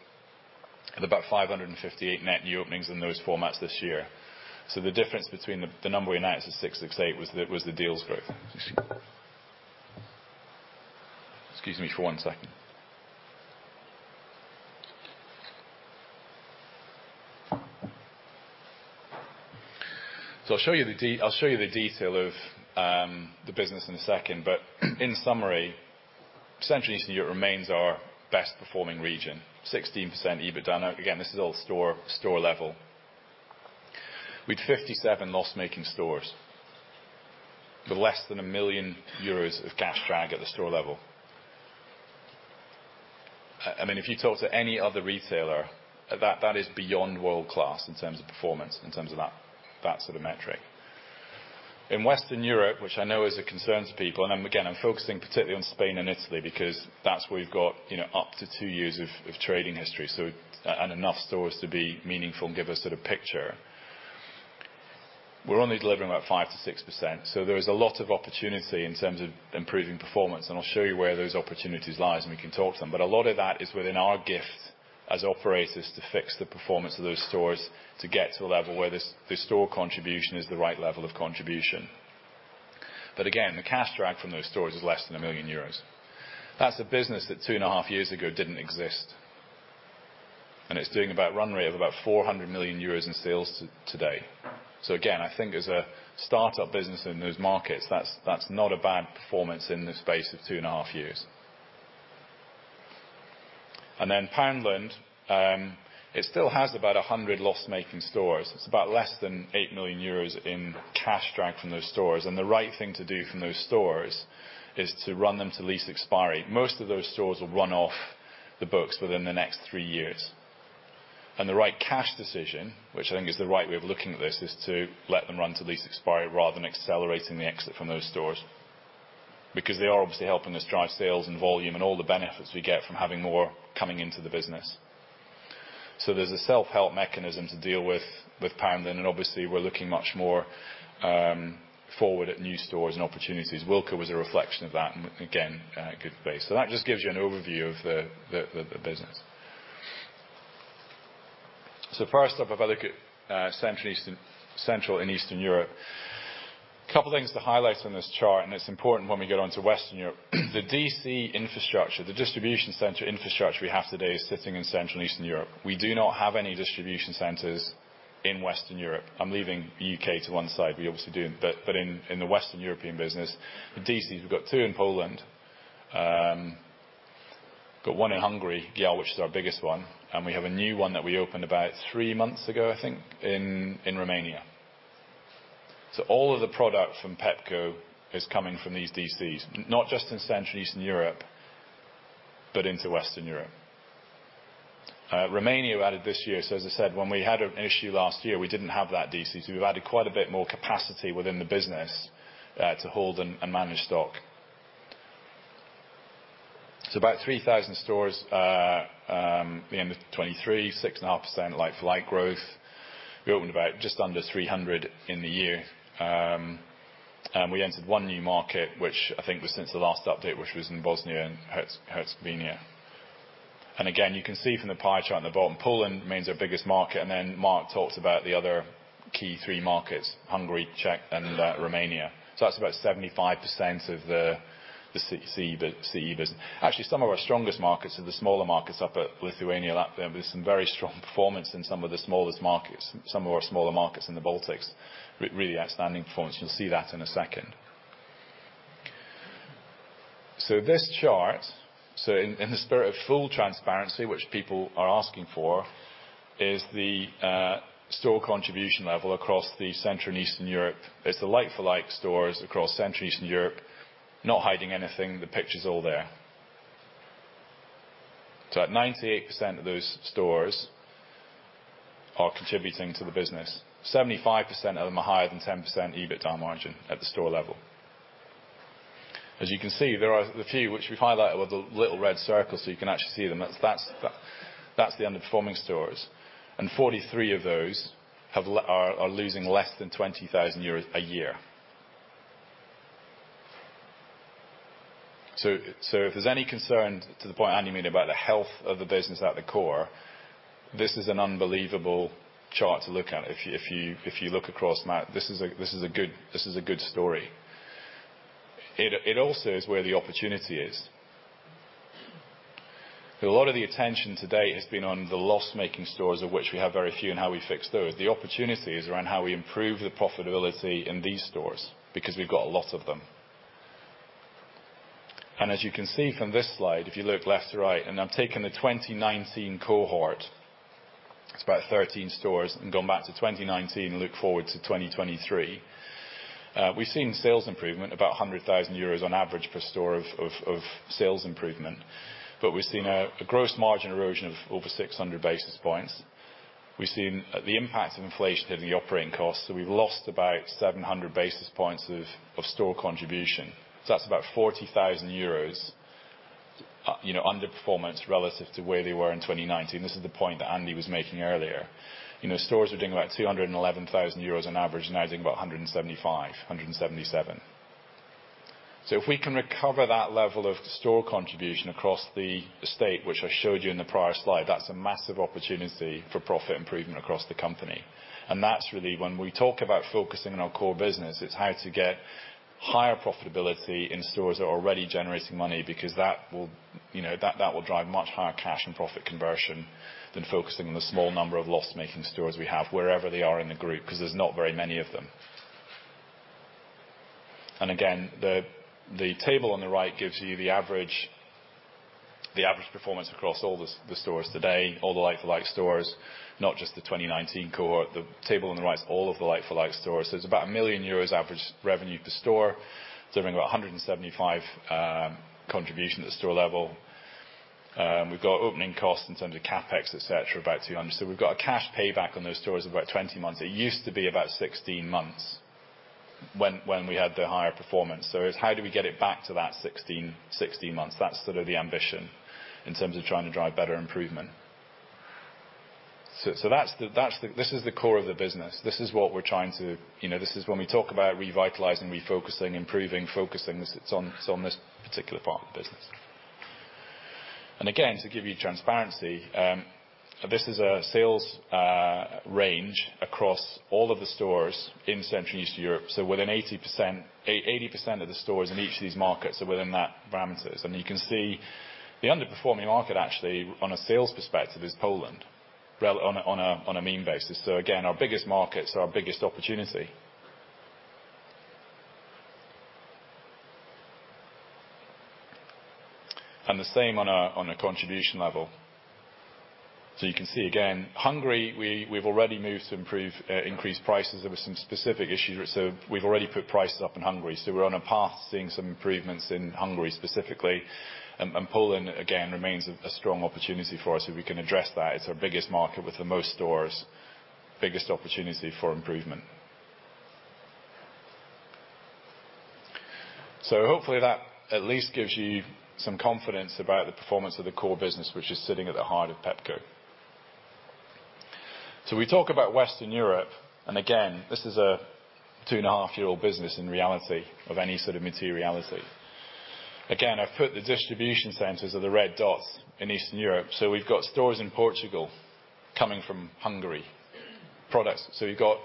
and about 558 net new openings in those formats this year. So the difference between the number we announced, the 668, was the Dealz growth. Excuse me for one second. So I'll show you the detail of the business in a second, but in summary, essentially, Eastern Europe remains our best performing region, 16% EBITDA. Now, again, this is all store level. We had 57 loss-making stores with less than 1 million euros of cash drag at the store level. I mean, if you talk to any other retailer, that is beyond world-class in terms of performance, in terms of that sort of metric. In Western Europe, which I know is a concern to people, and again, I'm focusing particularly on Spain and Italy, because that's where we've got, you know, up to 2 years of trading history, so, and enough stores to be meaningful and give us sort of picture. We're only delivering about 5%-6%, so there is a lot of opportunity in terms of improving performance, and I'll show you where those opportunities lies, and we can talk to them. But a lot of that is within our gift as operators to fix the performance of those stores to get to the level where the store contribution is the right level of contribution. But again, the cash drag from those stores is less than 1 million euros. That's a business that two and a half years ago didn't exist, and it's doing about run rate of about 400 million euros in sales today. So again, I think as a start-up business in those markets, that's not a bad performance in the space of two and a half years. And then Poundland, it still has about 100 loss-making stores. It's about less than 8 million euros in cash drag from those stores, and the right thing to do from those stores is to run them to lease expiry. Most of those stores will run off the books within the next three years. The right cash decision, which I think is the right way of looking at this, is to let them run to lease expiry rather than accelerating the exit from those stores. Because they are obviously helping us drive sales and volume and all the benefits we get from having more coming into the business. So there's a self-help mechanism to deal with Poundland, and obviously, we're looking much more forward at new stores and opportunities. Wilko was a reflection of that, and again, good place. So that just gives you an overview of the business. So first up, if I look at Central and Eastern Europe. Couple of things to highlight on this chart, and it's important when we get onto Western Europe. The DC infrastructure, the distribution center infrastructure we have today, is sitting in Central and Eastern Europe. We do not have any distribution centers in Western Europe. I'm leaving U.K. to one side, we obviously do, but in the Western European business, the DCs, we've got two in Poland, got one in Hungary, Gyál, which is our biggest one, and we have a new one that we opened about three months ago, I think, in Romania. So all of the product from Pepco is coming from these DCs, not just in Central and Eastern Europe, but into Western Europe. Romania added this year, so as I said, when we had an issue last year, we didn't have that DC, so we've added quite a bit more capacity within the business, to hold and manage stock. So about 3,000 stores, at the end of 2023, 6.5% like-for-like growth. We opened about just under 300 in the year. And we entered one new market, which I think was since the last update, which was in Bosnia and Herzegovina. And again, you can see from the pie chart on the bottom, Poland remains our biggest market, and then Mark talked about the other key three markets, Hungary, Czech, and Romania. So that's about 75% of the CE business. Actually, some of our strongest markets are the smaller markets up at Lithuania, Latvia, but there's some very strong performance in some of the smallest markets, some of our smaller markets in the Baltics. Really outstanding performance. You'll see that in a second. So this chart, so in the spirit of full transparency, which people are asking for, is the store contribution level across Central and Eastern Europe. It's the like-for-like stores across Central and Eastern Europe, not hiding anything, the picture's all there. So 98% of those stores are contributing to the business. 75% of them are higher than 10% EBITDA margin at the store level. As you can see, there are the few, which we've highlighted with a little red circle, so you can actually see them. That's the underperforming stores. 43 of those are losing less than 20,000 euros a year. So if there's any concern, to the point Andy made, about the health of the business at the core, this is an unbelievable chart to look at. If you look across that, this is a good story. It also is where the opportunity is. A lot of the attention to date has been on the loss-making stores, of which we have very few, and how we fix those. The opportunity is around how we improve the profitability in these stores, because we've got a lot of them. As you can see from this slide, if you look left to right, and I've taken the 2019 cohort, it's about 13 stores, and gone back to 2019 and look forward to 2023. We've seen sales improvement, about 100,000 euros on average per store of sales improvement, but we've seen a gross margin erosion of over 600 basis points. We've seen the impact of inflation in the operating costs, so we've lost about 700 basis points of store contribution. So that's about 40,000 euros, you know, underperformance relative to where they were in 2019. This is the point that Andy was making earlier. You know, stores were doing about 211,000 euros on average, now doing about 175, 177. So if we can recover that level of store contribution across the estate, which I showed you in the prior slide, that's a massive opportunity for profit improvement across the company. And that's really when we talk about focusing on our core business, it's how to get higher profitability in stores that are already generating money, because that will, you know, that will drive much higher cash and profit conversion than focusing on the small number of loss-making stores we have, wherever they are in the group, 'cause there's not very many of them. And again, the table on the right gives you the average performance across all the stores today, all the like-for-like stores, not just the 2019 cohort. The table on the right is all of the like-for-like stores. There's about 1 million euros average revenue per store, delivering about 175 contribution at the store level. We've got opening costs in terms of CapEx, et cetera, about 200. So we've got a cash payback on those stores of about 20 months. It used to be about 16 months when we had the higher performance. So it's how do we get it back to that 16, 16 months? That's sort of the ambition in terms of trying to drive better improvement. So that's the... This is the core of the business. This is what we're trying to, you know, this is when we talk about revitalizing, refocusing, improving, focusing, this, it's on, it's on this particular part of the business. And again, to give you transparency, this is a sales range across all of the stores in Central and Eastern Europe. So within 80% of the stores in each of these markets are within that parameters. And you can see the underperforming market, actually, on a sales perspective, is Poland, on a mean basis. So again, our biggest markets are our biggest opportunity. And the same on a contribution level. So you can see again, Hungary, we've already moved to increase prices. There were some specific issues, so we've already put prices up in Hungary, so we're on a path to seeing some improvements in Hungary, specifically. And Poland, again, remains a strong opportunity for us, if we can address that. It's our biggest market with the most stores, biggest opportunity for improvement. So hopefully that at least gives you some confidence about the performance of the core business, which is sitting at the heart of Pepco. So we talk about Western Europe, and again, this is a 2.5-year-old business, in reality, of any sort of materiality. Again, I've put the distribution centers are the red dots in Eastern Europe. So we've got stores in Portugal coming from Hungary, products. So we've got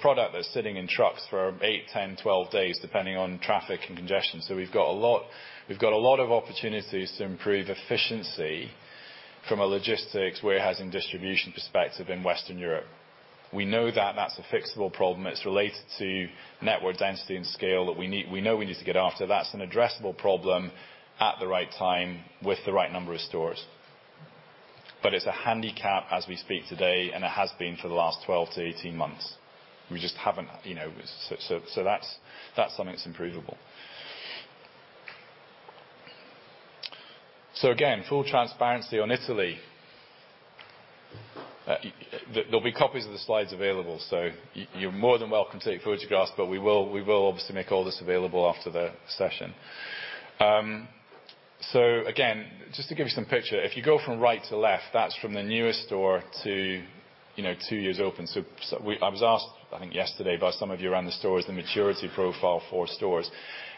product that's sitting in trucks for 8, 10, 12 days, depending on traffic and congestion. So we've got a lot, we've got a lot of opportunities to improve efficiency from a logistics, warehousing, distribution perspective in Western Europe. We know that that's a fixable problem. It's related to network density and scale that we need, we know we need to get after. That's an addressable problem at the right time, with the right number of stores. But it's a handicap as we speak today, and it has been for the last 12-18 months. We just haven't, you know... So that's something that's improvable. So again, full transparency on Italy. There'll be copies of the slides available, so you're more than welcome to take photographs, but we will obviously make all this available after the session. So again, just to give you some picture, if you go from right to left, that's from the newest store to, you know, two years open. So we... I was asked, I think yesterday, by some of you around the stores, the maturity profile for stores.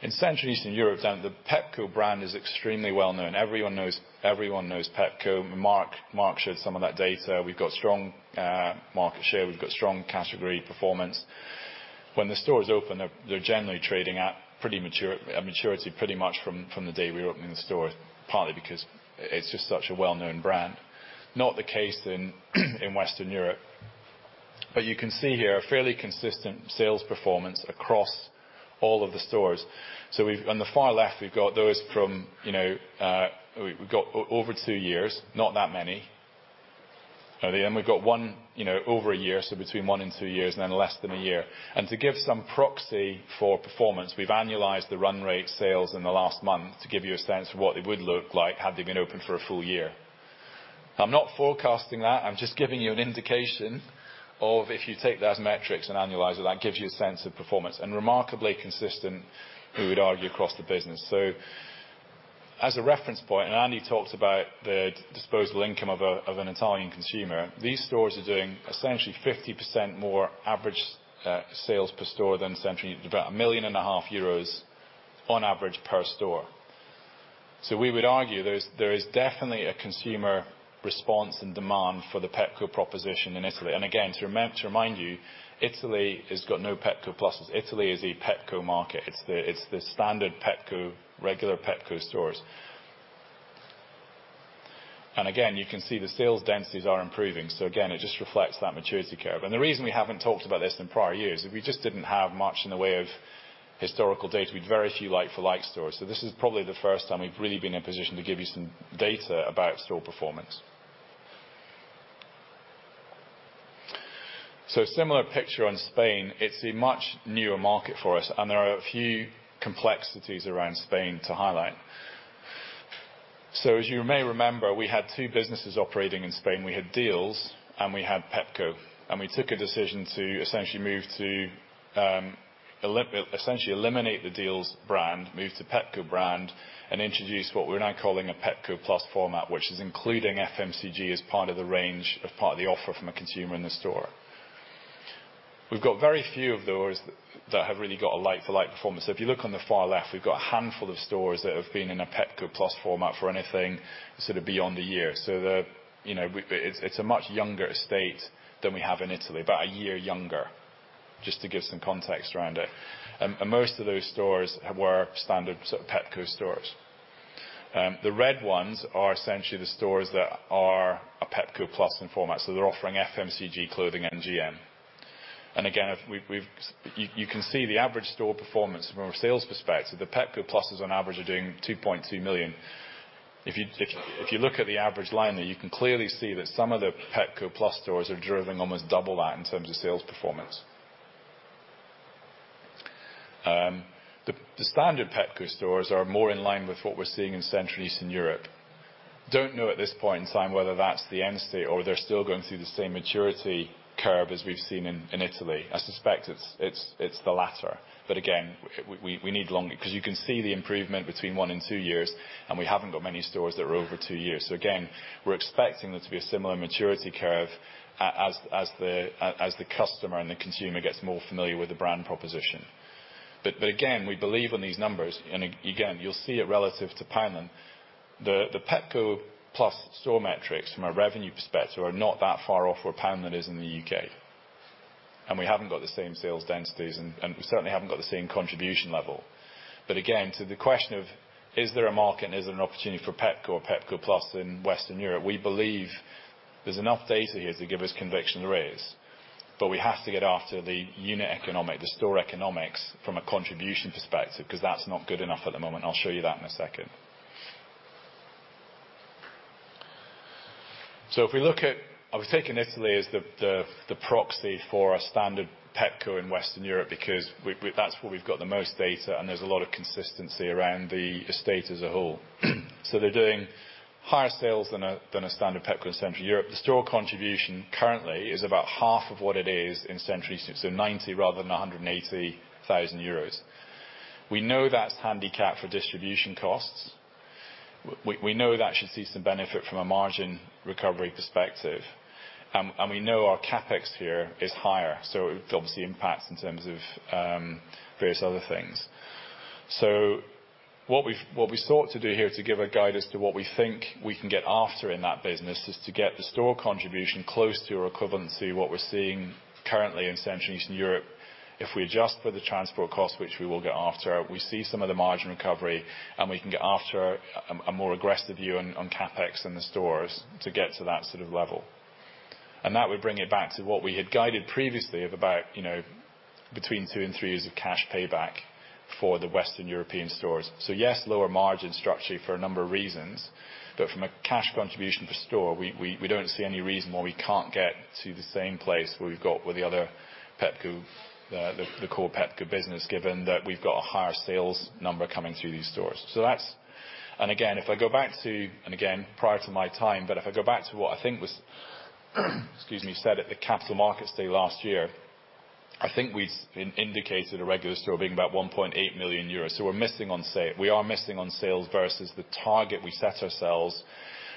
In Central Eastern Europe, the Pepco brand is extremely well known. Everyone knows Pepco. Mark shared some of that data. We've got strong market share. We've got strong category performance. When the stores open, they're generally trading at pretty mature maturity, pretty much from the day we open the store, partly because it's just such a well-known brand. Not the case in Western Europe. But you can see here a fairly consistent sales performance across all of the stores. So we've, on the far left, we've got those from, you know, we've got over two years, not that many. At the end, we've got one, you know, over a year, so between one and two years, and then less than a year. And to give some proxy for performance, we've annualized the run rate sales in the last month to give you a sense of what it would look like, had they been open for a full year. I'm not forecasting that. I'm just giving you an indication of if you take those metrics and annualize it, that gives you a sense of performance, and remarkably consistent, we would argue, across the business. So as a reference point, and Andy talked about the disposable income of a, of an Italian consumer, these stores are doing essentially 50% more average sales per store than Central and East, about EUR 1.5 million on average per store. So we would argue there is, there is definitely a consumer response and demand for the Pepco proposition in Italy. And again, to remind you, Italy has got no Pepco Pluses. Italy is a Pepco market. It's the, it's the standard Pepco, regular Pepco stores. And again, you can see the sales densities are improving, so again, it just reflects that maturity curve. The reason we haven't talked about this in prior years is we just didn't have much in the way of historical data. We had very few like-for-like stores. So this is probably the first time we've really been in a position to give you some data about store performance. So a similar picture on Spain. It's a much newer market for us, and there are a few complexities around Spain to highlight. So as you may remember, we had two businesses operating in Spain. We had Dealz, and we had Pepco, and we took a decision to essentially eliminate the Dealz brand, move to Pepco brand, and introduce what we're now calling a Pepco Plus format, which is including FMCG as part of the range, as part of the offer from a consumer in the store. We've got very few of those that have really got a like-for-like performance. So if you look on the far left, we've got a handful of stores that have been in a Pepco Plus format for anything sort of beyond a year. So the, you know, it's a much younger estate than we have in Italy, about a year younger, just to give some context around it. And most of those stores were standard sort of Pepco stores. The red ones are essentially the stores that are a Pepco Plus in format, so they're offering FMCG, clothing, and GM. And again, we've. You can see the average store performance from a sales perspective, the Pepco Pluses on average, are doing 2.2 million. If you look at the average line there, you can clearly see that some of the Pepco Plus stores are driving almost double that in terms of sales performance. The standard Pepco stores are more in line with what we're seeing in Central and Eastern Europe. Don't know, at this point in time, whether that's the end state or they're still going through the same maturity curve as we've seen in Italy. I suspect it's the latter. But again, we need long—'cause you can see the improvement between 1 and 2 years, and we haven't got many stores that are over 2 years. So again, we're expecting there to be a similar maturity curve as the customer and the consumer gets more familiar with the brand proposition. But again, we believe in these numbers, and again, you'll see it relative to Poundland. The Pepco Plus store metrics from a revenue perspective are not that far off where Poundland is in the U.K.. And we haven't got the same sales densities, and we certainly haven't got the same contribution level. But again, to the question of is there a market and is there an opportunity for Pepco or Pepco Plus in Western Europe, we believe there's enough data here to give us conviction there is, but we have to get after the unit economics, the store economics from a contribution perspective, 'cause that's not good enough at the moment. I'll show you that in a second. So if we look at... I was taking Italy as the proxy for a standard Pepco in Western Europe, because we, that's where we've got the most data, and there's a lot of consistency around the estate as a whole. So they're doing higher sales than a standard Pepco in Central Europe. The store contribution currently is about half of what it is in Central East. So 90,000 EUR rather than 180,000 euros. We know that's handicapped for distribution costs. We know that should see some benefit from a margin recovery perspective. And we know our CapEx here is higher, so it obviously impacts in terms of various other things. So what we sought to do here, to give a guide as to what we think we can get after in that business, is to get the store contribution close to or equivalent to what we're seeing currently in Central and Eastern Europe. If we adjust for the transport costs, which we will get after, we see some of the margin recovery, and we can get after a more aggressive view on CapEx in the stores to get to that sort of level. And that would bring it back to what we had guided previously of about, you know, between two and three years of cash payback for the Western European stores. So yes, lower margin structure for a number of reasons, but from a cash contribution per store, we don't see any reason why we can't get to the same place where we've got with the other Pepco, the core Pepco business, given that we've got a higher sales number coming through these stores. So that's... And again, if I go back to, and again, prior to my time, but if I go back to what I think was, excuse me, said at the Capital Markets Day last year, I think we indicated a regular store being about 1.8 million euros. So we're missing on sale. We are missing on sales versus the target we set ourselves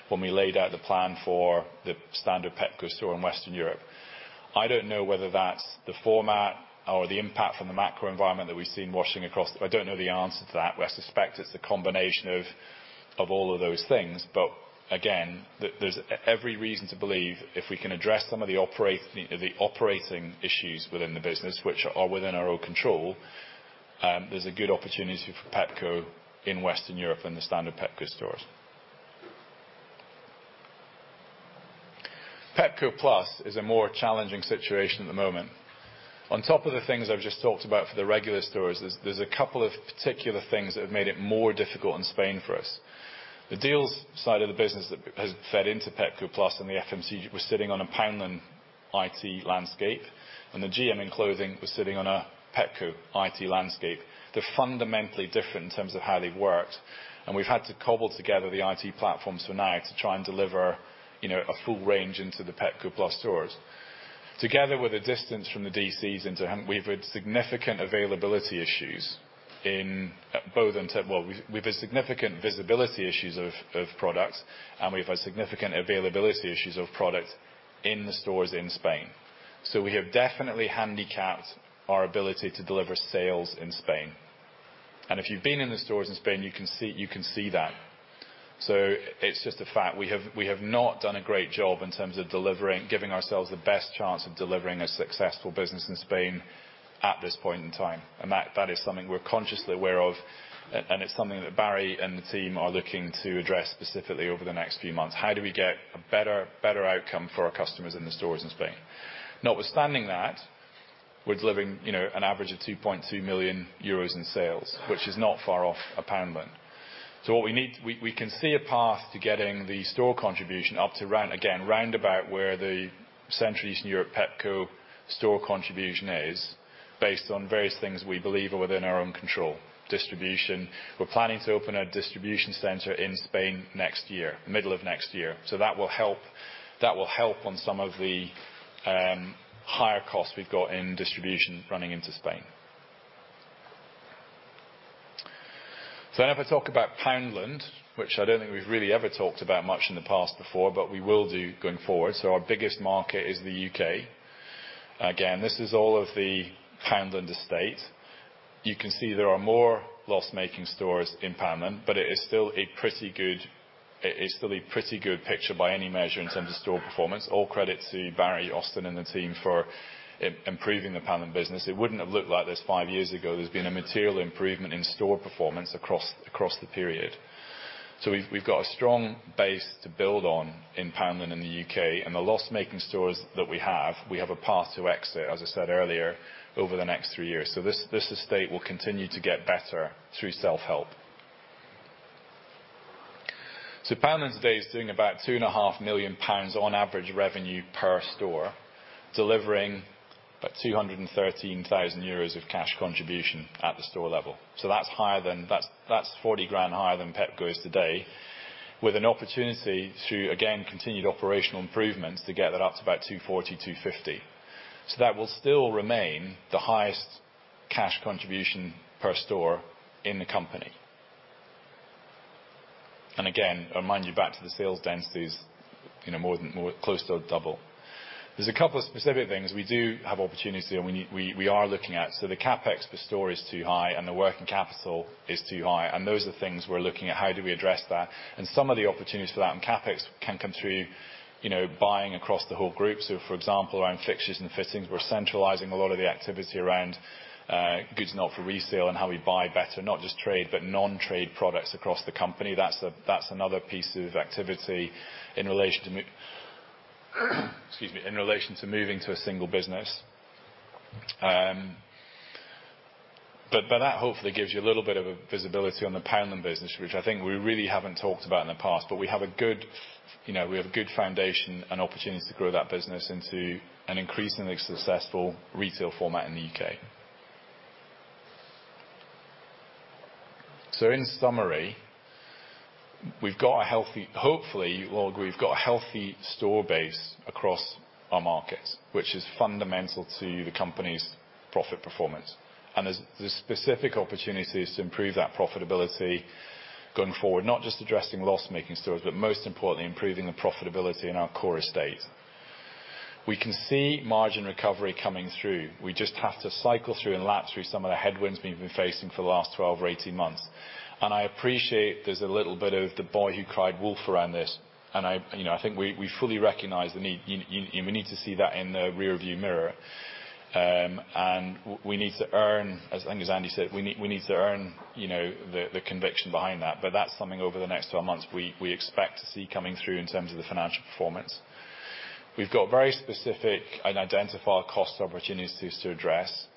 when we laid out the plan for the standard Pepco store in Western Europe. I don't know whether that's the format or the impact from the macro environment that we've seen washing across. I don't know the answer to that, but I suspect it's a combination of all of those things. But again, there's every reason to believe if we can address some of the operating issues within the business, which are within our own control, there's a good opportunity for Pepco in Western Europe and the standard Pepco stores. Pepco Plus is a more challenging situation at the moment. On top of the things I've just talked about for the regular stores, there's a couple of particular things that have made it more difficult in Spain for us. The Dealz side of the business that has fed into Pepco Plus and the FMCG, we're sitting on a Poundland IT landscape, and the GM in clothing was sitting on a Pepco IT landscape. They're fundamentally different in terms of how they've worked, and we've had to cobble together the IT platforms for now to try and deliver, you know, a full range into the Pepco Plus stores. Together, with a distance from the DCs into... We've had significant availability issues in, both in term-- Well, we've, we've had significant visibility issues of, of products, and we've had significant availability issues of products in the stores in Spain. So we have definitely handicapped our ability to deliver sales in Spain. And if you've been in the stores in Spain, you can see, you can see that. So it's just a fact. We have, we have not done a great job in terms of delivering, giving ourselves the best chance of delivering a successful business in Spain at this point in time. And that, that is something we're consciously aware of, and, and it's something that Barry and the team are looking to address specifically over the next few months. How do we get a better, better outcome for our customers in the stores in Spain? Notwithstanding that, we're delivering, you know, an average of 2.2 million euros in sales, which is not far off a Poundland. So what we need, We, we can see a path to getting the store contribution up to round, again, round about where the Central Eastern Europe Pepco store contribution is, based on various things we believe are within our own control. Distribution. We're planning to open a distribution center in Spain next year, middle of next year. So that will help, that will help on some of the higher costs we've got in distribution running into Spain. So then if I talk about Poundland, which I don't think we've really ever talked about much in the past before, but we will do going forward. So our biggest market is the U.K. Again, this is all of the Poundland estate. You can see there are more loss-making stores in Poundland, but it is still a pretty good, it is still a pretty good picture by any measure in terms of store performance. All credit to Barry, Austin, and the team for improving the Poundland business. It wouldn't have looked like this five years ago. There's been a material improvement in store performance across the period. So we've got a strong base to build on in Poundland and the U.K., and the loss-making stores that we have, we have a path to exit, as I said earlier, over the next three years. So this estate will continue to get better through self-help. So Poundland today is doing about 2.5 million pounds on average revenue per store, delivering about 213,000 euros of cash contribution at the store level. So that's higher than that, that's 40,000 higher than Pepco today, with an opportunity through, again, continued operational improvements to get that up to about 240 thousand - 250 thousand. So that will still remain the highest cash contribution per store in the company. And again, I remind you back to the sales densities, you know, more than, close to double. There's a couple of specific things we do have opportunities, and we need—we are looking at. So the CapEx per store is too high, and the working capital is too high, and those are the things we're looking at. How do we address that? And some of the opportunities for that in CapEx can come through, you know, buying across the whole group. So, for example, around fixtures and fittings, we're centralizing a lot of the activity around goods not for resale and how we buy better, not just trade, but non-trade products across the company. That's a, that's another piece of activity in relation to excuse me, in relation to moving to a single business. But that hopefully gives you a little bit of a visibility on the Poundland business, which I think we really haven't talked about in the past, but we have a good, you know, we have a good foundation and opportunities to grow that business into an increasingly successful retail format in the U.K.. So in summary, we've got a healthy... Hopefully, you will agree, we've got a healthy store base across our markets, which is fundamental to the company's profit performance. There's specific opportunities to improve that profitability going forward, not just addressing loss-making stores, but most importantly, improving the profitability in our core estate. We can see margin recovery coming through. We just have to cycle through and lapse through some of the headwinds we've been facing for the last 12 or 18 months. I appreciate there's a little bit of the boy who cried wolf around this, and I, you know, I think we fully recognize the need. You and we need to see that in the rearview mirror. We need to earn, as I think as Andy said, we need to earn, you know, the conviction behind that, but that's something over the next 12 months, we expect to see coming through in terms of the financial performance. We've got very specific and identifiable cost opportunities to address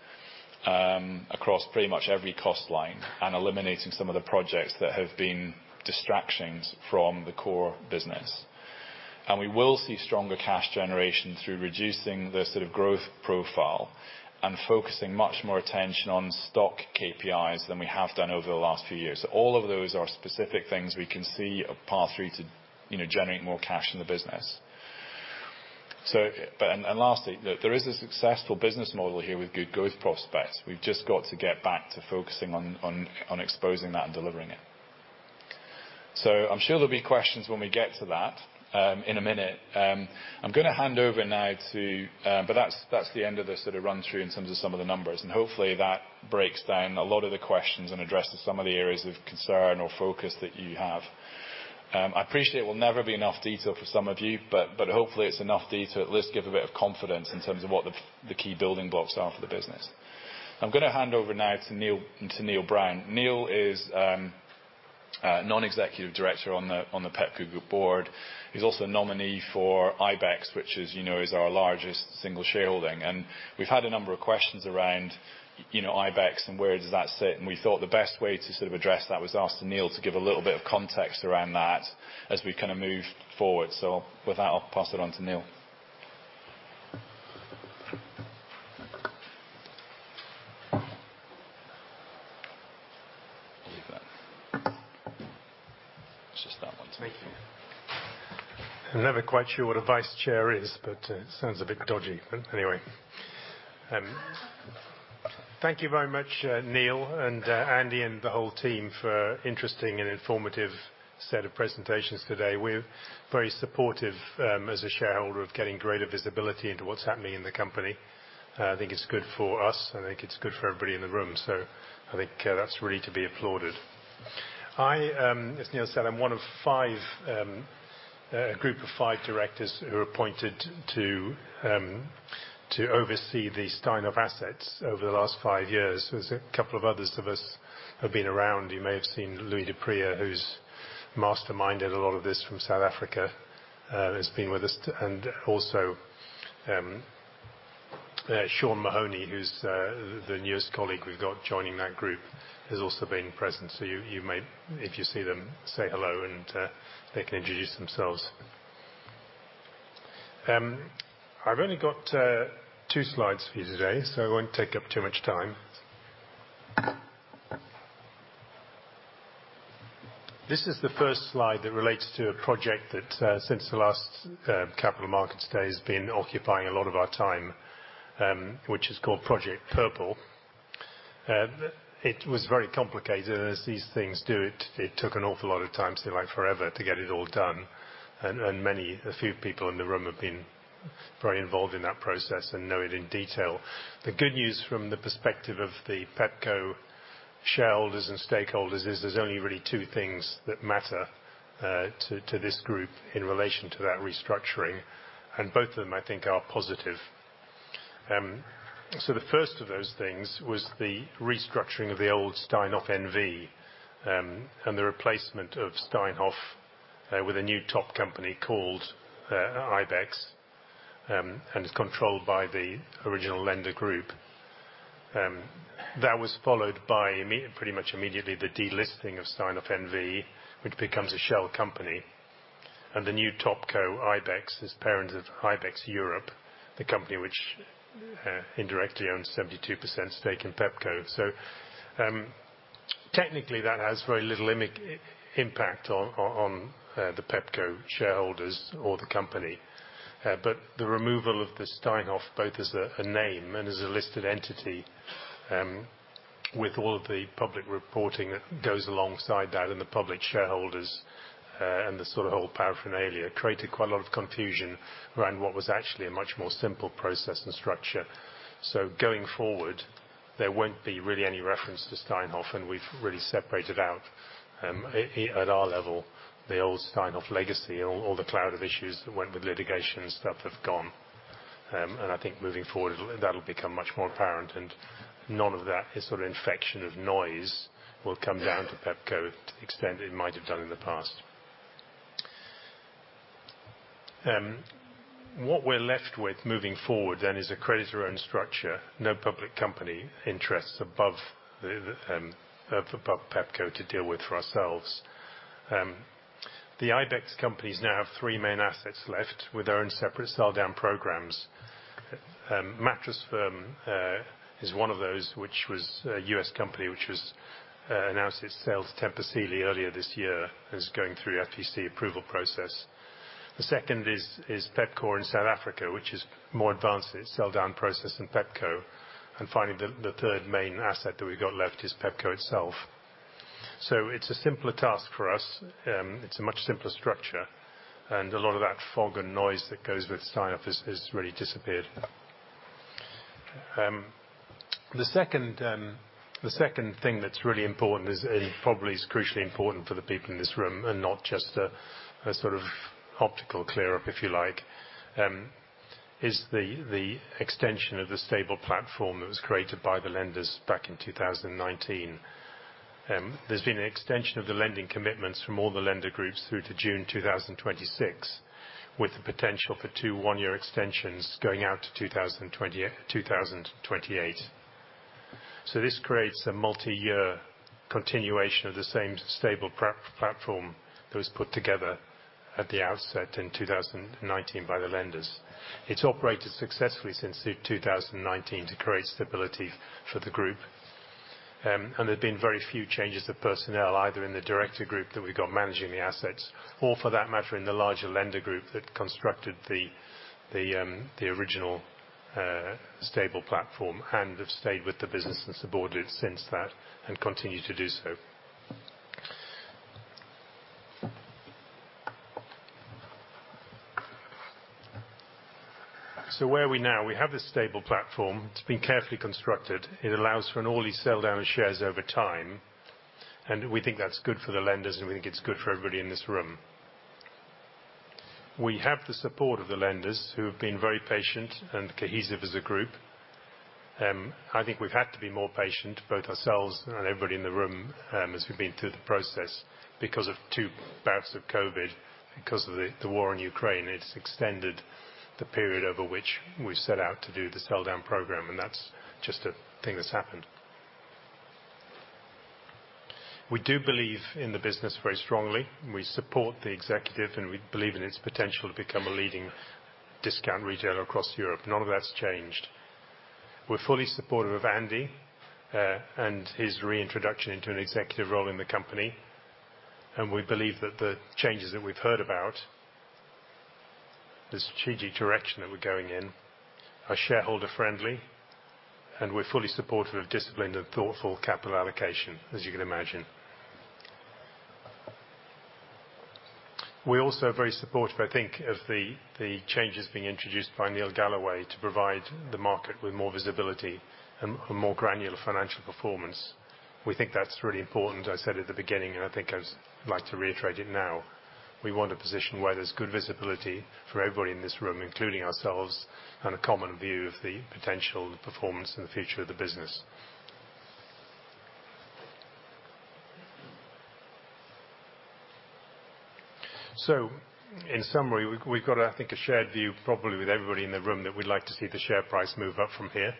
across pretty much every cost line, and eliminating some of the projects that have been distractions from the core business. We will see stronger cash generation through reducing the sort of growth profile and focusing much more attention on stock KPIs than we have done over the last few years. So all of those are specific things we can see a path through to, you know, generate more cash in the business. And lastly, there is a successful business model here with good growth prospects. We've just got to get back to focusing on exposing that and delivering it. So I'm sure there'll be questions when we get to that in a minute. I'm gonna hand over now to... But that's the end of this sort of run-through in terms of some of the numbers, and hopefully, that breaks down a lot of the questions and addresses some of the areas of concern or focus that you have. I appreciate it will never be enough detail for some of you, but, but hopefully, it's enough detail to at least give a bit of confidence in terms of what the key building blocks are for the business. I'm gonna hand over now to Neil, to Neil Brown. Neil is Non-Executive Director on the Pepco Group board. He's also a nominee for Ibex, which is, you know, is our largest single shareholding. And we've had a number of questions around, you know, Ibex and where does that sit, and we thought the best way to sort of address that was ask Neil to give a little bit of context around that as we kind of move forward. So with that, I'll pass it on to Neil. Leave that. It's just that one. Thank you. I'm never quite sure what a vice chair is, but, it sounds a bit dodgy. But anyway, thank you very much, Neil and, Andy, and the whole team for interesting and informative set of presentations today. We're very supportive, as a shareholder of getting greater visibility into what's happening in the company. I think it's good for us, I think it's good for everybody in the room, so I think, that's really to be applauded. I, as Neil said, I'm one of five, a group of five directors who are appointed to, to oversee the Steinhoff assets over the last five years. There's a couple of others of us who have been around. You may have seen Louis du Preez, who's masterminded a lot of this from South Africa, has been with us, and also, Sean Mahoney, who's the newest colleague we've got joining that group, has also been present. So you may, if you see them, say hello, and they can introduce themselves. I've only got two slides for you today, so I won't take up too much time. This is the first slide that relates to a project that, since the last capital markets day, has been occupying a lot of our time, which is called Project Purple. It was very complicated, and as these things do, it took an awful lot of time, seemed like forever, to get it all done. A few people in the room have been very involved in that process and know it in detail. The good news from the perspective of the Pepco shareholders and stakeholders is there's only really two things that matter to this group in relation to that restructuring, and both of them, I think, are positive. So the first of those things was the restructuring of the old Steinhoff NV and the replacement of Steinhoff with a new top company called Ibex, and is controlled by the original lender group. That was followed by immediate, pretty much immediately, the delisting of Steinhoff NV, which becomes a shell company, and the new top co, Ibex, is parent of Ibex Europe, the company which indirectly owns 72% stake in Pepco. So, technically, that has very little impact on the Pepco shareholders or the company. But the removal of the Steinhoff, both as a name and as a listed entity, with all of the public reporting that goes alongside that, and the public shareholders, and the sort of whole paraphernalia, created quite a lot of confusion around what was actually a much more simple process and structure. So going forward, there won't be really any reference to Steinhoff, and we've really separated out, at our level, the old Steinhoff legacy. All the cloud of issues that went with litigation and stuff have gone. And I think moving forward, that'll become much more apparent, and none of that sort of infection of noise will come down to Pepco to the extent it might have done in the past. What we're left with moving forward then is a creditor-owned structure, no public company interests above Pepco to deal with for ourselves. The Ibex companies now have three main assets left with their own separate sell down programs. Mattress Firm is one of those, which was a U.S. company, which was announced its sale to Tempur Sealy earlier this year, is going through FTC approval process. The second is Pepkor in South Africa, which is more advanced in its sell down process than Pepco. And finally, the third main asset that we've got left is Pepco itself. So it's a simpler task for us. It's a much simpler structure, and a lot of that fog and noise that goes with Steinhoff has really disappeared. The second thing that's really important is, and probably is crucially important for the people in this room, and not just a sort of optical cleanup, if you like, is the extension of the stable platform that was created by the lenders back in 2019. There's been an extension of the lending commitments from all the lender groups through to June 2026, with the potential for two 1-year extensions going out to 2028. So this creates a multiyear continuation of the same stable platform that was put together at the outset in 2019 by the lenders. It's operated successfully since 2019 to create stability for the group. And there've been very few changes of personnel, either in the director group that we've got managing the assets, or for that matter, in the larger lender group that constructed the original stable platform, and have stayed with the business and supported since that, and continue to do so. So where are we now? We have this stable platform. It's been carefully constructed. It allows for an orderly sell down of shares over time, and we think that's good for the lenders, and we think it's good for everybody in this room. We have the support of the lenders, who have been very patient and cohesive as a group. I think we've had to be more patient, both ourselves and everybody in the room, as we've been through the process, because of two bouts of COVID, because of the war in Ukraine, it's extended the period over which we set out to do the sell down program, and that's just a thing that's happened. We do believe in the business very strongly. We support the executive, and we believe in its potential to become a leading discount retailer across Europe. None of that's changed. We're fully supportive of Andy, and his reintroduction into an executive role in the company, and we believe that the changes that we've heard about, the strategic direction that we're going in, are shareholder friendly, and we're fully supportive of disciplined and thoughtful capital allocation, as you can imagine. We're also very supportive, I think, of the changes being introduced by Neil Galloway to provide the market with more visibility and more granular financial performance. We think that's really important. I said at the beginning, and I think I'd like to reiterate it now, we want a position where there's good visibility for everybody in this room, including ourselves, and a common view of the potential, the performance, and the future of the business. So in summary, we've got, I think, a shared view, probably with everybody in the room, that we'd like to see the share price move up from here.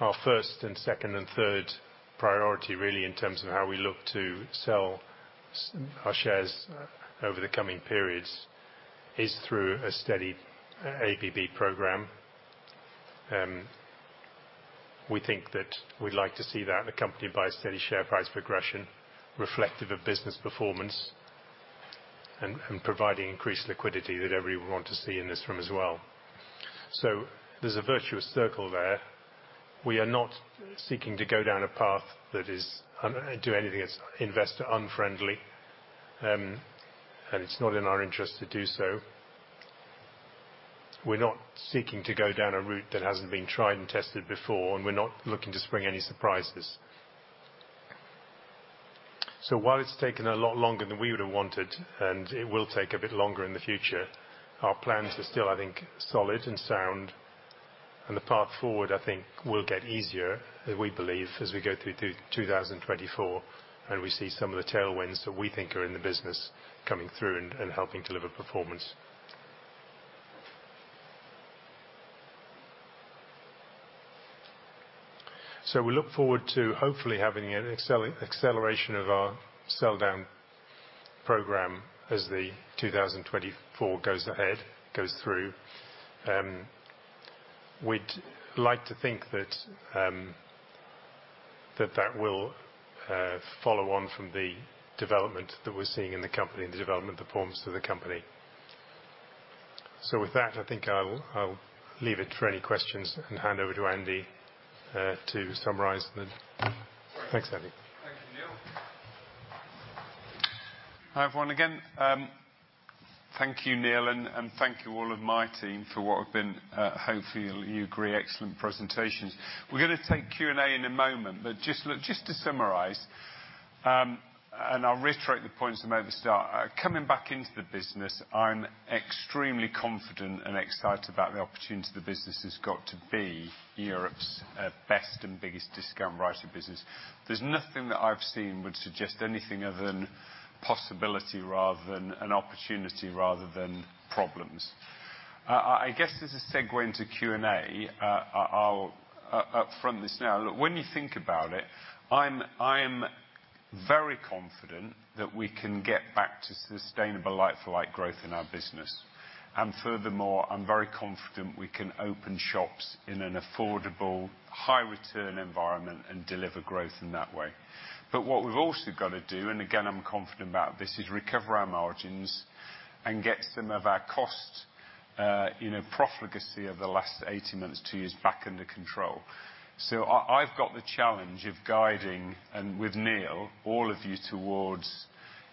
Our first and second and third priority, really, in terms of how we look to sell our shares over the coming periods, is through a steady ABB program. We think that we'd like to see that accompanied by a steady share price progression reflective of business performance and providing increased liquidity that everyone want to see in this room as well. There's a virtuous circle there. We are not seeking to go down a path to do anything that's investor unfriendly, and it's not in our interest to do so. We're not seeking to go down a route that hasn't been tried and tested before, and we're not looking to spring any surprises. So while it's taken a lot longer than we would have wanted, and it will take a bit longer in the future, our plans are still, I think, solid and sound, and the path forward, I think, will get easier, as we believe, as we go through to 2024, and we see some of the tailwinds that we think are in the business coming through and helping deliver performance. So we look forward to hopefully having an acceleration of our sell down program as 2024 goes ahead, goes through. We'd like to think that that will follow on from the development that we're seeing in the company and the development performs to the company. So with that, I think I'll leave it for any questions and hand over to Andy to summarize then. Thanks, Andy. Thank you, Neil. Hi, everyone, again. Thank you, Neil, and thank you all of my team, for what have been, hopefully you agree, excellent presentations. We're gonna take Q&A in a moment, but just look, just to summarize, and I'll reiterate the points I made at the start. Coming back into the business, I'm extremely confident and excited about the opportunity the business has got to be Europe's best and biggest discount variety business. There's nothing that I've seen would suggest anything other than opportunity rather than problems. I guess as a segue into Q&A, I'll upfront this now. Look, when you think about it, I'm very confident that we can get back to sustainable like-for-like growth in our business. Furthermore, I'm very confident we can open shops in an affordable, high return environment and deliver growth in that way. But what we've also got to do, and again, I'm confident about this, is recover our margins and get some of our cost, you know, profligacy over the last 18 months, 2 years, back under control. So I, I've got the challenge of guiding, and with Neil, all of you towards,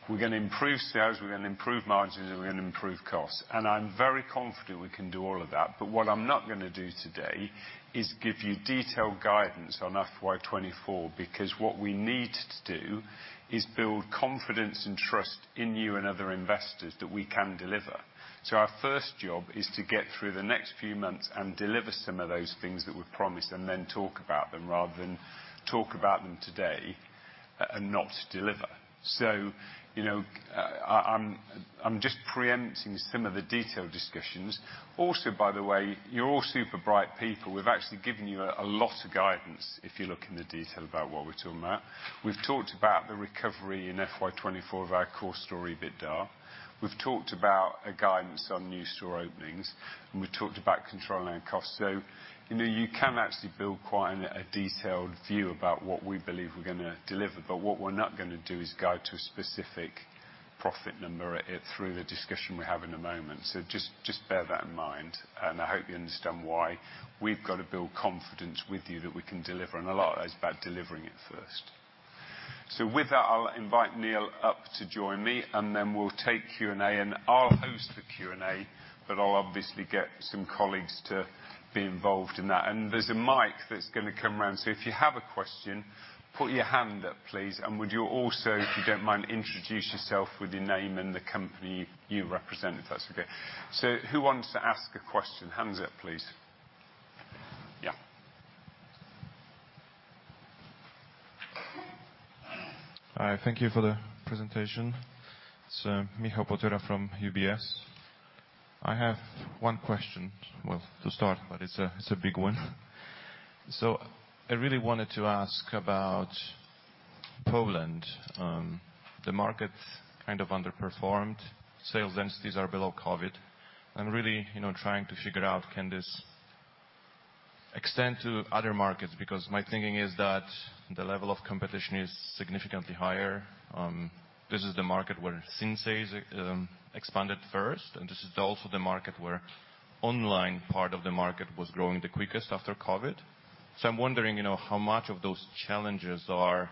we're gonna improve sales, we're gonna improve margins, and we're gonna improve costs. And I'm very confident we can do all of that, but what I'm not gonna do today is give you detailed guidance on FY 2024, because what we need to do is build confidence and trust in you and other investors that we can deliver. So our first job is to get through the next few months and deliver some of those things that we've promised, and then talk about them, rather than talk about them today and not deliver. So, you know, I, I'm just preempting some of the detailed discussions. Also, by the way, you're all super bright people. We've actually given you a lot of guidance, if you look in the detail about what we're talking about. We've talked about the recovery in FY 2024 of our core story, EBITDA. We've talked about a guidance on new store openings, and we've talked about controlling our costs. So, you know, you can actually build quite a detailed view about what we believe we're gonna deliver, but what we're not gonna do is go to a specific profit number at, through the discussion we have in a moment. So just, just bear that in mind, and I hope you understand why. We've got to build confidence with you that we can deliver, and a lot of that is about delivering it first. So with that, I'll invite Neil up to join me, and then we'll take Q&A. And I'll host the Q&A, but I'll obviously get some colleagues to be involved in that. And there's a mic that's gonna come round, so if you have a question, put your hand up, please. And would you also, if you don't mind, introduce yourself with your name and the company you represent, if that's okay. So who wants to ask a question? Hands up, please. Yeah. Hi, thank you for the presentation. It's Michal Potyra from UBS. I have one question, well, to start, but it's a big one. So I really wanted to ask about Poland. The market kind of underperformed. Sales densities are below COVID, and really, you know, trying to figure out, can this extend to other markets? Because my thinking is that the level of competition is significantly higher. This is the market where Sinsay expanded first, and this is also the market where online part of the market was growing the quickest after COVID. So I'm wondering, you know, how much of those challenges are,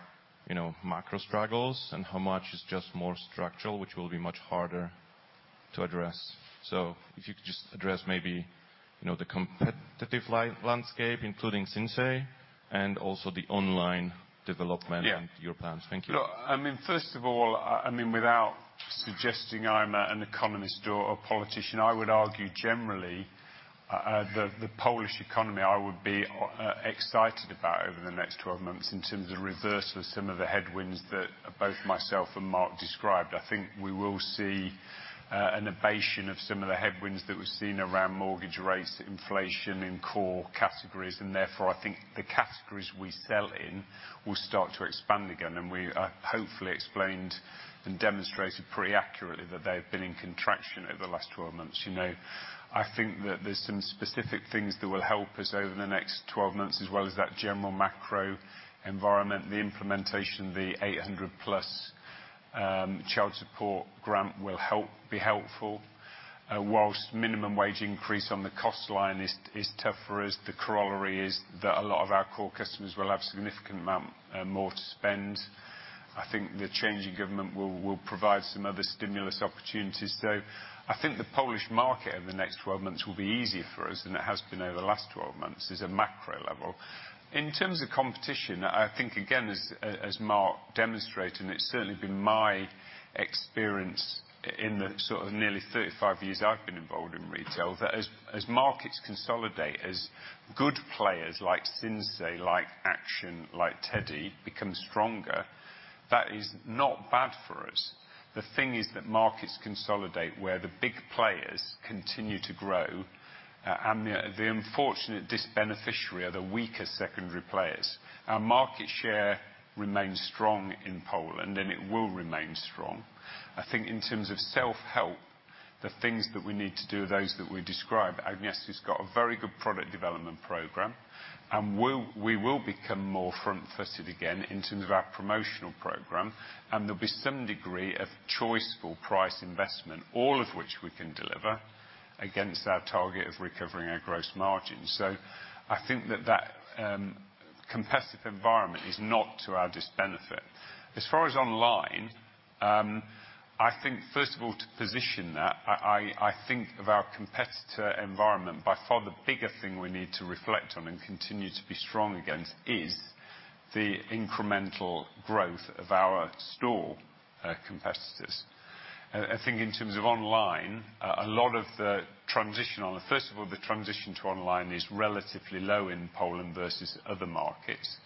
you know, macro struggles, and how much is just more structural, which will be much harder to address? So if you could just address maybe, you know, the competitive landscape, including Sinsay, and also the online development- Yeah. and your plans. Thank you. Look, I mean, first of all, I mean, without suggesting I'm an economist or a politician, I would argue generally, the Polish economy, I would be excited about over the next 12 months in terms of reversal of some of the headwinds that both myself and Mark described. I think we will see an ablation of some of the headwinds that we've seen around mortgage rates, inflation in core categories, and therefore, I think the categories we sell in will start to expand again. And we, I hopefully explained and demonstrated pretty accurately that they've been in contraction over the last 12 months. You know, I think that there's some specific things that will help us over the next 12 months, as well as that general macro environment, the implementation, the 800+ child support grant will help be helpful. While minimum wage increase on the cost line is tough for us, the corollary is that a lot of our core customers will have a significant amount more to spend. I think the change in government will provide some other stimulus opportunities. So I think the Polish market over the next 12 months will be easier for us than it has been over the last 12 months at a macro level. In terms of competition, I think, again, as Mark demonstrated, and it's certainly been my experience in the sort of nearly 35 years I've been involved in retail, that as markets consolidate, as good players like Sinsay, like Action, like TEDi, become stronger, that is not bad for us. The thing is that markets consolidate where the big players continue to grow. And the unfortunate disbeneficiary are the weaker secondary players. Our market share remains strong in Poland, and it will remain strong. I think in terms of self-help, the things that we need to do are those that we described. Agnieszka's got a very good product development program, and we'll—we will become more front-footed again in terms of our promotional program, and there'll be some degree of choice or price investment, all of which we can deliver against our target of recovering our gross margins. So I think that that competitive environment is not to our disbenefit. As far as online, I think, first of all, to position that, I think of our competitor environment, by far, the bigger thing we need to reflect on and continue to be strong against is the incremental growth of our store competitors. I think in terms of online, a lot of the transition on the... First of all, the transition to online is relatively low in Poland versus other markets.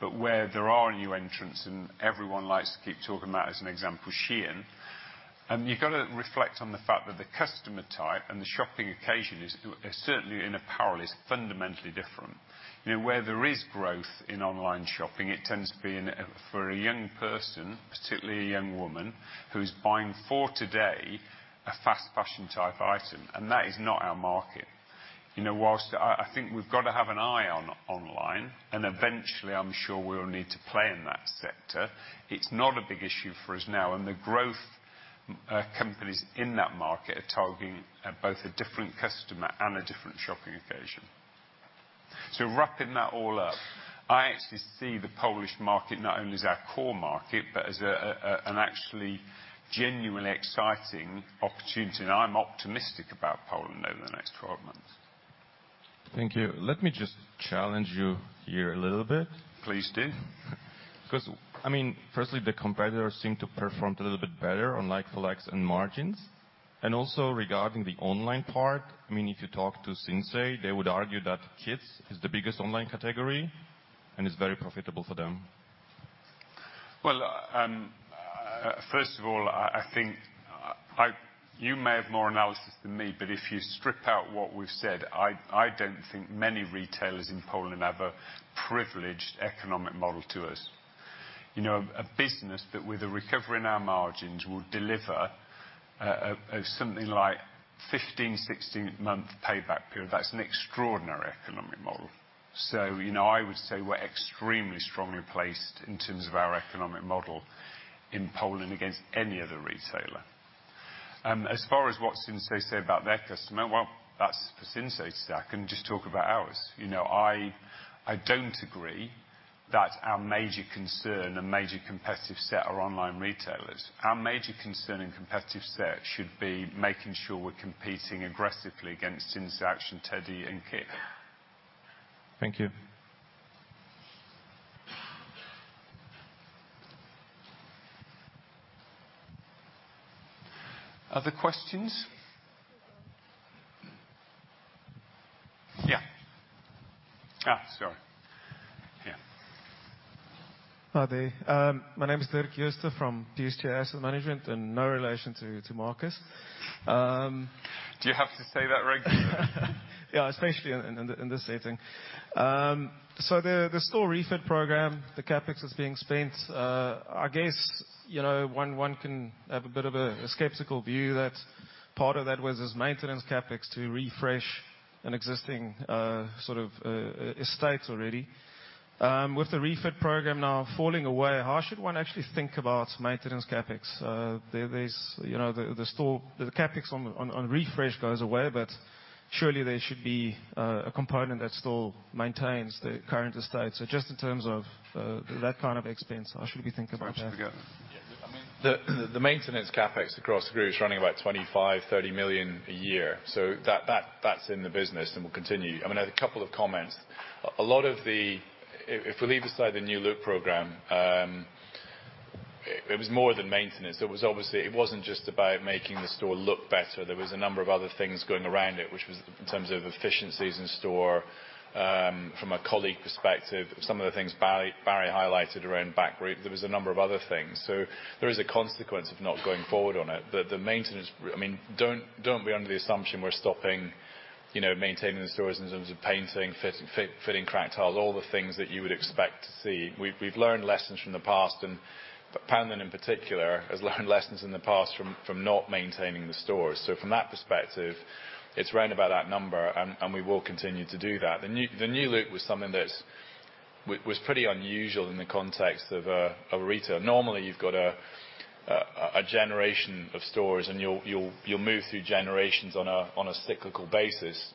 But where there are new entrants, and everyone likes to keep talking about, as an example, Shein, you've got to reflect on the fact that the customer type and the shopping occasion is, certainly in a power, is fundamentally different. You know, where there is growth in online shopping, it tends to be in, for a young person, particularly a young woman, who's buying for today, a fast fashion type item, and that is not our market. You know, whilst I think we've got to have an eye on online, and eventually, I'm sure we'll need to play in that sector, it's not a big issue for us now, and the growth companies in that market are targeting, both a different customer and a different shopping occasion. Wrapping that all up, I actually see the Polish market not only as our core market, but as an actually genuinely exciting opportunity. I'm optimistic about Poland over the next 12 months. Thank you. Let me just challenge you here a little bit. Please do. 'Cause, I mean, firstly, the competitors seem to perform a little bit better on like-for-likes and margins. And also regarding the online part, I mean, if you talk to Sinsay, they would argue that kids is the biggest online category and is very profitable for them. Well, first of all, I think, you may have more analysis than me, but if you strip out what we've said, I don't think many retailers in Poland have a privileged economic model to us. You know, a business that, with a recovery in our margins, will deliver something like 15-16-month payback period. That's an extraordinary economic model. So, you know, I would say we're extremely strongly placed in terms of our economic model in Poland against any other retailer. As far as what Sinsay say about their customer, well, that's for Sinsay to say. I can just talk about ours. You know, I don't agree that our major concern and major competitive set are online retailers. Our major concern and competitive set should be making sure we're competing aggressively against Sinsay, Action, TEDi, and KiK. Thank you. Other questions? Yeah. Ah, sorry. Yeah. Hi there. My name is Dirk Jooste from DJ Asset Management, and no relation to Marcus. Do you have to say that regularly? Yeah, especially in this setting. So the store refit program, the CapEx that's being spent, I guess, you know, one can have a bit of a skeptical view that part of that was as maintenance CapEx to refresh an existing sort of estate already. With the refit program now falling away, how should one actually think about maintenance CapEx? There's, you know, the store, the CapEx on refresh goes away, but surely there should be a component that still maintains the current estate. So just in terms of that kind of expense, how should we think about that? I mean, the maintenance CapEx across the group is running about 25-30 million a year, so that's in the business and will continue. I mean, I have a couple of comments. A lot of the... If we leave aside the New Look program, it was more than maintenance. It was obviously, it wasn't just about making the store look better. There was a number of other things going around it, which was in terms of efficiencies in store, from a colleague perspective, some of the things Barry highlighted around back room. There was a number of other things. So there is a consequence of not going forward on it. The maintenance, I mean, don't be under the assumption we're stopping, you know, maintaining the stores in terms of painting, fitting cracked tiles, all the things that you would expect to see. We've learned lessons from the past, and Poundland, in particular, has learned lessons in the past from not maintaining the stores. So from that perspective, it's around about that number, and we will continue to do that. The New Look was something that was pretty unusual in the context of a retailer. Normally, you've got a generation of stores, and you'll move through generations on a cyclical basis.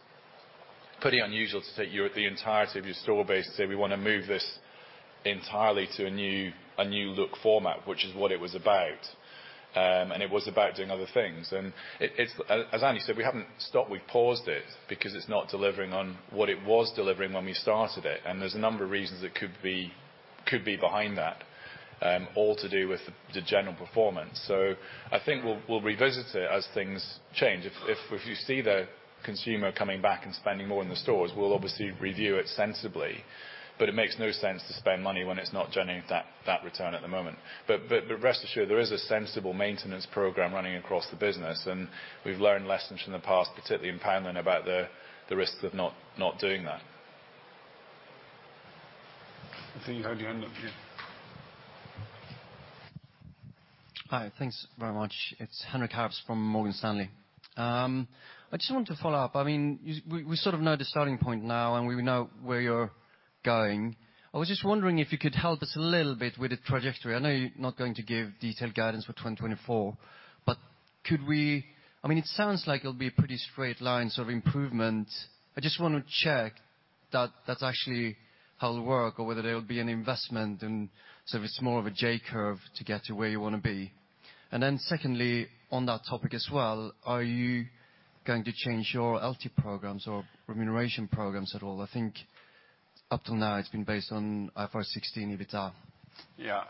Pretty unusual to take the entirety of your store base and say, "We want to move this entirely to a new New Look format," which is what it was about. It was about doing other things. It's, as Andy said, we haven't stopped. We've paused it because it's not delivering on what it was delivering when we started it, and there's a number of reasons that could be behind that, all to do with the general performance. So I think we'll revisit it as things change. If you see the consumer coming back and spending more in the stores, we'll obviously review it sensibly. But it makes no sense to spend money when it's not generating that return at the moment. But rest assured, there is a sensible maintenance program running across the business, and we've learned lessons from the past, particularly in Poundland, about the risks of not doing that. I think you had your hand up, yeah. Hi, thanks very much. It's Henry Cackett from Morgan Stanley. I just wanted to follow up. I mean, you, we, we sort of know the starting point now, and we know where you're going. I was just wondering if you could help us a little bit with the trajectory. I know you're not going to give detailed guidance for 2024, but could we... I mean, it sounds like it'll be a pretty straight line of improvement. I just want to check that that's actually how it'll work, or whether there will be an investment, and so if it's more of a J curve to get to where you want to be. And then secondly, on that topic as well, are you going to change your LT programs or remuneration programs at all? I think up till now, it's been based on IFRS 16 EBITDA. Yeah.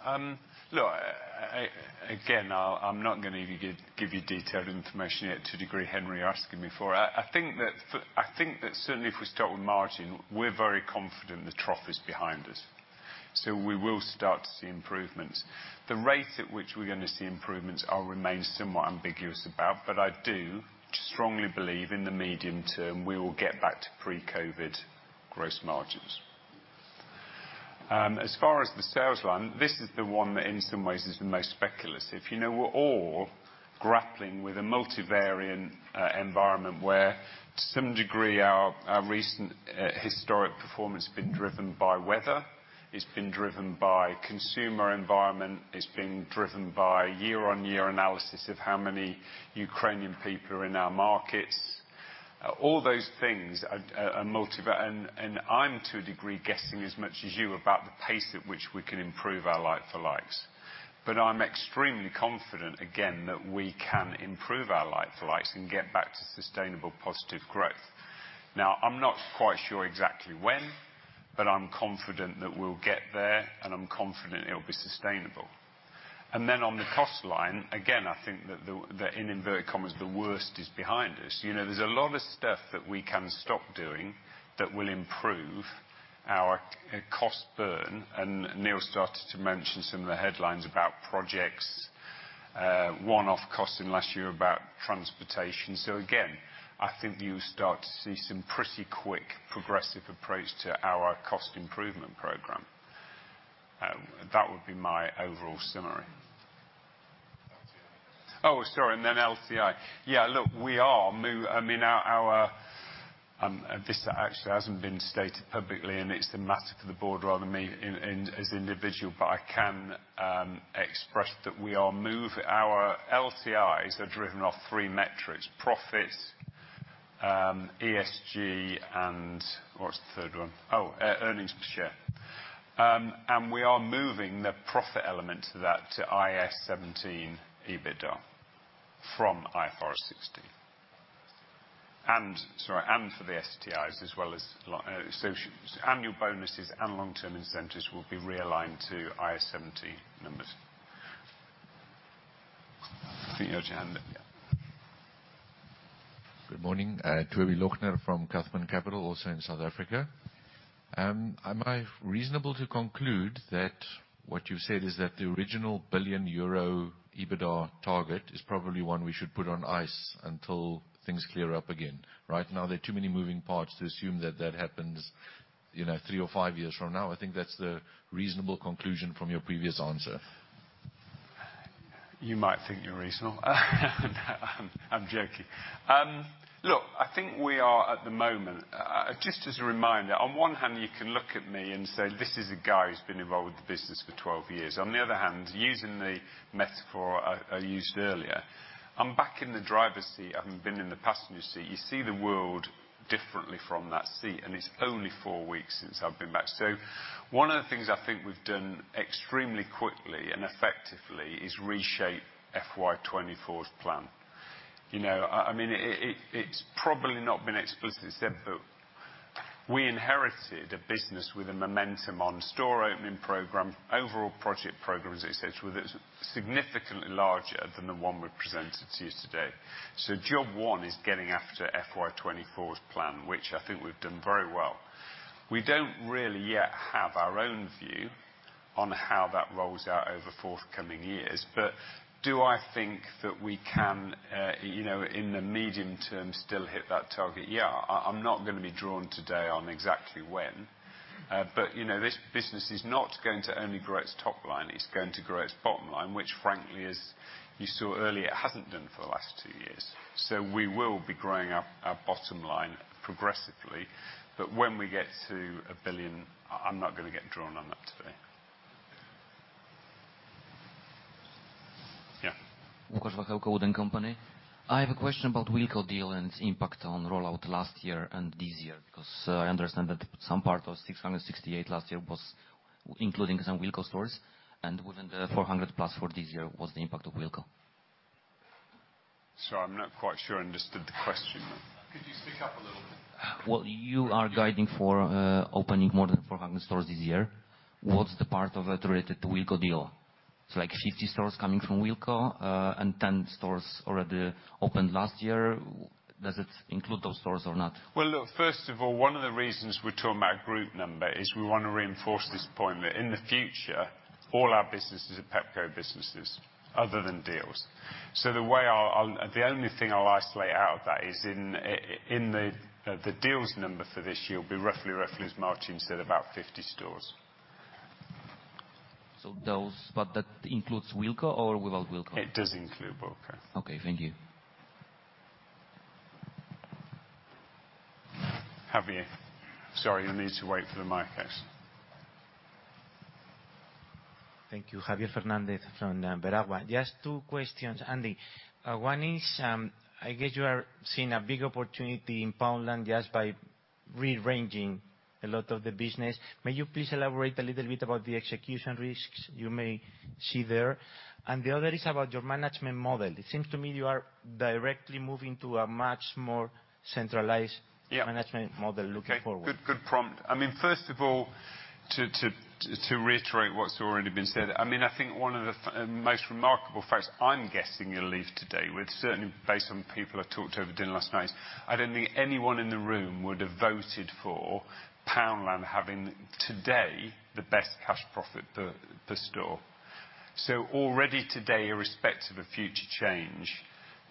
Look, I, again, I'm not going to give you, give you detailed information yet to the degree Henry, you're asking me for. I, I think that, I think that certainly if we start with margin, we're very confident the trough is behind us, so we will start to see improvements. The rate at which we're going to see improvements, I'll remain somewhat ambiguous about, but I do strongly believe in the medium term, we will get back to pre-COVID gross margins. As far as the sales line, this is the one that in some ways is the most speculative. You know, we're all grappling with a multivariant environment where to some degree, our, our recent historic performance has been driven by weather. It's been driven by consumer environment. It's been driven by year-on-year analysis of how many Ukrainian people are in our markets. All those things are multi-var- and I'm, to a degree, guessing as much as you about the pace at which we can improve our like-for-likes. But I'm extremely confident, again, that we can improve our like-for-likes and get back to sustainable positive growth. Now, I'm not quite sure exactly when, but I'm confident that we'll get there, and I'm confident it'll be sustainable. And then on the cost line, again, I think that the, the, in inverted commas, the worst is behind us. You know, there's a lot of stuff that we can stop doing that will improve our cost burn, and Neil started to mention some of the headlines about projects, one-off costs in last year about transportation. So again, I think you'll start to see some pretty quick, progressive approach to our cost improvement program. That would be my overall summary. LTI. Oh, sorry, and then LTI. Yeah, look, I mean, our, our, this actually hasn't been stated publicly, and it's the matter for the board rather than me in, in, as an individual, but I can express that we are... Our LTIs are driven off three metrics, profits, ESG, and what's the third one? Oh, earnings per share. And we are moving the profit element to that, to IAS 17 EBITDA from IFRS 16. And sorry, and for the STIs as well as, so annual bonuses and long-term incentives will be realigned to IAS 17 numbers. I think you had your hand up, yeah. Good morning, Tobie Lochner from CUTHMAN CAPITAL, also in South Africa. Am I reasonable to conclude that what you've said is that the original 1 billion euro EBITDA target is probably one we should put on ice until things clear up again? Right now, there are too many moving parts to assume that that happens, you know, three or five years from now. I think that's the reasonable conclusion from your previous answer. You might think you're reasonable. I'm joking. Look, I think we are at the moment just as a reminder, on one hand, you can look at me and say, "This is a guy who's been involved with the business for 12 years." On the other hand, using the metaphor I used earlier, I'm back in the driver's seat. I haven't been in the passenger seat. You see the world differently from that seat, and it's only 4 weeks since I've been back. So one of the things I think we've done extremely quickly and effectively is reshape FY 2024's plan. You know, I mean, it's probably not been explicitly said, but we inherited a business with a momentum on store opening program, overall project programs, et cetera, that's significantly larger than the one we've presented to you today. So job one is getting after FY 2024's plan, which I think we've done very well. We don't really yet have our own view on how that rolls out over forthcoming years. But do I think that we can, you know, in the medium term, still hit that target? Yeah, I, I'm not going to be drawn today on exactly when, but, you know, this business is not going to only grow its top line. It's going to grow its bottom line, which frankly, as you saw earlier, it hasn't done for the last two years. So we will be growing our, our bottom line progressively, but when we get to 1 billion, I'm not going to get drawn on that today. Yeah. Lukasz Wachel, Wood & Company. I have a question about Wilko deal and its impact on rollout last year and this year, because I understand that some part of 668 last year was including some Wilko stores, and within the 400+ for this year, what's the impact of Wilko? Sorry, I'm not quite sure I understood the question. Could you speak up a little bit? Well, you are guiding for opening more than 400 stores this year. What's the part of it related to Wilko deal? So like 50 stores coming from Wilko, and 10 stores already opened last year. Does it include those stores or not? Well, look, first of all, one of the reasons we're talking about group number is we want to reinforce this point, that in the future, all our businesses are Pepco businesses other than Dealz. So the way I'll. The only thing I'll isolate out of that is in the Dealz number for this year will be roughly, as Marcin said, about 50 stores. So those, but that includes Wilko or without Wilko? It does include Wilko. Okay, thank you. Javier. Sorry, you need to wait for the mic next. Thank you. Javier Fernandez from Beragua. Just two questions, Andy. One is, I guess you are seeing a big opportunity in Poundland just by rearranging a lot of the business. May you please elaborate a little bit about the execution risks you may see there? And the other is about your management model. It seems to me you are directly moving to a much more centralized- Yeah management model looking forward. Okay, good, good prompt. I mean, first of all, to reiterate what's already been said, I mean, I think one of the most remarkable facts I'm guessing you'll leave today with, certainly based on people I talked to over dinner last night. I don't think anyone in the room would have voted for Poundland having, today, the best cash profit per store. So already today, irrespective of future change,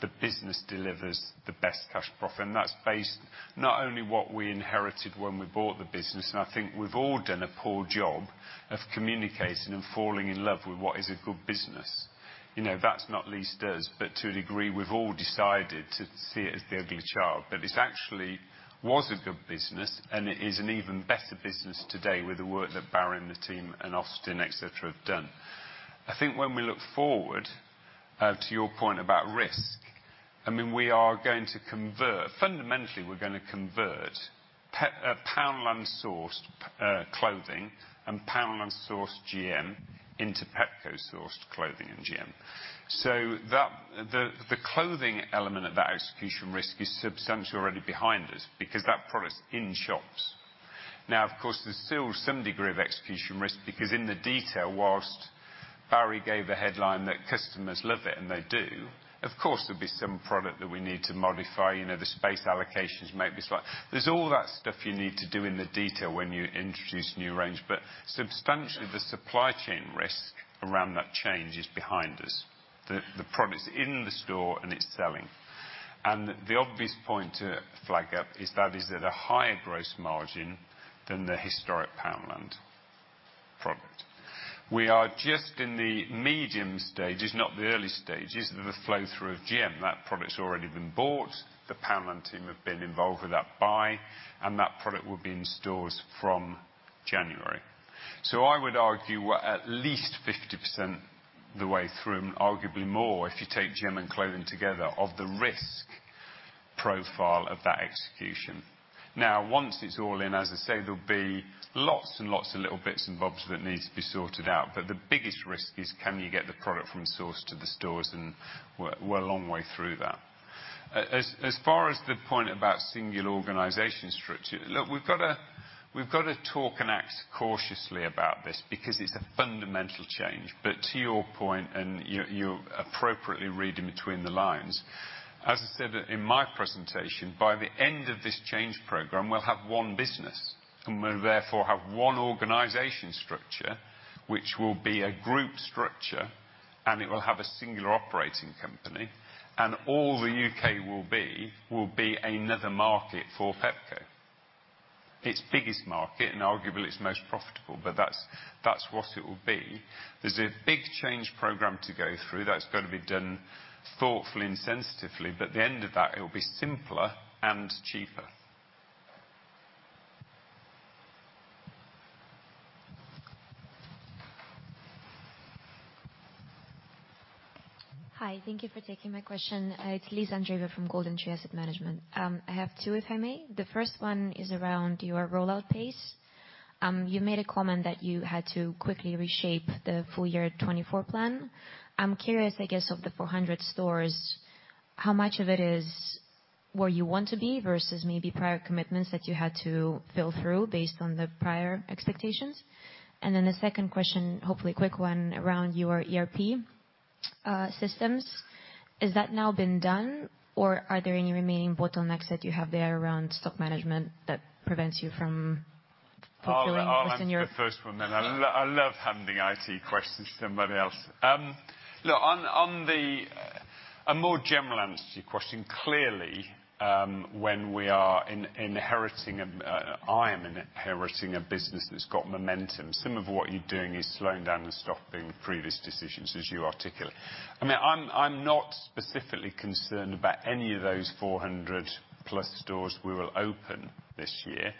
the business delivers the best cash profit, and that's based not only what we inherited when we bought the business, and I think we've all done a poor job of communicating and falling in love with what is a good business. You know, that's not least us, but to a degree, we've all decided to see it as the ugly child, but it actually was a good business, and it is an even better business today with the work that Barry and the team and Austin, et cetera, have done. I think when we look forward, to your point about risk, I mean, we are going to convert... Fundamentally, we're gonna convert Poundland-sourced clothing and Poundland-sourced GM into Pepco-sourced clothing and GM. So that, the, the clothing element of that execution risk is substantially already behind us because that product's in shops. Now, of course, there's still some degree of execution risk because in the detail, whilst Barry gave a headline that customers love it, and they do, of course, there'll be some product that we need to modify. You know, the space allocations might be slight. There's all that stuff you need to do in the detail when you introduce new range, but substantially, the supply chain risk around that change is behind us. The product's in the store, and it's selling. And the obvious point to flag up is that is at a higher gross margin than the historic Poundland product. We are just in the medium stages, not the early stages, of the flow-through of GM. That product's already been bought. The Poundland team have been involved with that buy, and that product will be in stores from January. So I would argue we're at least 50% the way through, and arguably more, if you take GM and clothing together, of the risk profile of that execution. Now, once it's all in, as I say, there'll be lots and lots of little bits and bobs that need to be sorted out, but the biggest risk is, can you get the product from source to the stores, and we're a long way through that. As far as the point about singular organization structure, look, we've got to talk and act cautiously about this because it's a fundamental change. But to your point, and you're appropriately reading between the lines, as I said in my presentation, by the end of this change program, we'll have one business, and we'll therefore have one organization structure, which will be a group structure, and it will have a singular operating company, and all the U.K. will be another market for Pepco. Its biggest market, and arguably, its most profitable, but that's, that's what it will be. There's a big change program to go through that's got to be done thoughtfully and sensitively, but at the end of that, it will be simpler and cheaper. Hi, thank you for taking my question. It's Liz Andreeva from GoldenTree Asset Management. I have two, if I may. The first one is around your rollout pace. You made a comment that you had to quickly reshape the full year 2024 plan. I'm curious, I guess, of the 400 stores, how much of it is where you want to be versus maybe prior commitments that you had to fill through based on the prior expectations? And then the second question, hopefully quick one, around your ERP systems. Is that now been done, or are there any remaining bottlenecks that you have there around stock management that prevents you from fulfilling this in your- I'll answer the first one, then I love handing IT questions to somebody else. Look, on the a more general answer to your question, clearly, when we are inheriting a, I am inheriting a business that's got momentum, some of what you're doing is slowing down and stopping previous decisions, as you articulate. I mean, I'm not specifically concerned about any of those 400+ stores we will open this year,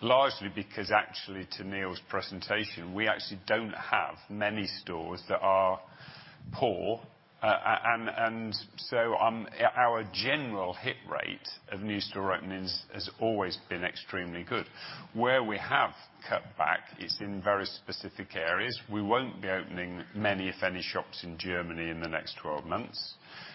largely because actually, to Neil's presentation, we actually don't have many stores that are poor. And so, our general hit rate of new store openings has always been extremely good. Where we have cut back, it's in very specific areas. We won't be opening many, if any, shops in Germany in the next 12 months.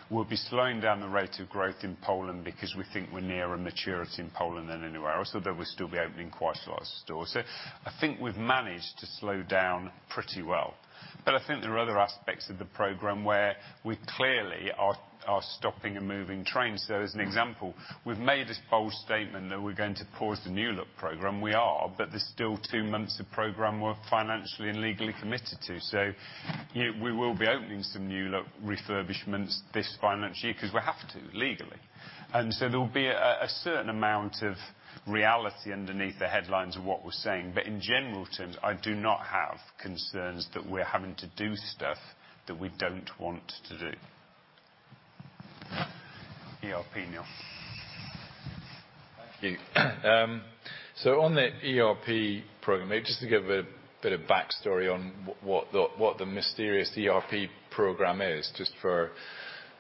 We'll be slowing down the rate of growth in Poland because we think we're near a maturity in Poland than anywhere else, although we'll still be opening quite a lot of stores there.... I think we've managed to slow down pretty well. But I think there are other aspects of the program where we clearly are stopping a moving train. So as an example, we've made this bold statement that we're going to pause the New Look program. We are, but there's still two months of program we're financially and legally committed to. So, you know, we will be opening some New Look refurbishments this financial year, 'cause we have to, legally. And so there will be a certain amount of reality underneath the headlines of what we're saying. In general terms, I do not have concerns that we're having to do stuff that we don't want to do. ERP, Neil. Thank you. So on the ERP program, just to give a bit of backstory on what the mysterious ERP program is, just for...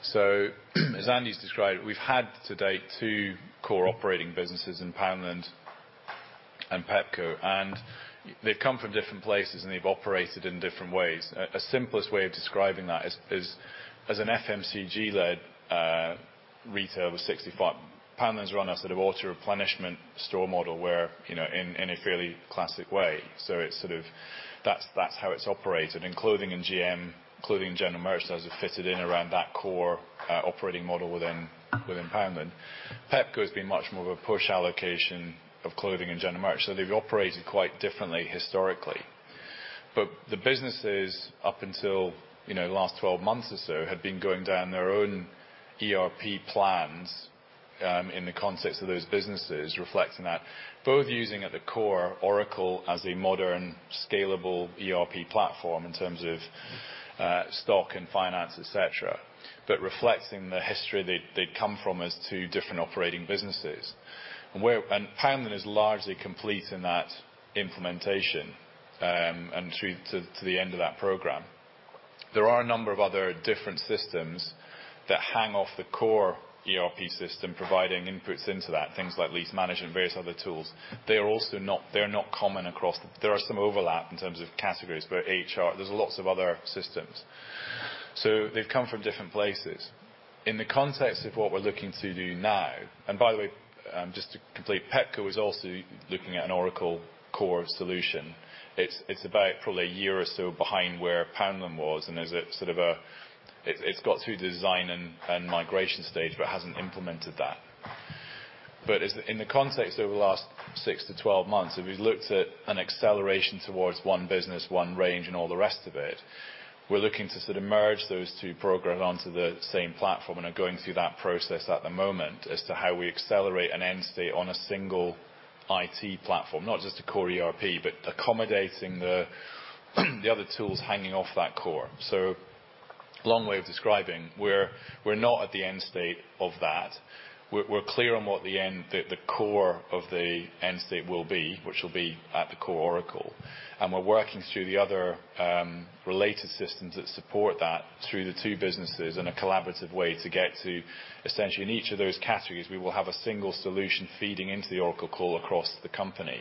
So, as Andy's described, we've had to date two core operating businesses in Poundland and Pepco, and they've come from different places, and they've operated in different ways. A simplest way of describing that is as an FMCG-led retailer with 65, Poundland's run a sort of auto-replenishment store model where, you know, in a fairly classic way. So it's sort of... That's how it's operated. In clothing and GM, clothing and general merchandise, has fitted in around that core operating model within Poundland. Pepco has been much more of a push allocation of clothing and general merch, so they've operated quite differently historically. But the businesses, up until, you know, the last 12 months or so, had been going down their own ERP plans, in the context of those businesses, reflecting that both using, at the core, Oracle as a modern, scalable ERP platform in terms of, stock and finance, et cetera, but reflecting the history they'd, they'd come from as two different operating businesses. And Poundland is largely complete in that implementation, and through to the end of that program. There are a number of other different systems that hang off the core ERP system, providing inputs into that, things like lease management and various other tools. They are also not-- They're not common across. There are some overlap in terms of categories, but HR, there's lots of other systems. So they've come from different places. In the context of what we're looking to do now, and by the way, just to complete, Pepco is also looking at an Oracle core solution. It's about probably a year or so behind where Poundland was. It's got through design and migration stage, but hasn't implemented that. But as in the context over the last 6-12 months, if we've looked at an acceleration towards one business, one range and all the rest of it, we're looking to sort of merge those two programs onto the same platform, and are going through that process at the moment as to how we accelerate an end state on a single IT platform. Not just a core ERP, but accommodating the other tools hanging off that core. So long way of describing, we're not at the end state of that. We're clear on what the end, the core of the end state will be, which will be at the core, Oracle. And we're working through the other, related systems that support that through the two businesses in a collaborative way to get to essentially, in each of those categories, we will have a single solution feeding into the Oracle core across the company.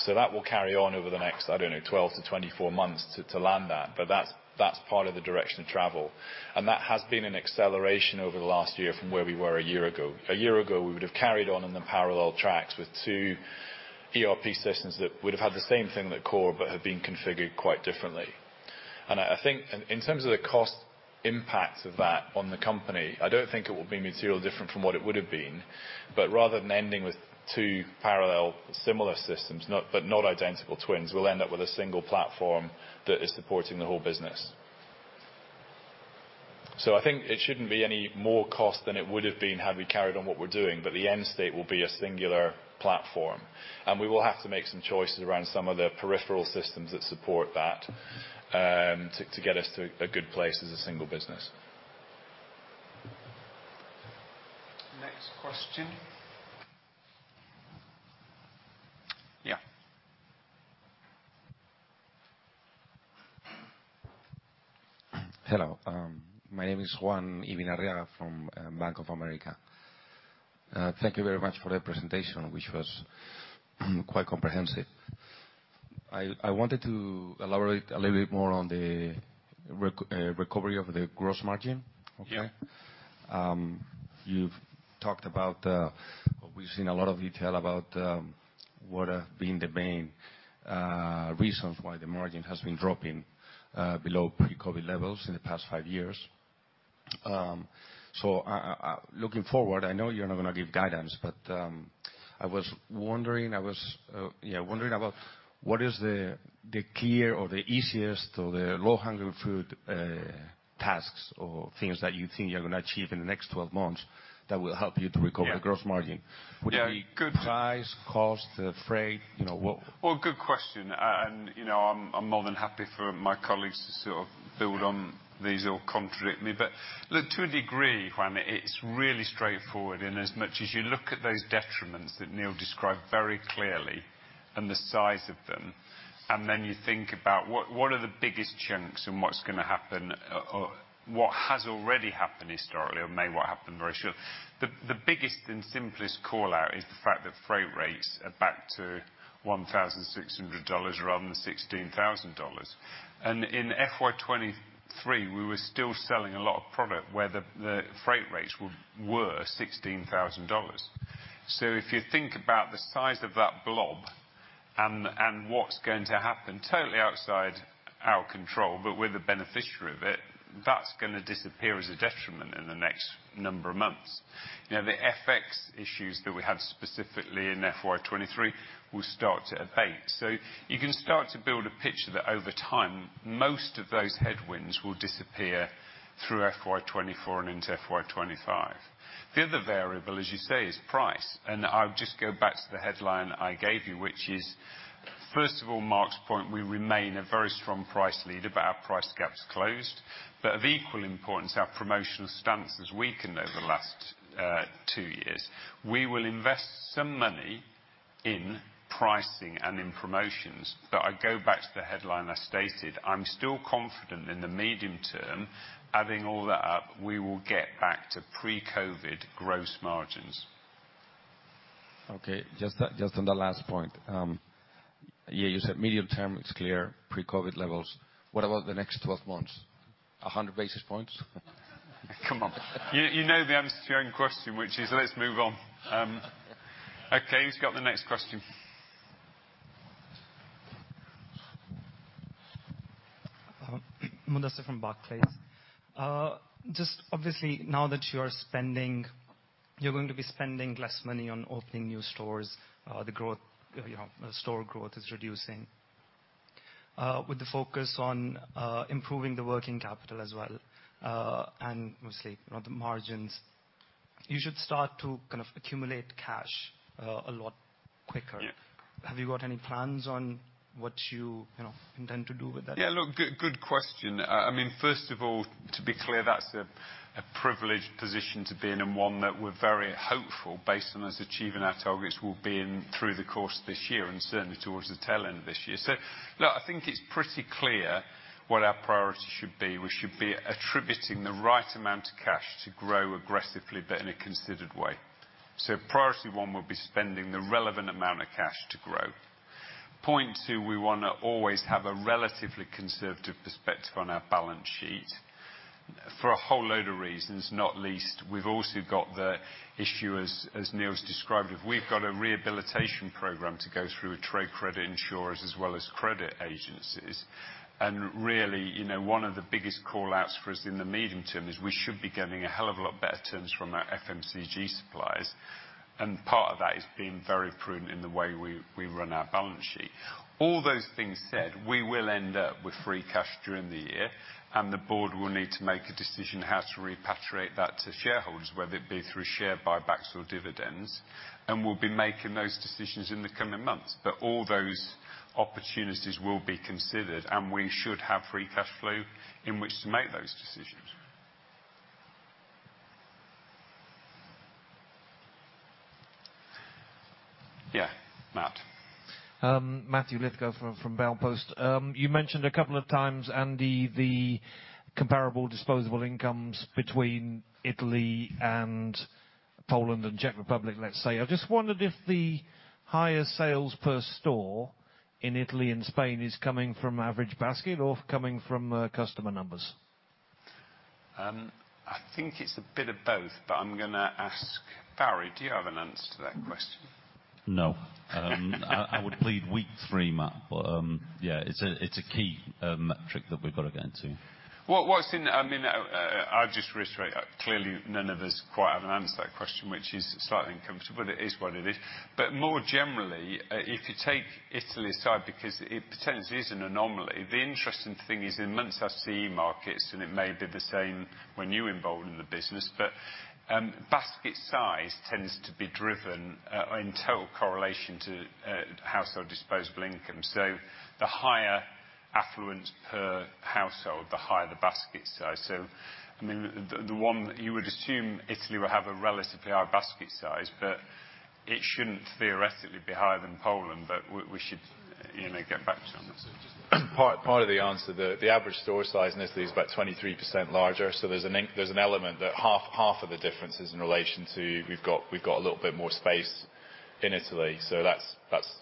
So that will carry on over the next, I don't know, 12-24 months to land that, but that's part of the direction of travel. And that has been an acceleration over the last year from where we were a year ago. A year ago, we would have carried on in the parallel tracks with two ERP systems that would have had the same thing at the core but have been configured quite differently. And I think in terms of the cost impact of that on the company, I don't think it will be material different from what it would have been, but rather than ending with two parallel similar systems, but not identical twins, we'll end up with a single platform that is supporting the whole business. So I think it shouldn't be any more cost than it would have been had we carried on what we're doing, but the end state will be a singular platform, and we will have to make some choices around some of the peripheral systems that support that, to get us to a good place as a single business. Next question? Yeah. Hello, my name is Juan Ibinarriaga from Bank of America. Thank you very much for the presentation, which was quite comprehensive. I wanted to elaborate a little bit more on the recovery of the gross margin. Yeah. You've talked about, we've seen a lot of detail about what are being the main reasons why the margin has been dropping below pre-COVID levels in the past five years. So, looking forward, I know you're not going to give guidance, but I was wondering about what is the clear or the easiest or the low-hanging fruit tasks or things that you think you're going to achieve in the next 12 months that will help you to recover- Yeah. the gross margin? Yeah, good- Price, cost, the freight, you know, what? Well, good question, and, you know, I'm, I'm more than happy for my colleagues to sort of build on these or contradict me, but look, to a degree, Juan, it's really straightforward in as much as you look at those detriments that Neil described very clearly and the size of them, and then you think about what, what are the biggest chunks and what's going to happen, what has already happened historically or may well happen very soon. The biggest and simplest call out is the fact that freight rates are back to $1,600 rather than $16,000. And in FY 2023, we were still selling a lot of product where the freight rates were $16,000. So if you think about the size of that blob and, and what's going to happen, totally outside our control, but we're the beneficiary of it, that's gonna disappear as a detriment in the next number of months. You know, the FX issues that we had specifically in FY 2023 will start to abate. So you can start to build a picture that over time, most of those headwinds will disappear through FY 2024 and into FY 2025. The other variable, as you say, is price, and I would just go back to the headline I gave you, which is, first of all, Mark's point, we remain a very strong price leader, but our price gap's closed. But of equal importance, our promotional stance has weakened over the last 2 years. We will invest some money in pricing and in promotions, but I go back to the headline I stated, I'm still confident in the medium term, adding all that up, we will get back to pre-COVID gross margins. Okay, just, just on the last point. Yeah, you said medium term, it's clear, pre-COVID levels. What about the next 12 months? 100 basis points? Come on. You know the answer to your own question, which is let's move on. Okay, who's got the next question? Mudassar from Barclays. Just obviously, now that you are spending, you're going to be spending less money on opening new stores, the growth, you know, store growth is reducing. With the focus on improving the working capital as well, and mostly, you know, the margins, you should start to kind of accumulate cash a lot quicker. Yeah. Have you got any plans on what you, you know, intend to do with that? Yeah, look, good, good question. I mean, first of all, to be clear, that's a privileged position to be in, and one that we're very hopeful, based on us achieving our targets, we'll be in through the course of this year and certainly towards the tail end of this year. So look, I think it's pretty clear what our priority should be. We should be attributing the right amount of cash to grow aggressively, but in a considered way. So priority one, we'll be spending the relevant amount of cash to grow. Point two, we wanna always have a relatively conservative perspective on our balance sheet for a whole load of reasons, not least, we've also got the issue, as Neil's described, we've got a rehabilitation program to go through with trade credit insurers as well as credit agencies. And really, you know, one of the biggest call-outs for us in the medium term is we should be getting a hell of a lot better terms from our FMCG suppliers, and part of that is being very prudent in the way we run our balance sheet. All those things said, we will end up with free cash during the year, and the board will need to make a decision how to repatriate that to shareholders, whether it be through share buybacks or dividends, and we'll be making those decisions in the coming months. But all those opportunities will be considered, and we should have free cash flow in which to make those decisions. Yeah, Matt? Matthew Sherwood from Baupost. You mentioned a couple of times, Andy, the comparable disposable incomes between Italy and Poland and Czech Republic, let's say. I just wondered if the higher sales per store in Italy and Spain is coming from average basket or coming from customer numbers? I think it's a bit of both, but I'm gonna ask Barry. Do you have an answer to that question? No. I would plead week three, Matt, but yeah, it's a key metric that we've got to get into. I mean, I'll just reiterate, clearly, none of us quite have an answer to that question, which is slightly uncomfortable, but it is what it is. But more generally, if you take Italy aside, because it potentially is an anomaly, the interesting thing is in months I see markets, and it may be the same when you were involved in the business, but basket size tends to be driven in total correlation to household disposable income. So the higher affluence per household, the higher the basket size. So, I mean, the one, you would assume Italy will have a relatively high basket size, but it shouldn't theoretically be higher than Poland, but we should, you know, get back to you on that. Part of the answer, the average store size in Italy is about 23% larger, so there's an element that half of the difference is in relation to we've got a little bit more space in Italy, so that's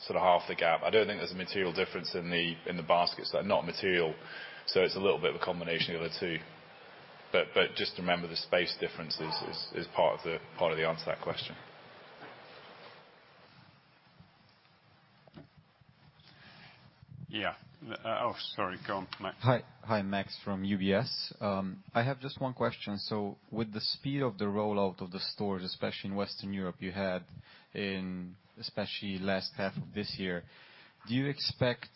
sort of half the gap. I don't think there's a material difference in the baskets. They're not material, so it's a little bit of a combination of the two. But just remember, the space difference is part of the answer to that question. Yeah. Oh, sorry, go on, Max. Hi, hi, Max from UBS. I have just one question. So with the speed of the rollout of the stores, especially in Western Europe, you had in especially last half of this year, do you expect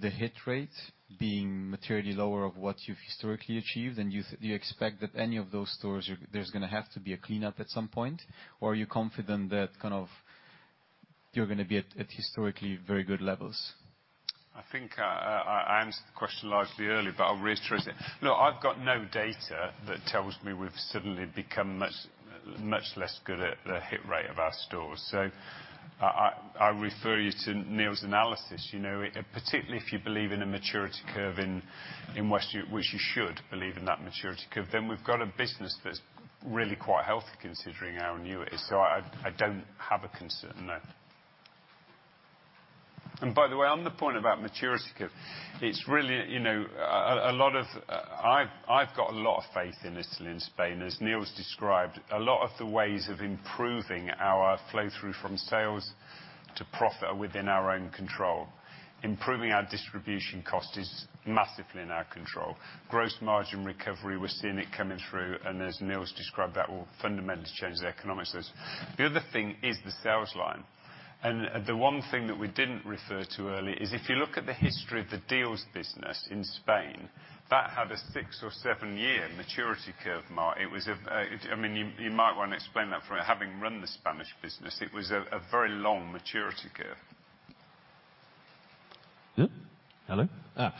the hit rate being materially lower of what you've historically achieved? And you, you expect that any of those stores are, there's gonna have to be a cleanup at some point, or are you confident that, kind of, you're gonna be at, at historically very good levels? I think, I answered the question largely earlier, but I'll reiterate it. Look, I've got no data that tells me we've suddenly become much, much less good at the hit rate of our stores. So I refer you to Neil's analysis. You know, particularly if you believe in a maturity curve in West Europe, which you should believe in that maturity curve, then we've got a business that's really quite healthy, considering how new it is, so I don't have a concern, no. And by the way, on the point about maturity curve, it's really, you know, I've got a lot of faith in Italy and Spain. As Neil's described, a lot of the ways of improving our flow through from sales to profit are within our own control. Improving our distribution cost is massively in our control. Gross margin recovery, we're seeing it coming through, and as Neil's described, that will fundamentally change the economics of this. The other thing is the sales line, and, the one thing that we didn't refer to earlier, is if you look at the history of the Dealz business in Spain, that had a 6 or 7-year maturity curve, Mark. It was a, I mean, you might want to explain that from having run the Spanish business. It was a very long maturity curve. Yeah? Hello. Well,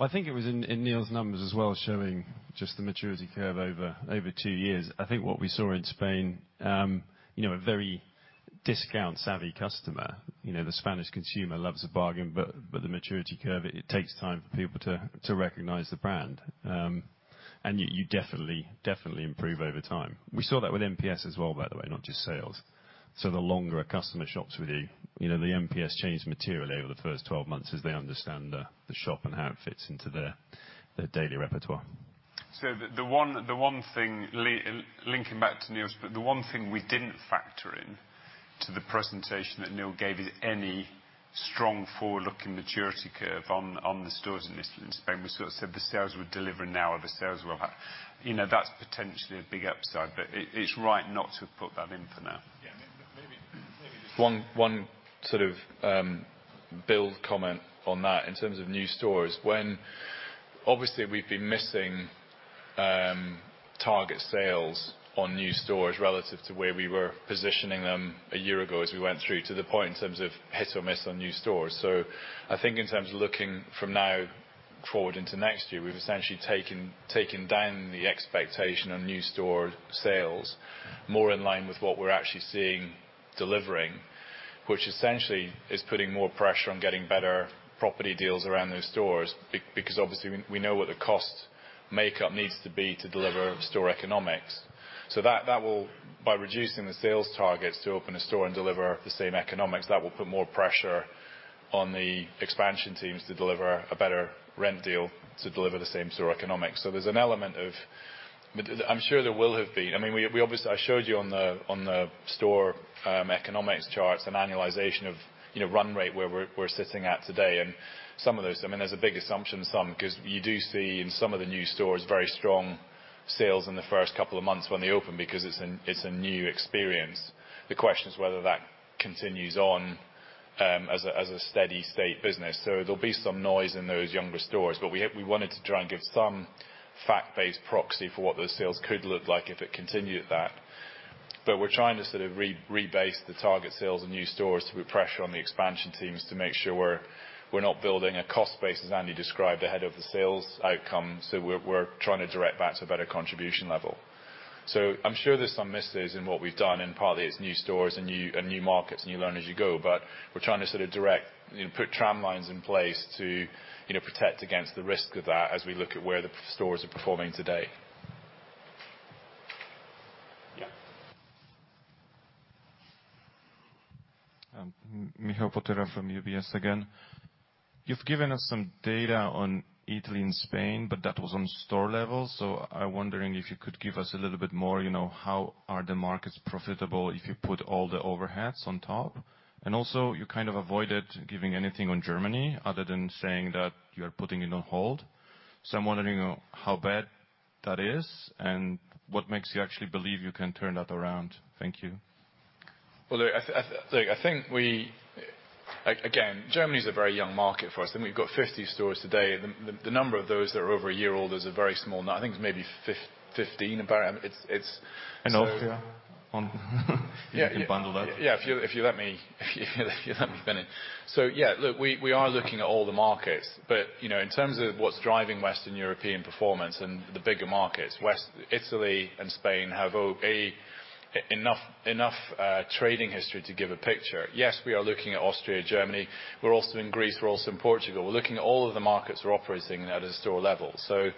I think it was in Neil's numbers as well, showing just the maturity curve over two years. I think what we saw in Spain, you know, a very discount savvy customer. You know, the Spanish consumer loves a bargain, but the maturity curve, it takes time for people to recognize the brand. And yet you definitely improve over time. We saw that with NPS as well, by the way, not just sales. So the longer a customer shops with you, you know, the NPS changed materially over the first 12 months as they understand the shop and how it fits into their daily repertoire. So the one thing linking back to Neil's... The one thing we didn't factor in to the presentation that Neil gave is any strong forward-looking maturity curve on the stores in Italy and Spain. We sort of said the sales we're delivering now are the sales we'll have. You know, that's potentially a big upside, but it's right not to have put that in for now. Yeah, maybe, maybe just- One sort of build comment on that, in terms of new stores. When obviously, we've been missing target sales on new stores relative to where we were positioning them a year ago as we went through, to the point in terms of hit or miss on new stores. So I think in terms of looking from now forward into next year, we've essentially taken down the expectation on new store sales, more in line with what we're actually seeing delivering. Which essentially is putting more pressure on getting better property deals around those stores because, obviously, we know what the cost makeup needs to be to deliver store economics. So that will, by reducing the sales targets to open a store and deliver the same economics, that will put more pressure on the expansion teams to deliver a better rent deal, to deliver the same store economics. So there's an element of... But I'm sure there will have been-- I mean, we obviously, I showed you on the store economics charts, an annualization of, you know, run rate, where we're sitting at today. And some of those, I mean, there's a big assumption, some, 'cause you do see in some of the new stores, very strong sales in the first couple of months when they open, because it's a new experience. The question is whether that continues on as a steady state business. So there'll be some noise in those younger stores, but we, we wanted to try and give some fact-based proxy for what those sales could look like if it continued at that. But we're trying to sort of re- rebase the target sales and new stores to put pressure on the expansion teams to make sure we're not building a cost base, as Andy described, as Andy described, ahead of the sales outcome. So we're, we're trying to direct that to a better contribution level. So I'm sure there's some misses in what we've done, and partly it's new stores and new, and new markets, and you learn as you go. But we're trying to sort of direct, you know, put tramlines in place to, you know, protect against the risk of that as we look at where the stores are performing today. Yeah. Mijo Potera from UBS again. You've given us some data on Italy and Spain, but that was on store level, so I'm wondering if you could give us a little bit more, you know, how are the markets profitable if you put all the overheads on top? And also, you kind of avoided giving anything on Germany, other than saying that you're putting it on hold. So I'm wondering how bad that is, and what makes you actually believe you can turn that around? Thank you. Well, look, I think we... Like, again, Germany is a very young market for us, and we've got 50 stores today. The number of those that are over a year old is a very small number. I think it's maybe 15, about. It's so- Austria on, you can bundle that. Yeah. If you let me finish. So yeah, look, we are looking at all the markets, but, you know, in terms of what's driving Western European performance and the bigger markets, West, Italy and Spain have enough trading history to give a picture. Yes, we are looking at Austria, Germany. We're also in Greece, we're also in Portugal. We're looking at all of the markets we're operating at a store level. So,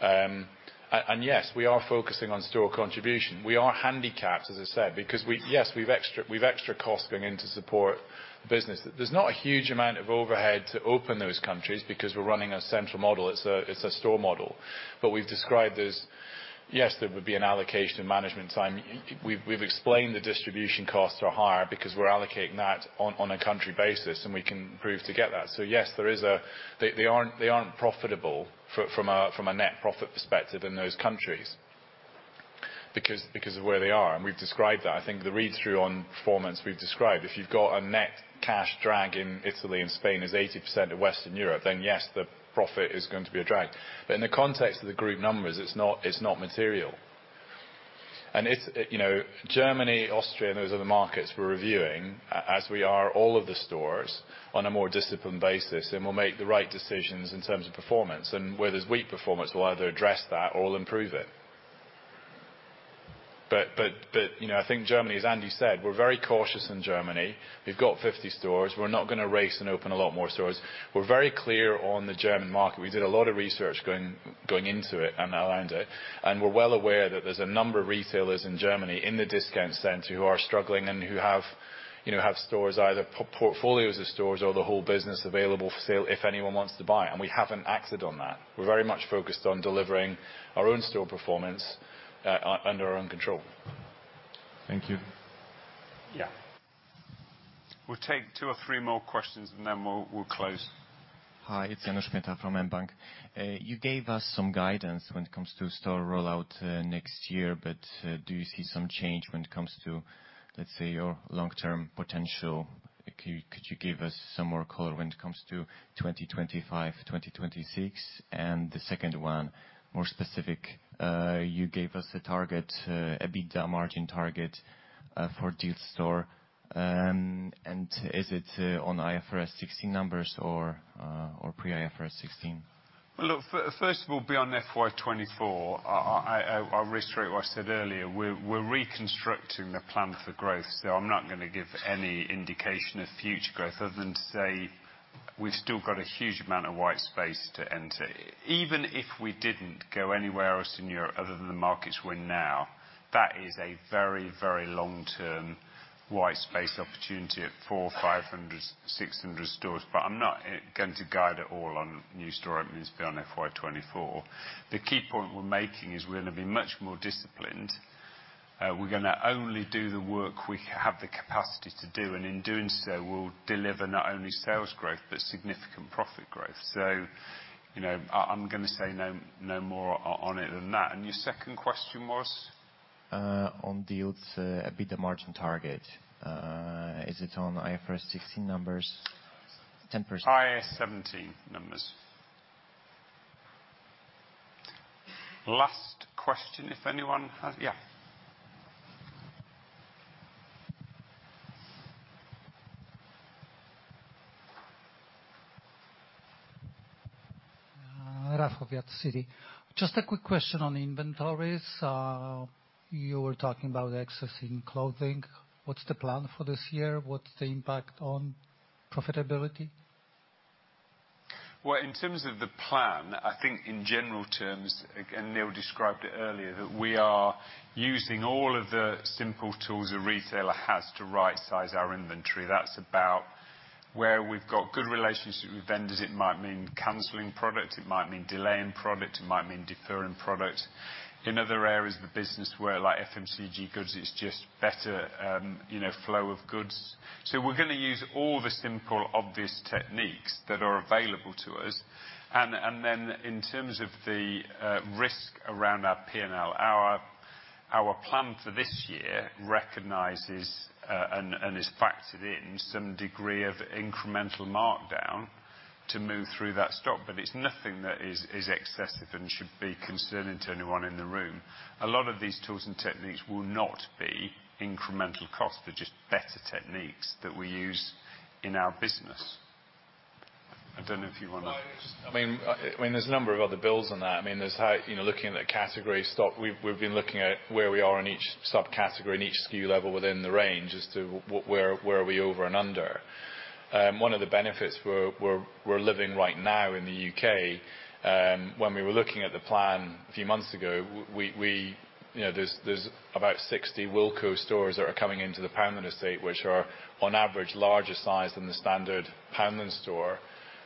and yes, we are focusing on store contribution. We are handicapped, as I said, because we... Yes, we've extra costs going in to support the business. There's not a huge amount of overhead to open those countries because we're running a central model. It's a store model. But we've described there's yes, there would be an allocation of management time. We've explained the distribution costs are higher because we're allocating that on a country basis, and we can prove to get that. So yes, there is a... They aren't profitable from a net profit perspective in those countries because of where they are, and we've described that. I think the read-through on performance, we've described. If you've got a net cash drag in Italy and Spain is 80% of Western Europe, then yes, the profit is going to be a drag. But in the context of the group numbers, it's not material. And it's, you know, Germany, Austria, and those other markets we're reviewing, as we are all of the stores, on a more disciplined basis, and we'll make the right decisions in terms of performance. Where there's weak performance, we'll either address that or improve it. But you know, I think Germany, as Andy said, we're very cautious in Germany. We've got 50 stores. We're not going to race and open a lot more stores. We're very clear on the German market. We did a lot of research going into it and around it, and we're well aware that there's a number of retailers in Germany, in the discount center, who are struggling and who have, you know, have stores, either portfolios of stores or the whole business available for sale if anyone wants to buy. We haven't acted on that. We're very much focused on delivering our own store performance under our own control. Thank you. Yeah. We'll take two or three more questions, and then we'll close. Hi, it's Janusz Malta from mBank. You gave us some guidance when it comes to store rollout next year, but do you see some change when it comes to, let's say, your long-term potential? Could you give us some more color when it comes to 2025, 2026? And the second one, more specific, you gave us a target, EBITDA margin target, for Dealz store. And is it on IFRS 16 numbers or or pre-IFRS 16? Well, look, first of all, beyond FY 2024, I'll reiterate what I said earlier, we're reconstructing the plan for growth, so I'm not going to give any indication of future growth other than to say we've still got a huge amount of white space to enter. Even if we didn't go anywhere else in Europe other than the markets we're in now, that is a very, very long-term white space opportunity at 400, 500, 600 stores. But I'm not going to guide at all on new store openings beyond FY 2024. The key point we're making is we're going to be much more disciplined. We're going to only do the work we have the capacity to do, and in doing so, we'll deliver not only sales growth, but significant profit growth. So, you know, I'm going to say no more on it than that. And your second question was? On Dealz, EBITDA margin target. Is it on IFRS 16 numbers? 10%. IAS 17 numbers. Last question, if anyone has... Yeah. Rafal Wiatr, Citi. Just a quick question on inventories. You were talking about excess in clothing. What's the plan for this year? What's the impact on profitability? Well, in terms of the plan, I think in general terms, again, Neil described it earlier, that we are using all of the simple tools a retailer has to rightsize our inventory. That's about where we've got good relationships with vendors, it might mean canceling product, it might mean delaying product, it might mean deferring product. In other areas of the business where, like FMCG goods, it's just better, you know, flow of goods. So we're going to use all the simple, obvious techniques that are available to us. And then in terms of the risk around our P&L, our plan for this year recognizes and is factored in some degree of incremental markdown to move through that stock. But it's nothing that is excessive and should be concerning to anyone in the room. A lot of these tools and techniques will not be incremental costs. They're just better techniques that we use in our business. I don't know if you want to- I mean, there's a number of other builds on that. I mean, You know, looking at the category stock, we've been looking at where we are in each subcategory and each SKU level within the range as to where, where are we over and under. One of the benefits we're living right now in the U.K., when we were looking at the plan a few months ago, we... You know, there's about 60 Wilko stores that are coming into the Poundland estate, which are, on average, larger size than the standard Poundland store.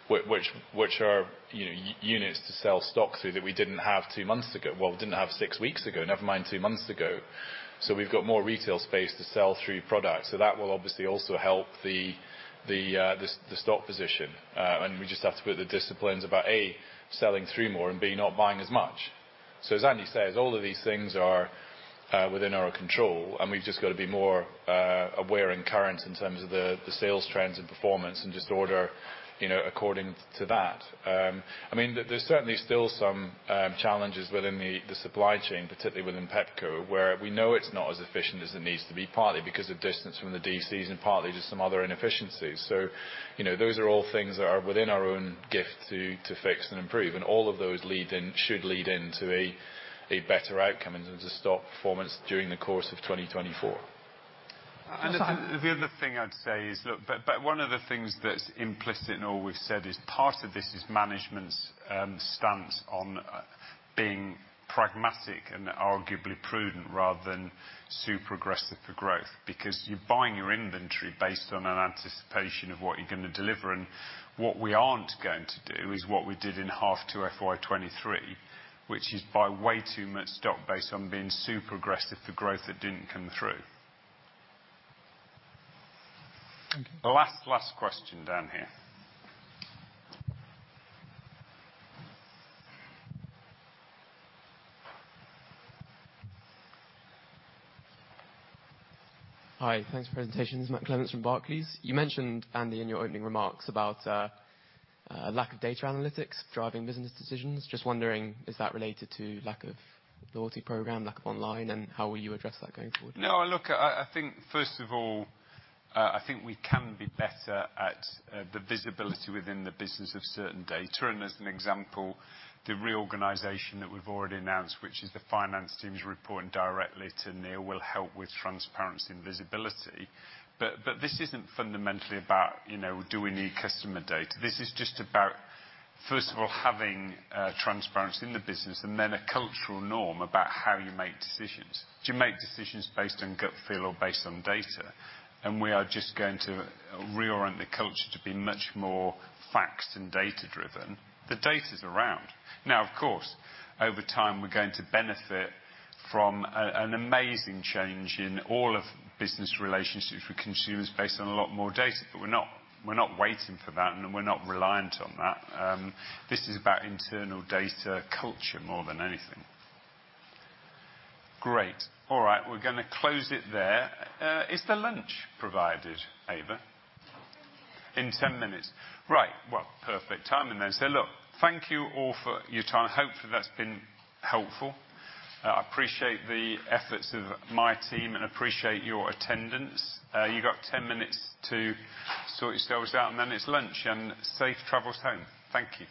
Which are, you know, units to sell stock through that we didn't have 2 months ago. Well, we didn't have 6 weeks ago, never mind 2 months ago. So we've got more retail space to sell through product, so that will obviously also help the stock position. And we just have to put the disciplines about A, selling through more, and B, not buying as much. So as Andy says, all of these things are within our control, and we've just got to be more aware and current in terms of the sales trends and performance and just order, you know, according to that. I mean, there's certainly still some challenges within the supply chain, particularly within Pepco, where we know it's not as efficient as it needs to be, partly because of distance from the DCs and partly just some other inefficiencies. So, you know, those are all things that are within our own gift to fix and improve, and all of those should lead into a better outcome in terms of stock performance during the course of 2024. The other thing I'd say is, look. But one of the things that's implicit in all we've said is part of this is management's stance on being pragmatic and arguably prudent rather than super aggressive for growth. Because you're buying your inventory based on an anticipation of what you're going to deliver, and what we aren't going to do is what we did in H2 FY 2023, which is buy way too much stock based on being super aggressive for growth that didn't come through. Thank you. Last, last question down here. Hi, thanks for the presentation. This is Matt Clements from Barclays. You mentioned, Andy, in your opening remarks about a lack of data analytics driving business decisions. Just wondering, is that related to lack of loyalty program, lack of online, and how will you address that going forward? No, look, I, I think first of all, I think we can be better at the visibility within the business of certain data. And as an example, the reorganization that we've already announced, which is the finance teams reporting directly to Neil, will help with transparency and visibility. But this isn't fundamentally about, you know, do we need customer data? This is just about, first of all, having transparency in the business, and then a cultural norm about how you make decisions. Do you make decisions based on gut feel or based on data? And we are just going to reorient the culture to be much more facts and data-driven. The data's around. Now, of course, over time, we're going to benefit from an amazing change in all of business relationships with consumers based on a lot more data, but we're not, we're not waiting for that, and we're not reliant on that. This is about internal data culture more than anything. Great. All right, we're going to close it there. Is the lunch provided, Ava? In 10 minutes. In 10 minutes. Right. Well, perfect timing then. So look, thank you all for your time. Hopefully, that's been helpful. I appreciate the efforts of my team and appreciate your attendance. You got 10 minutes to sort yourselves out, and then it's lunch, and safe travels home. Thank you.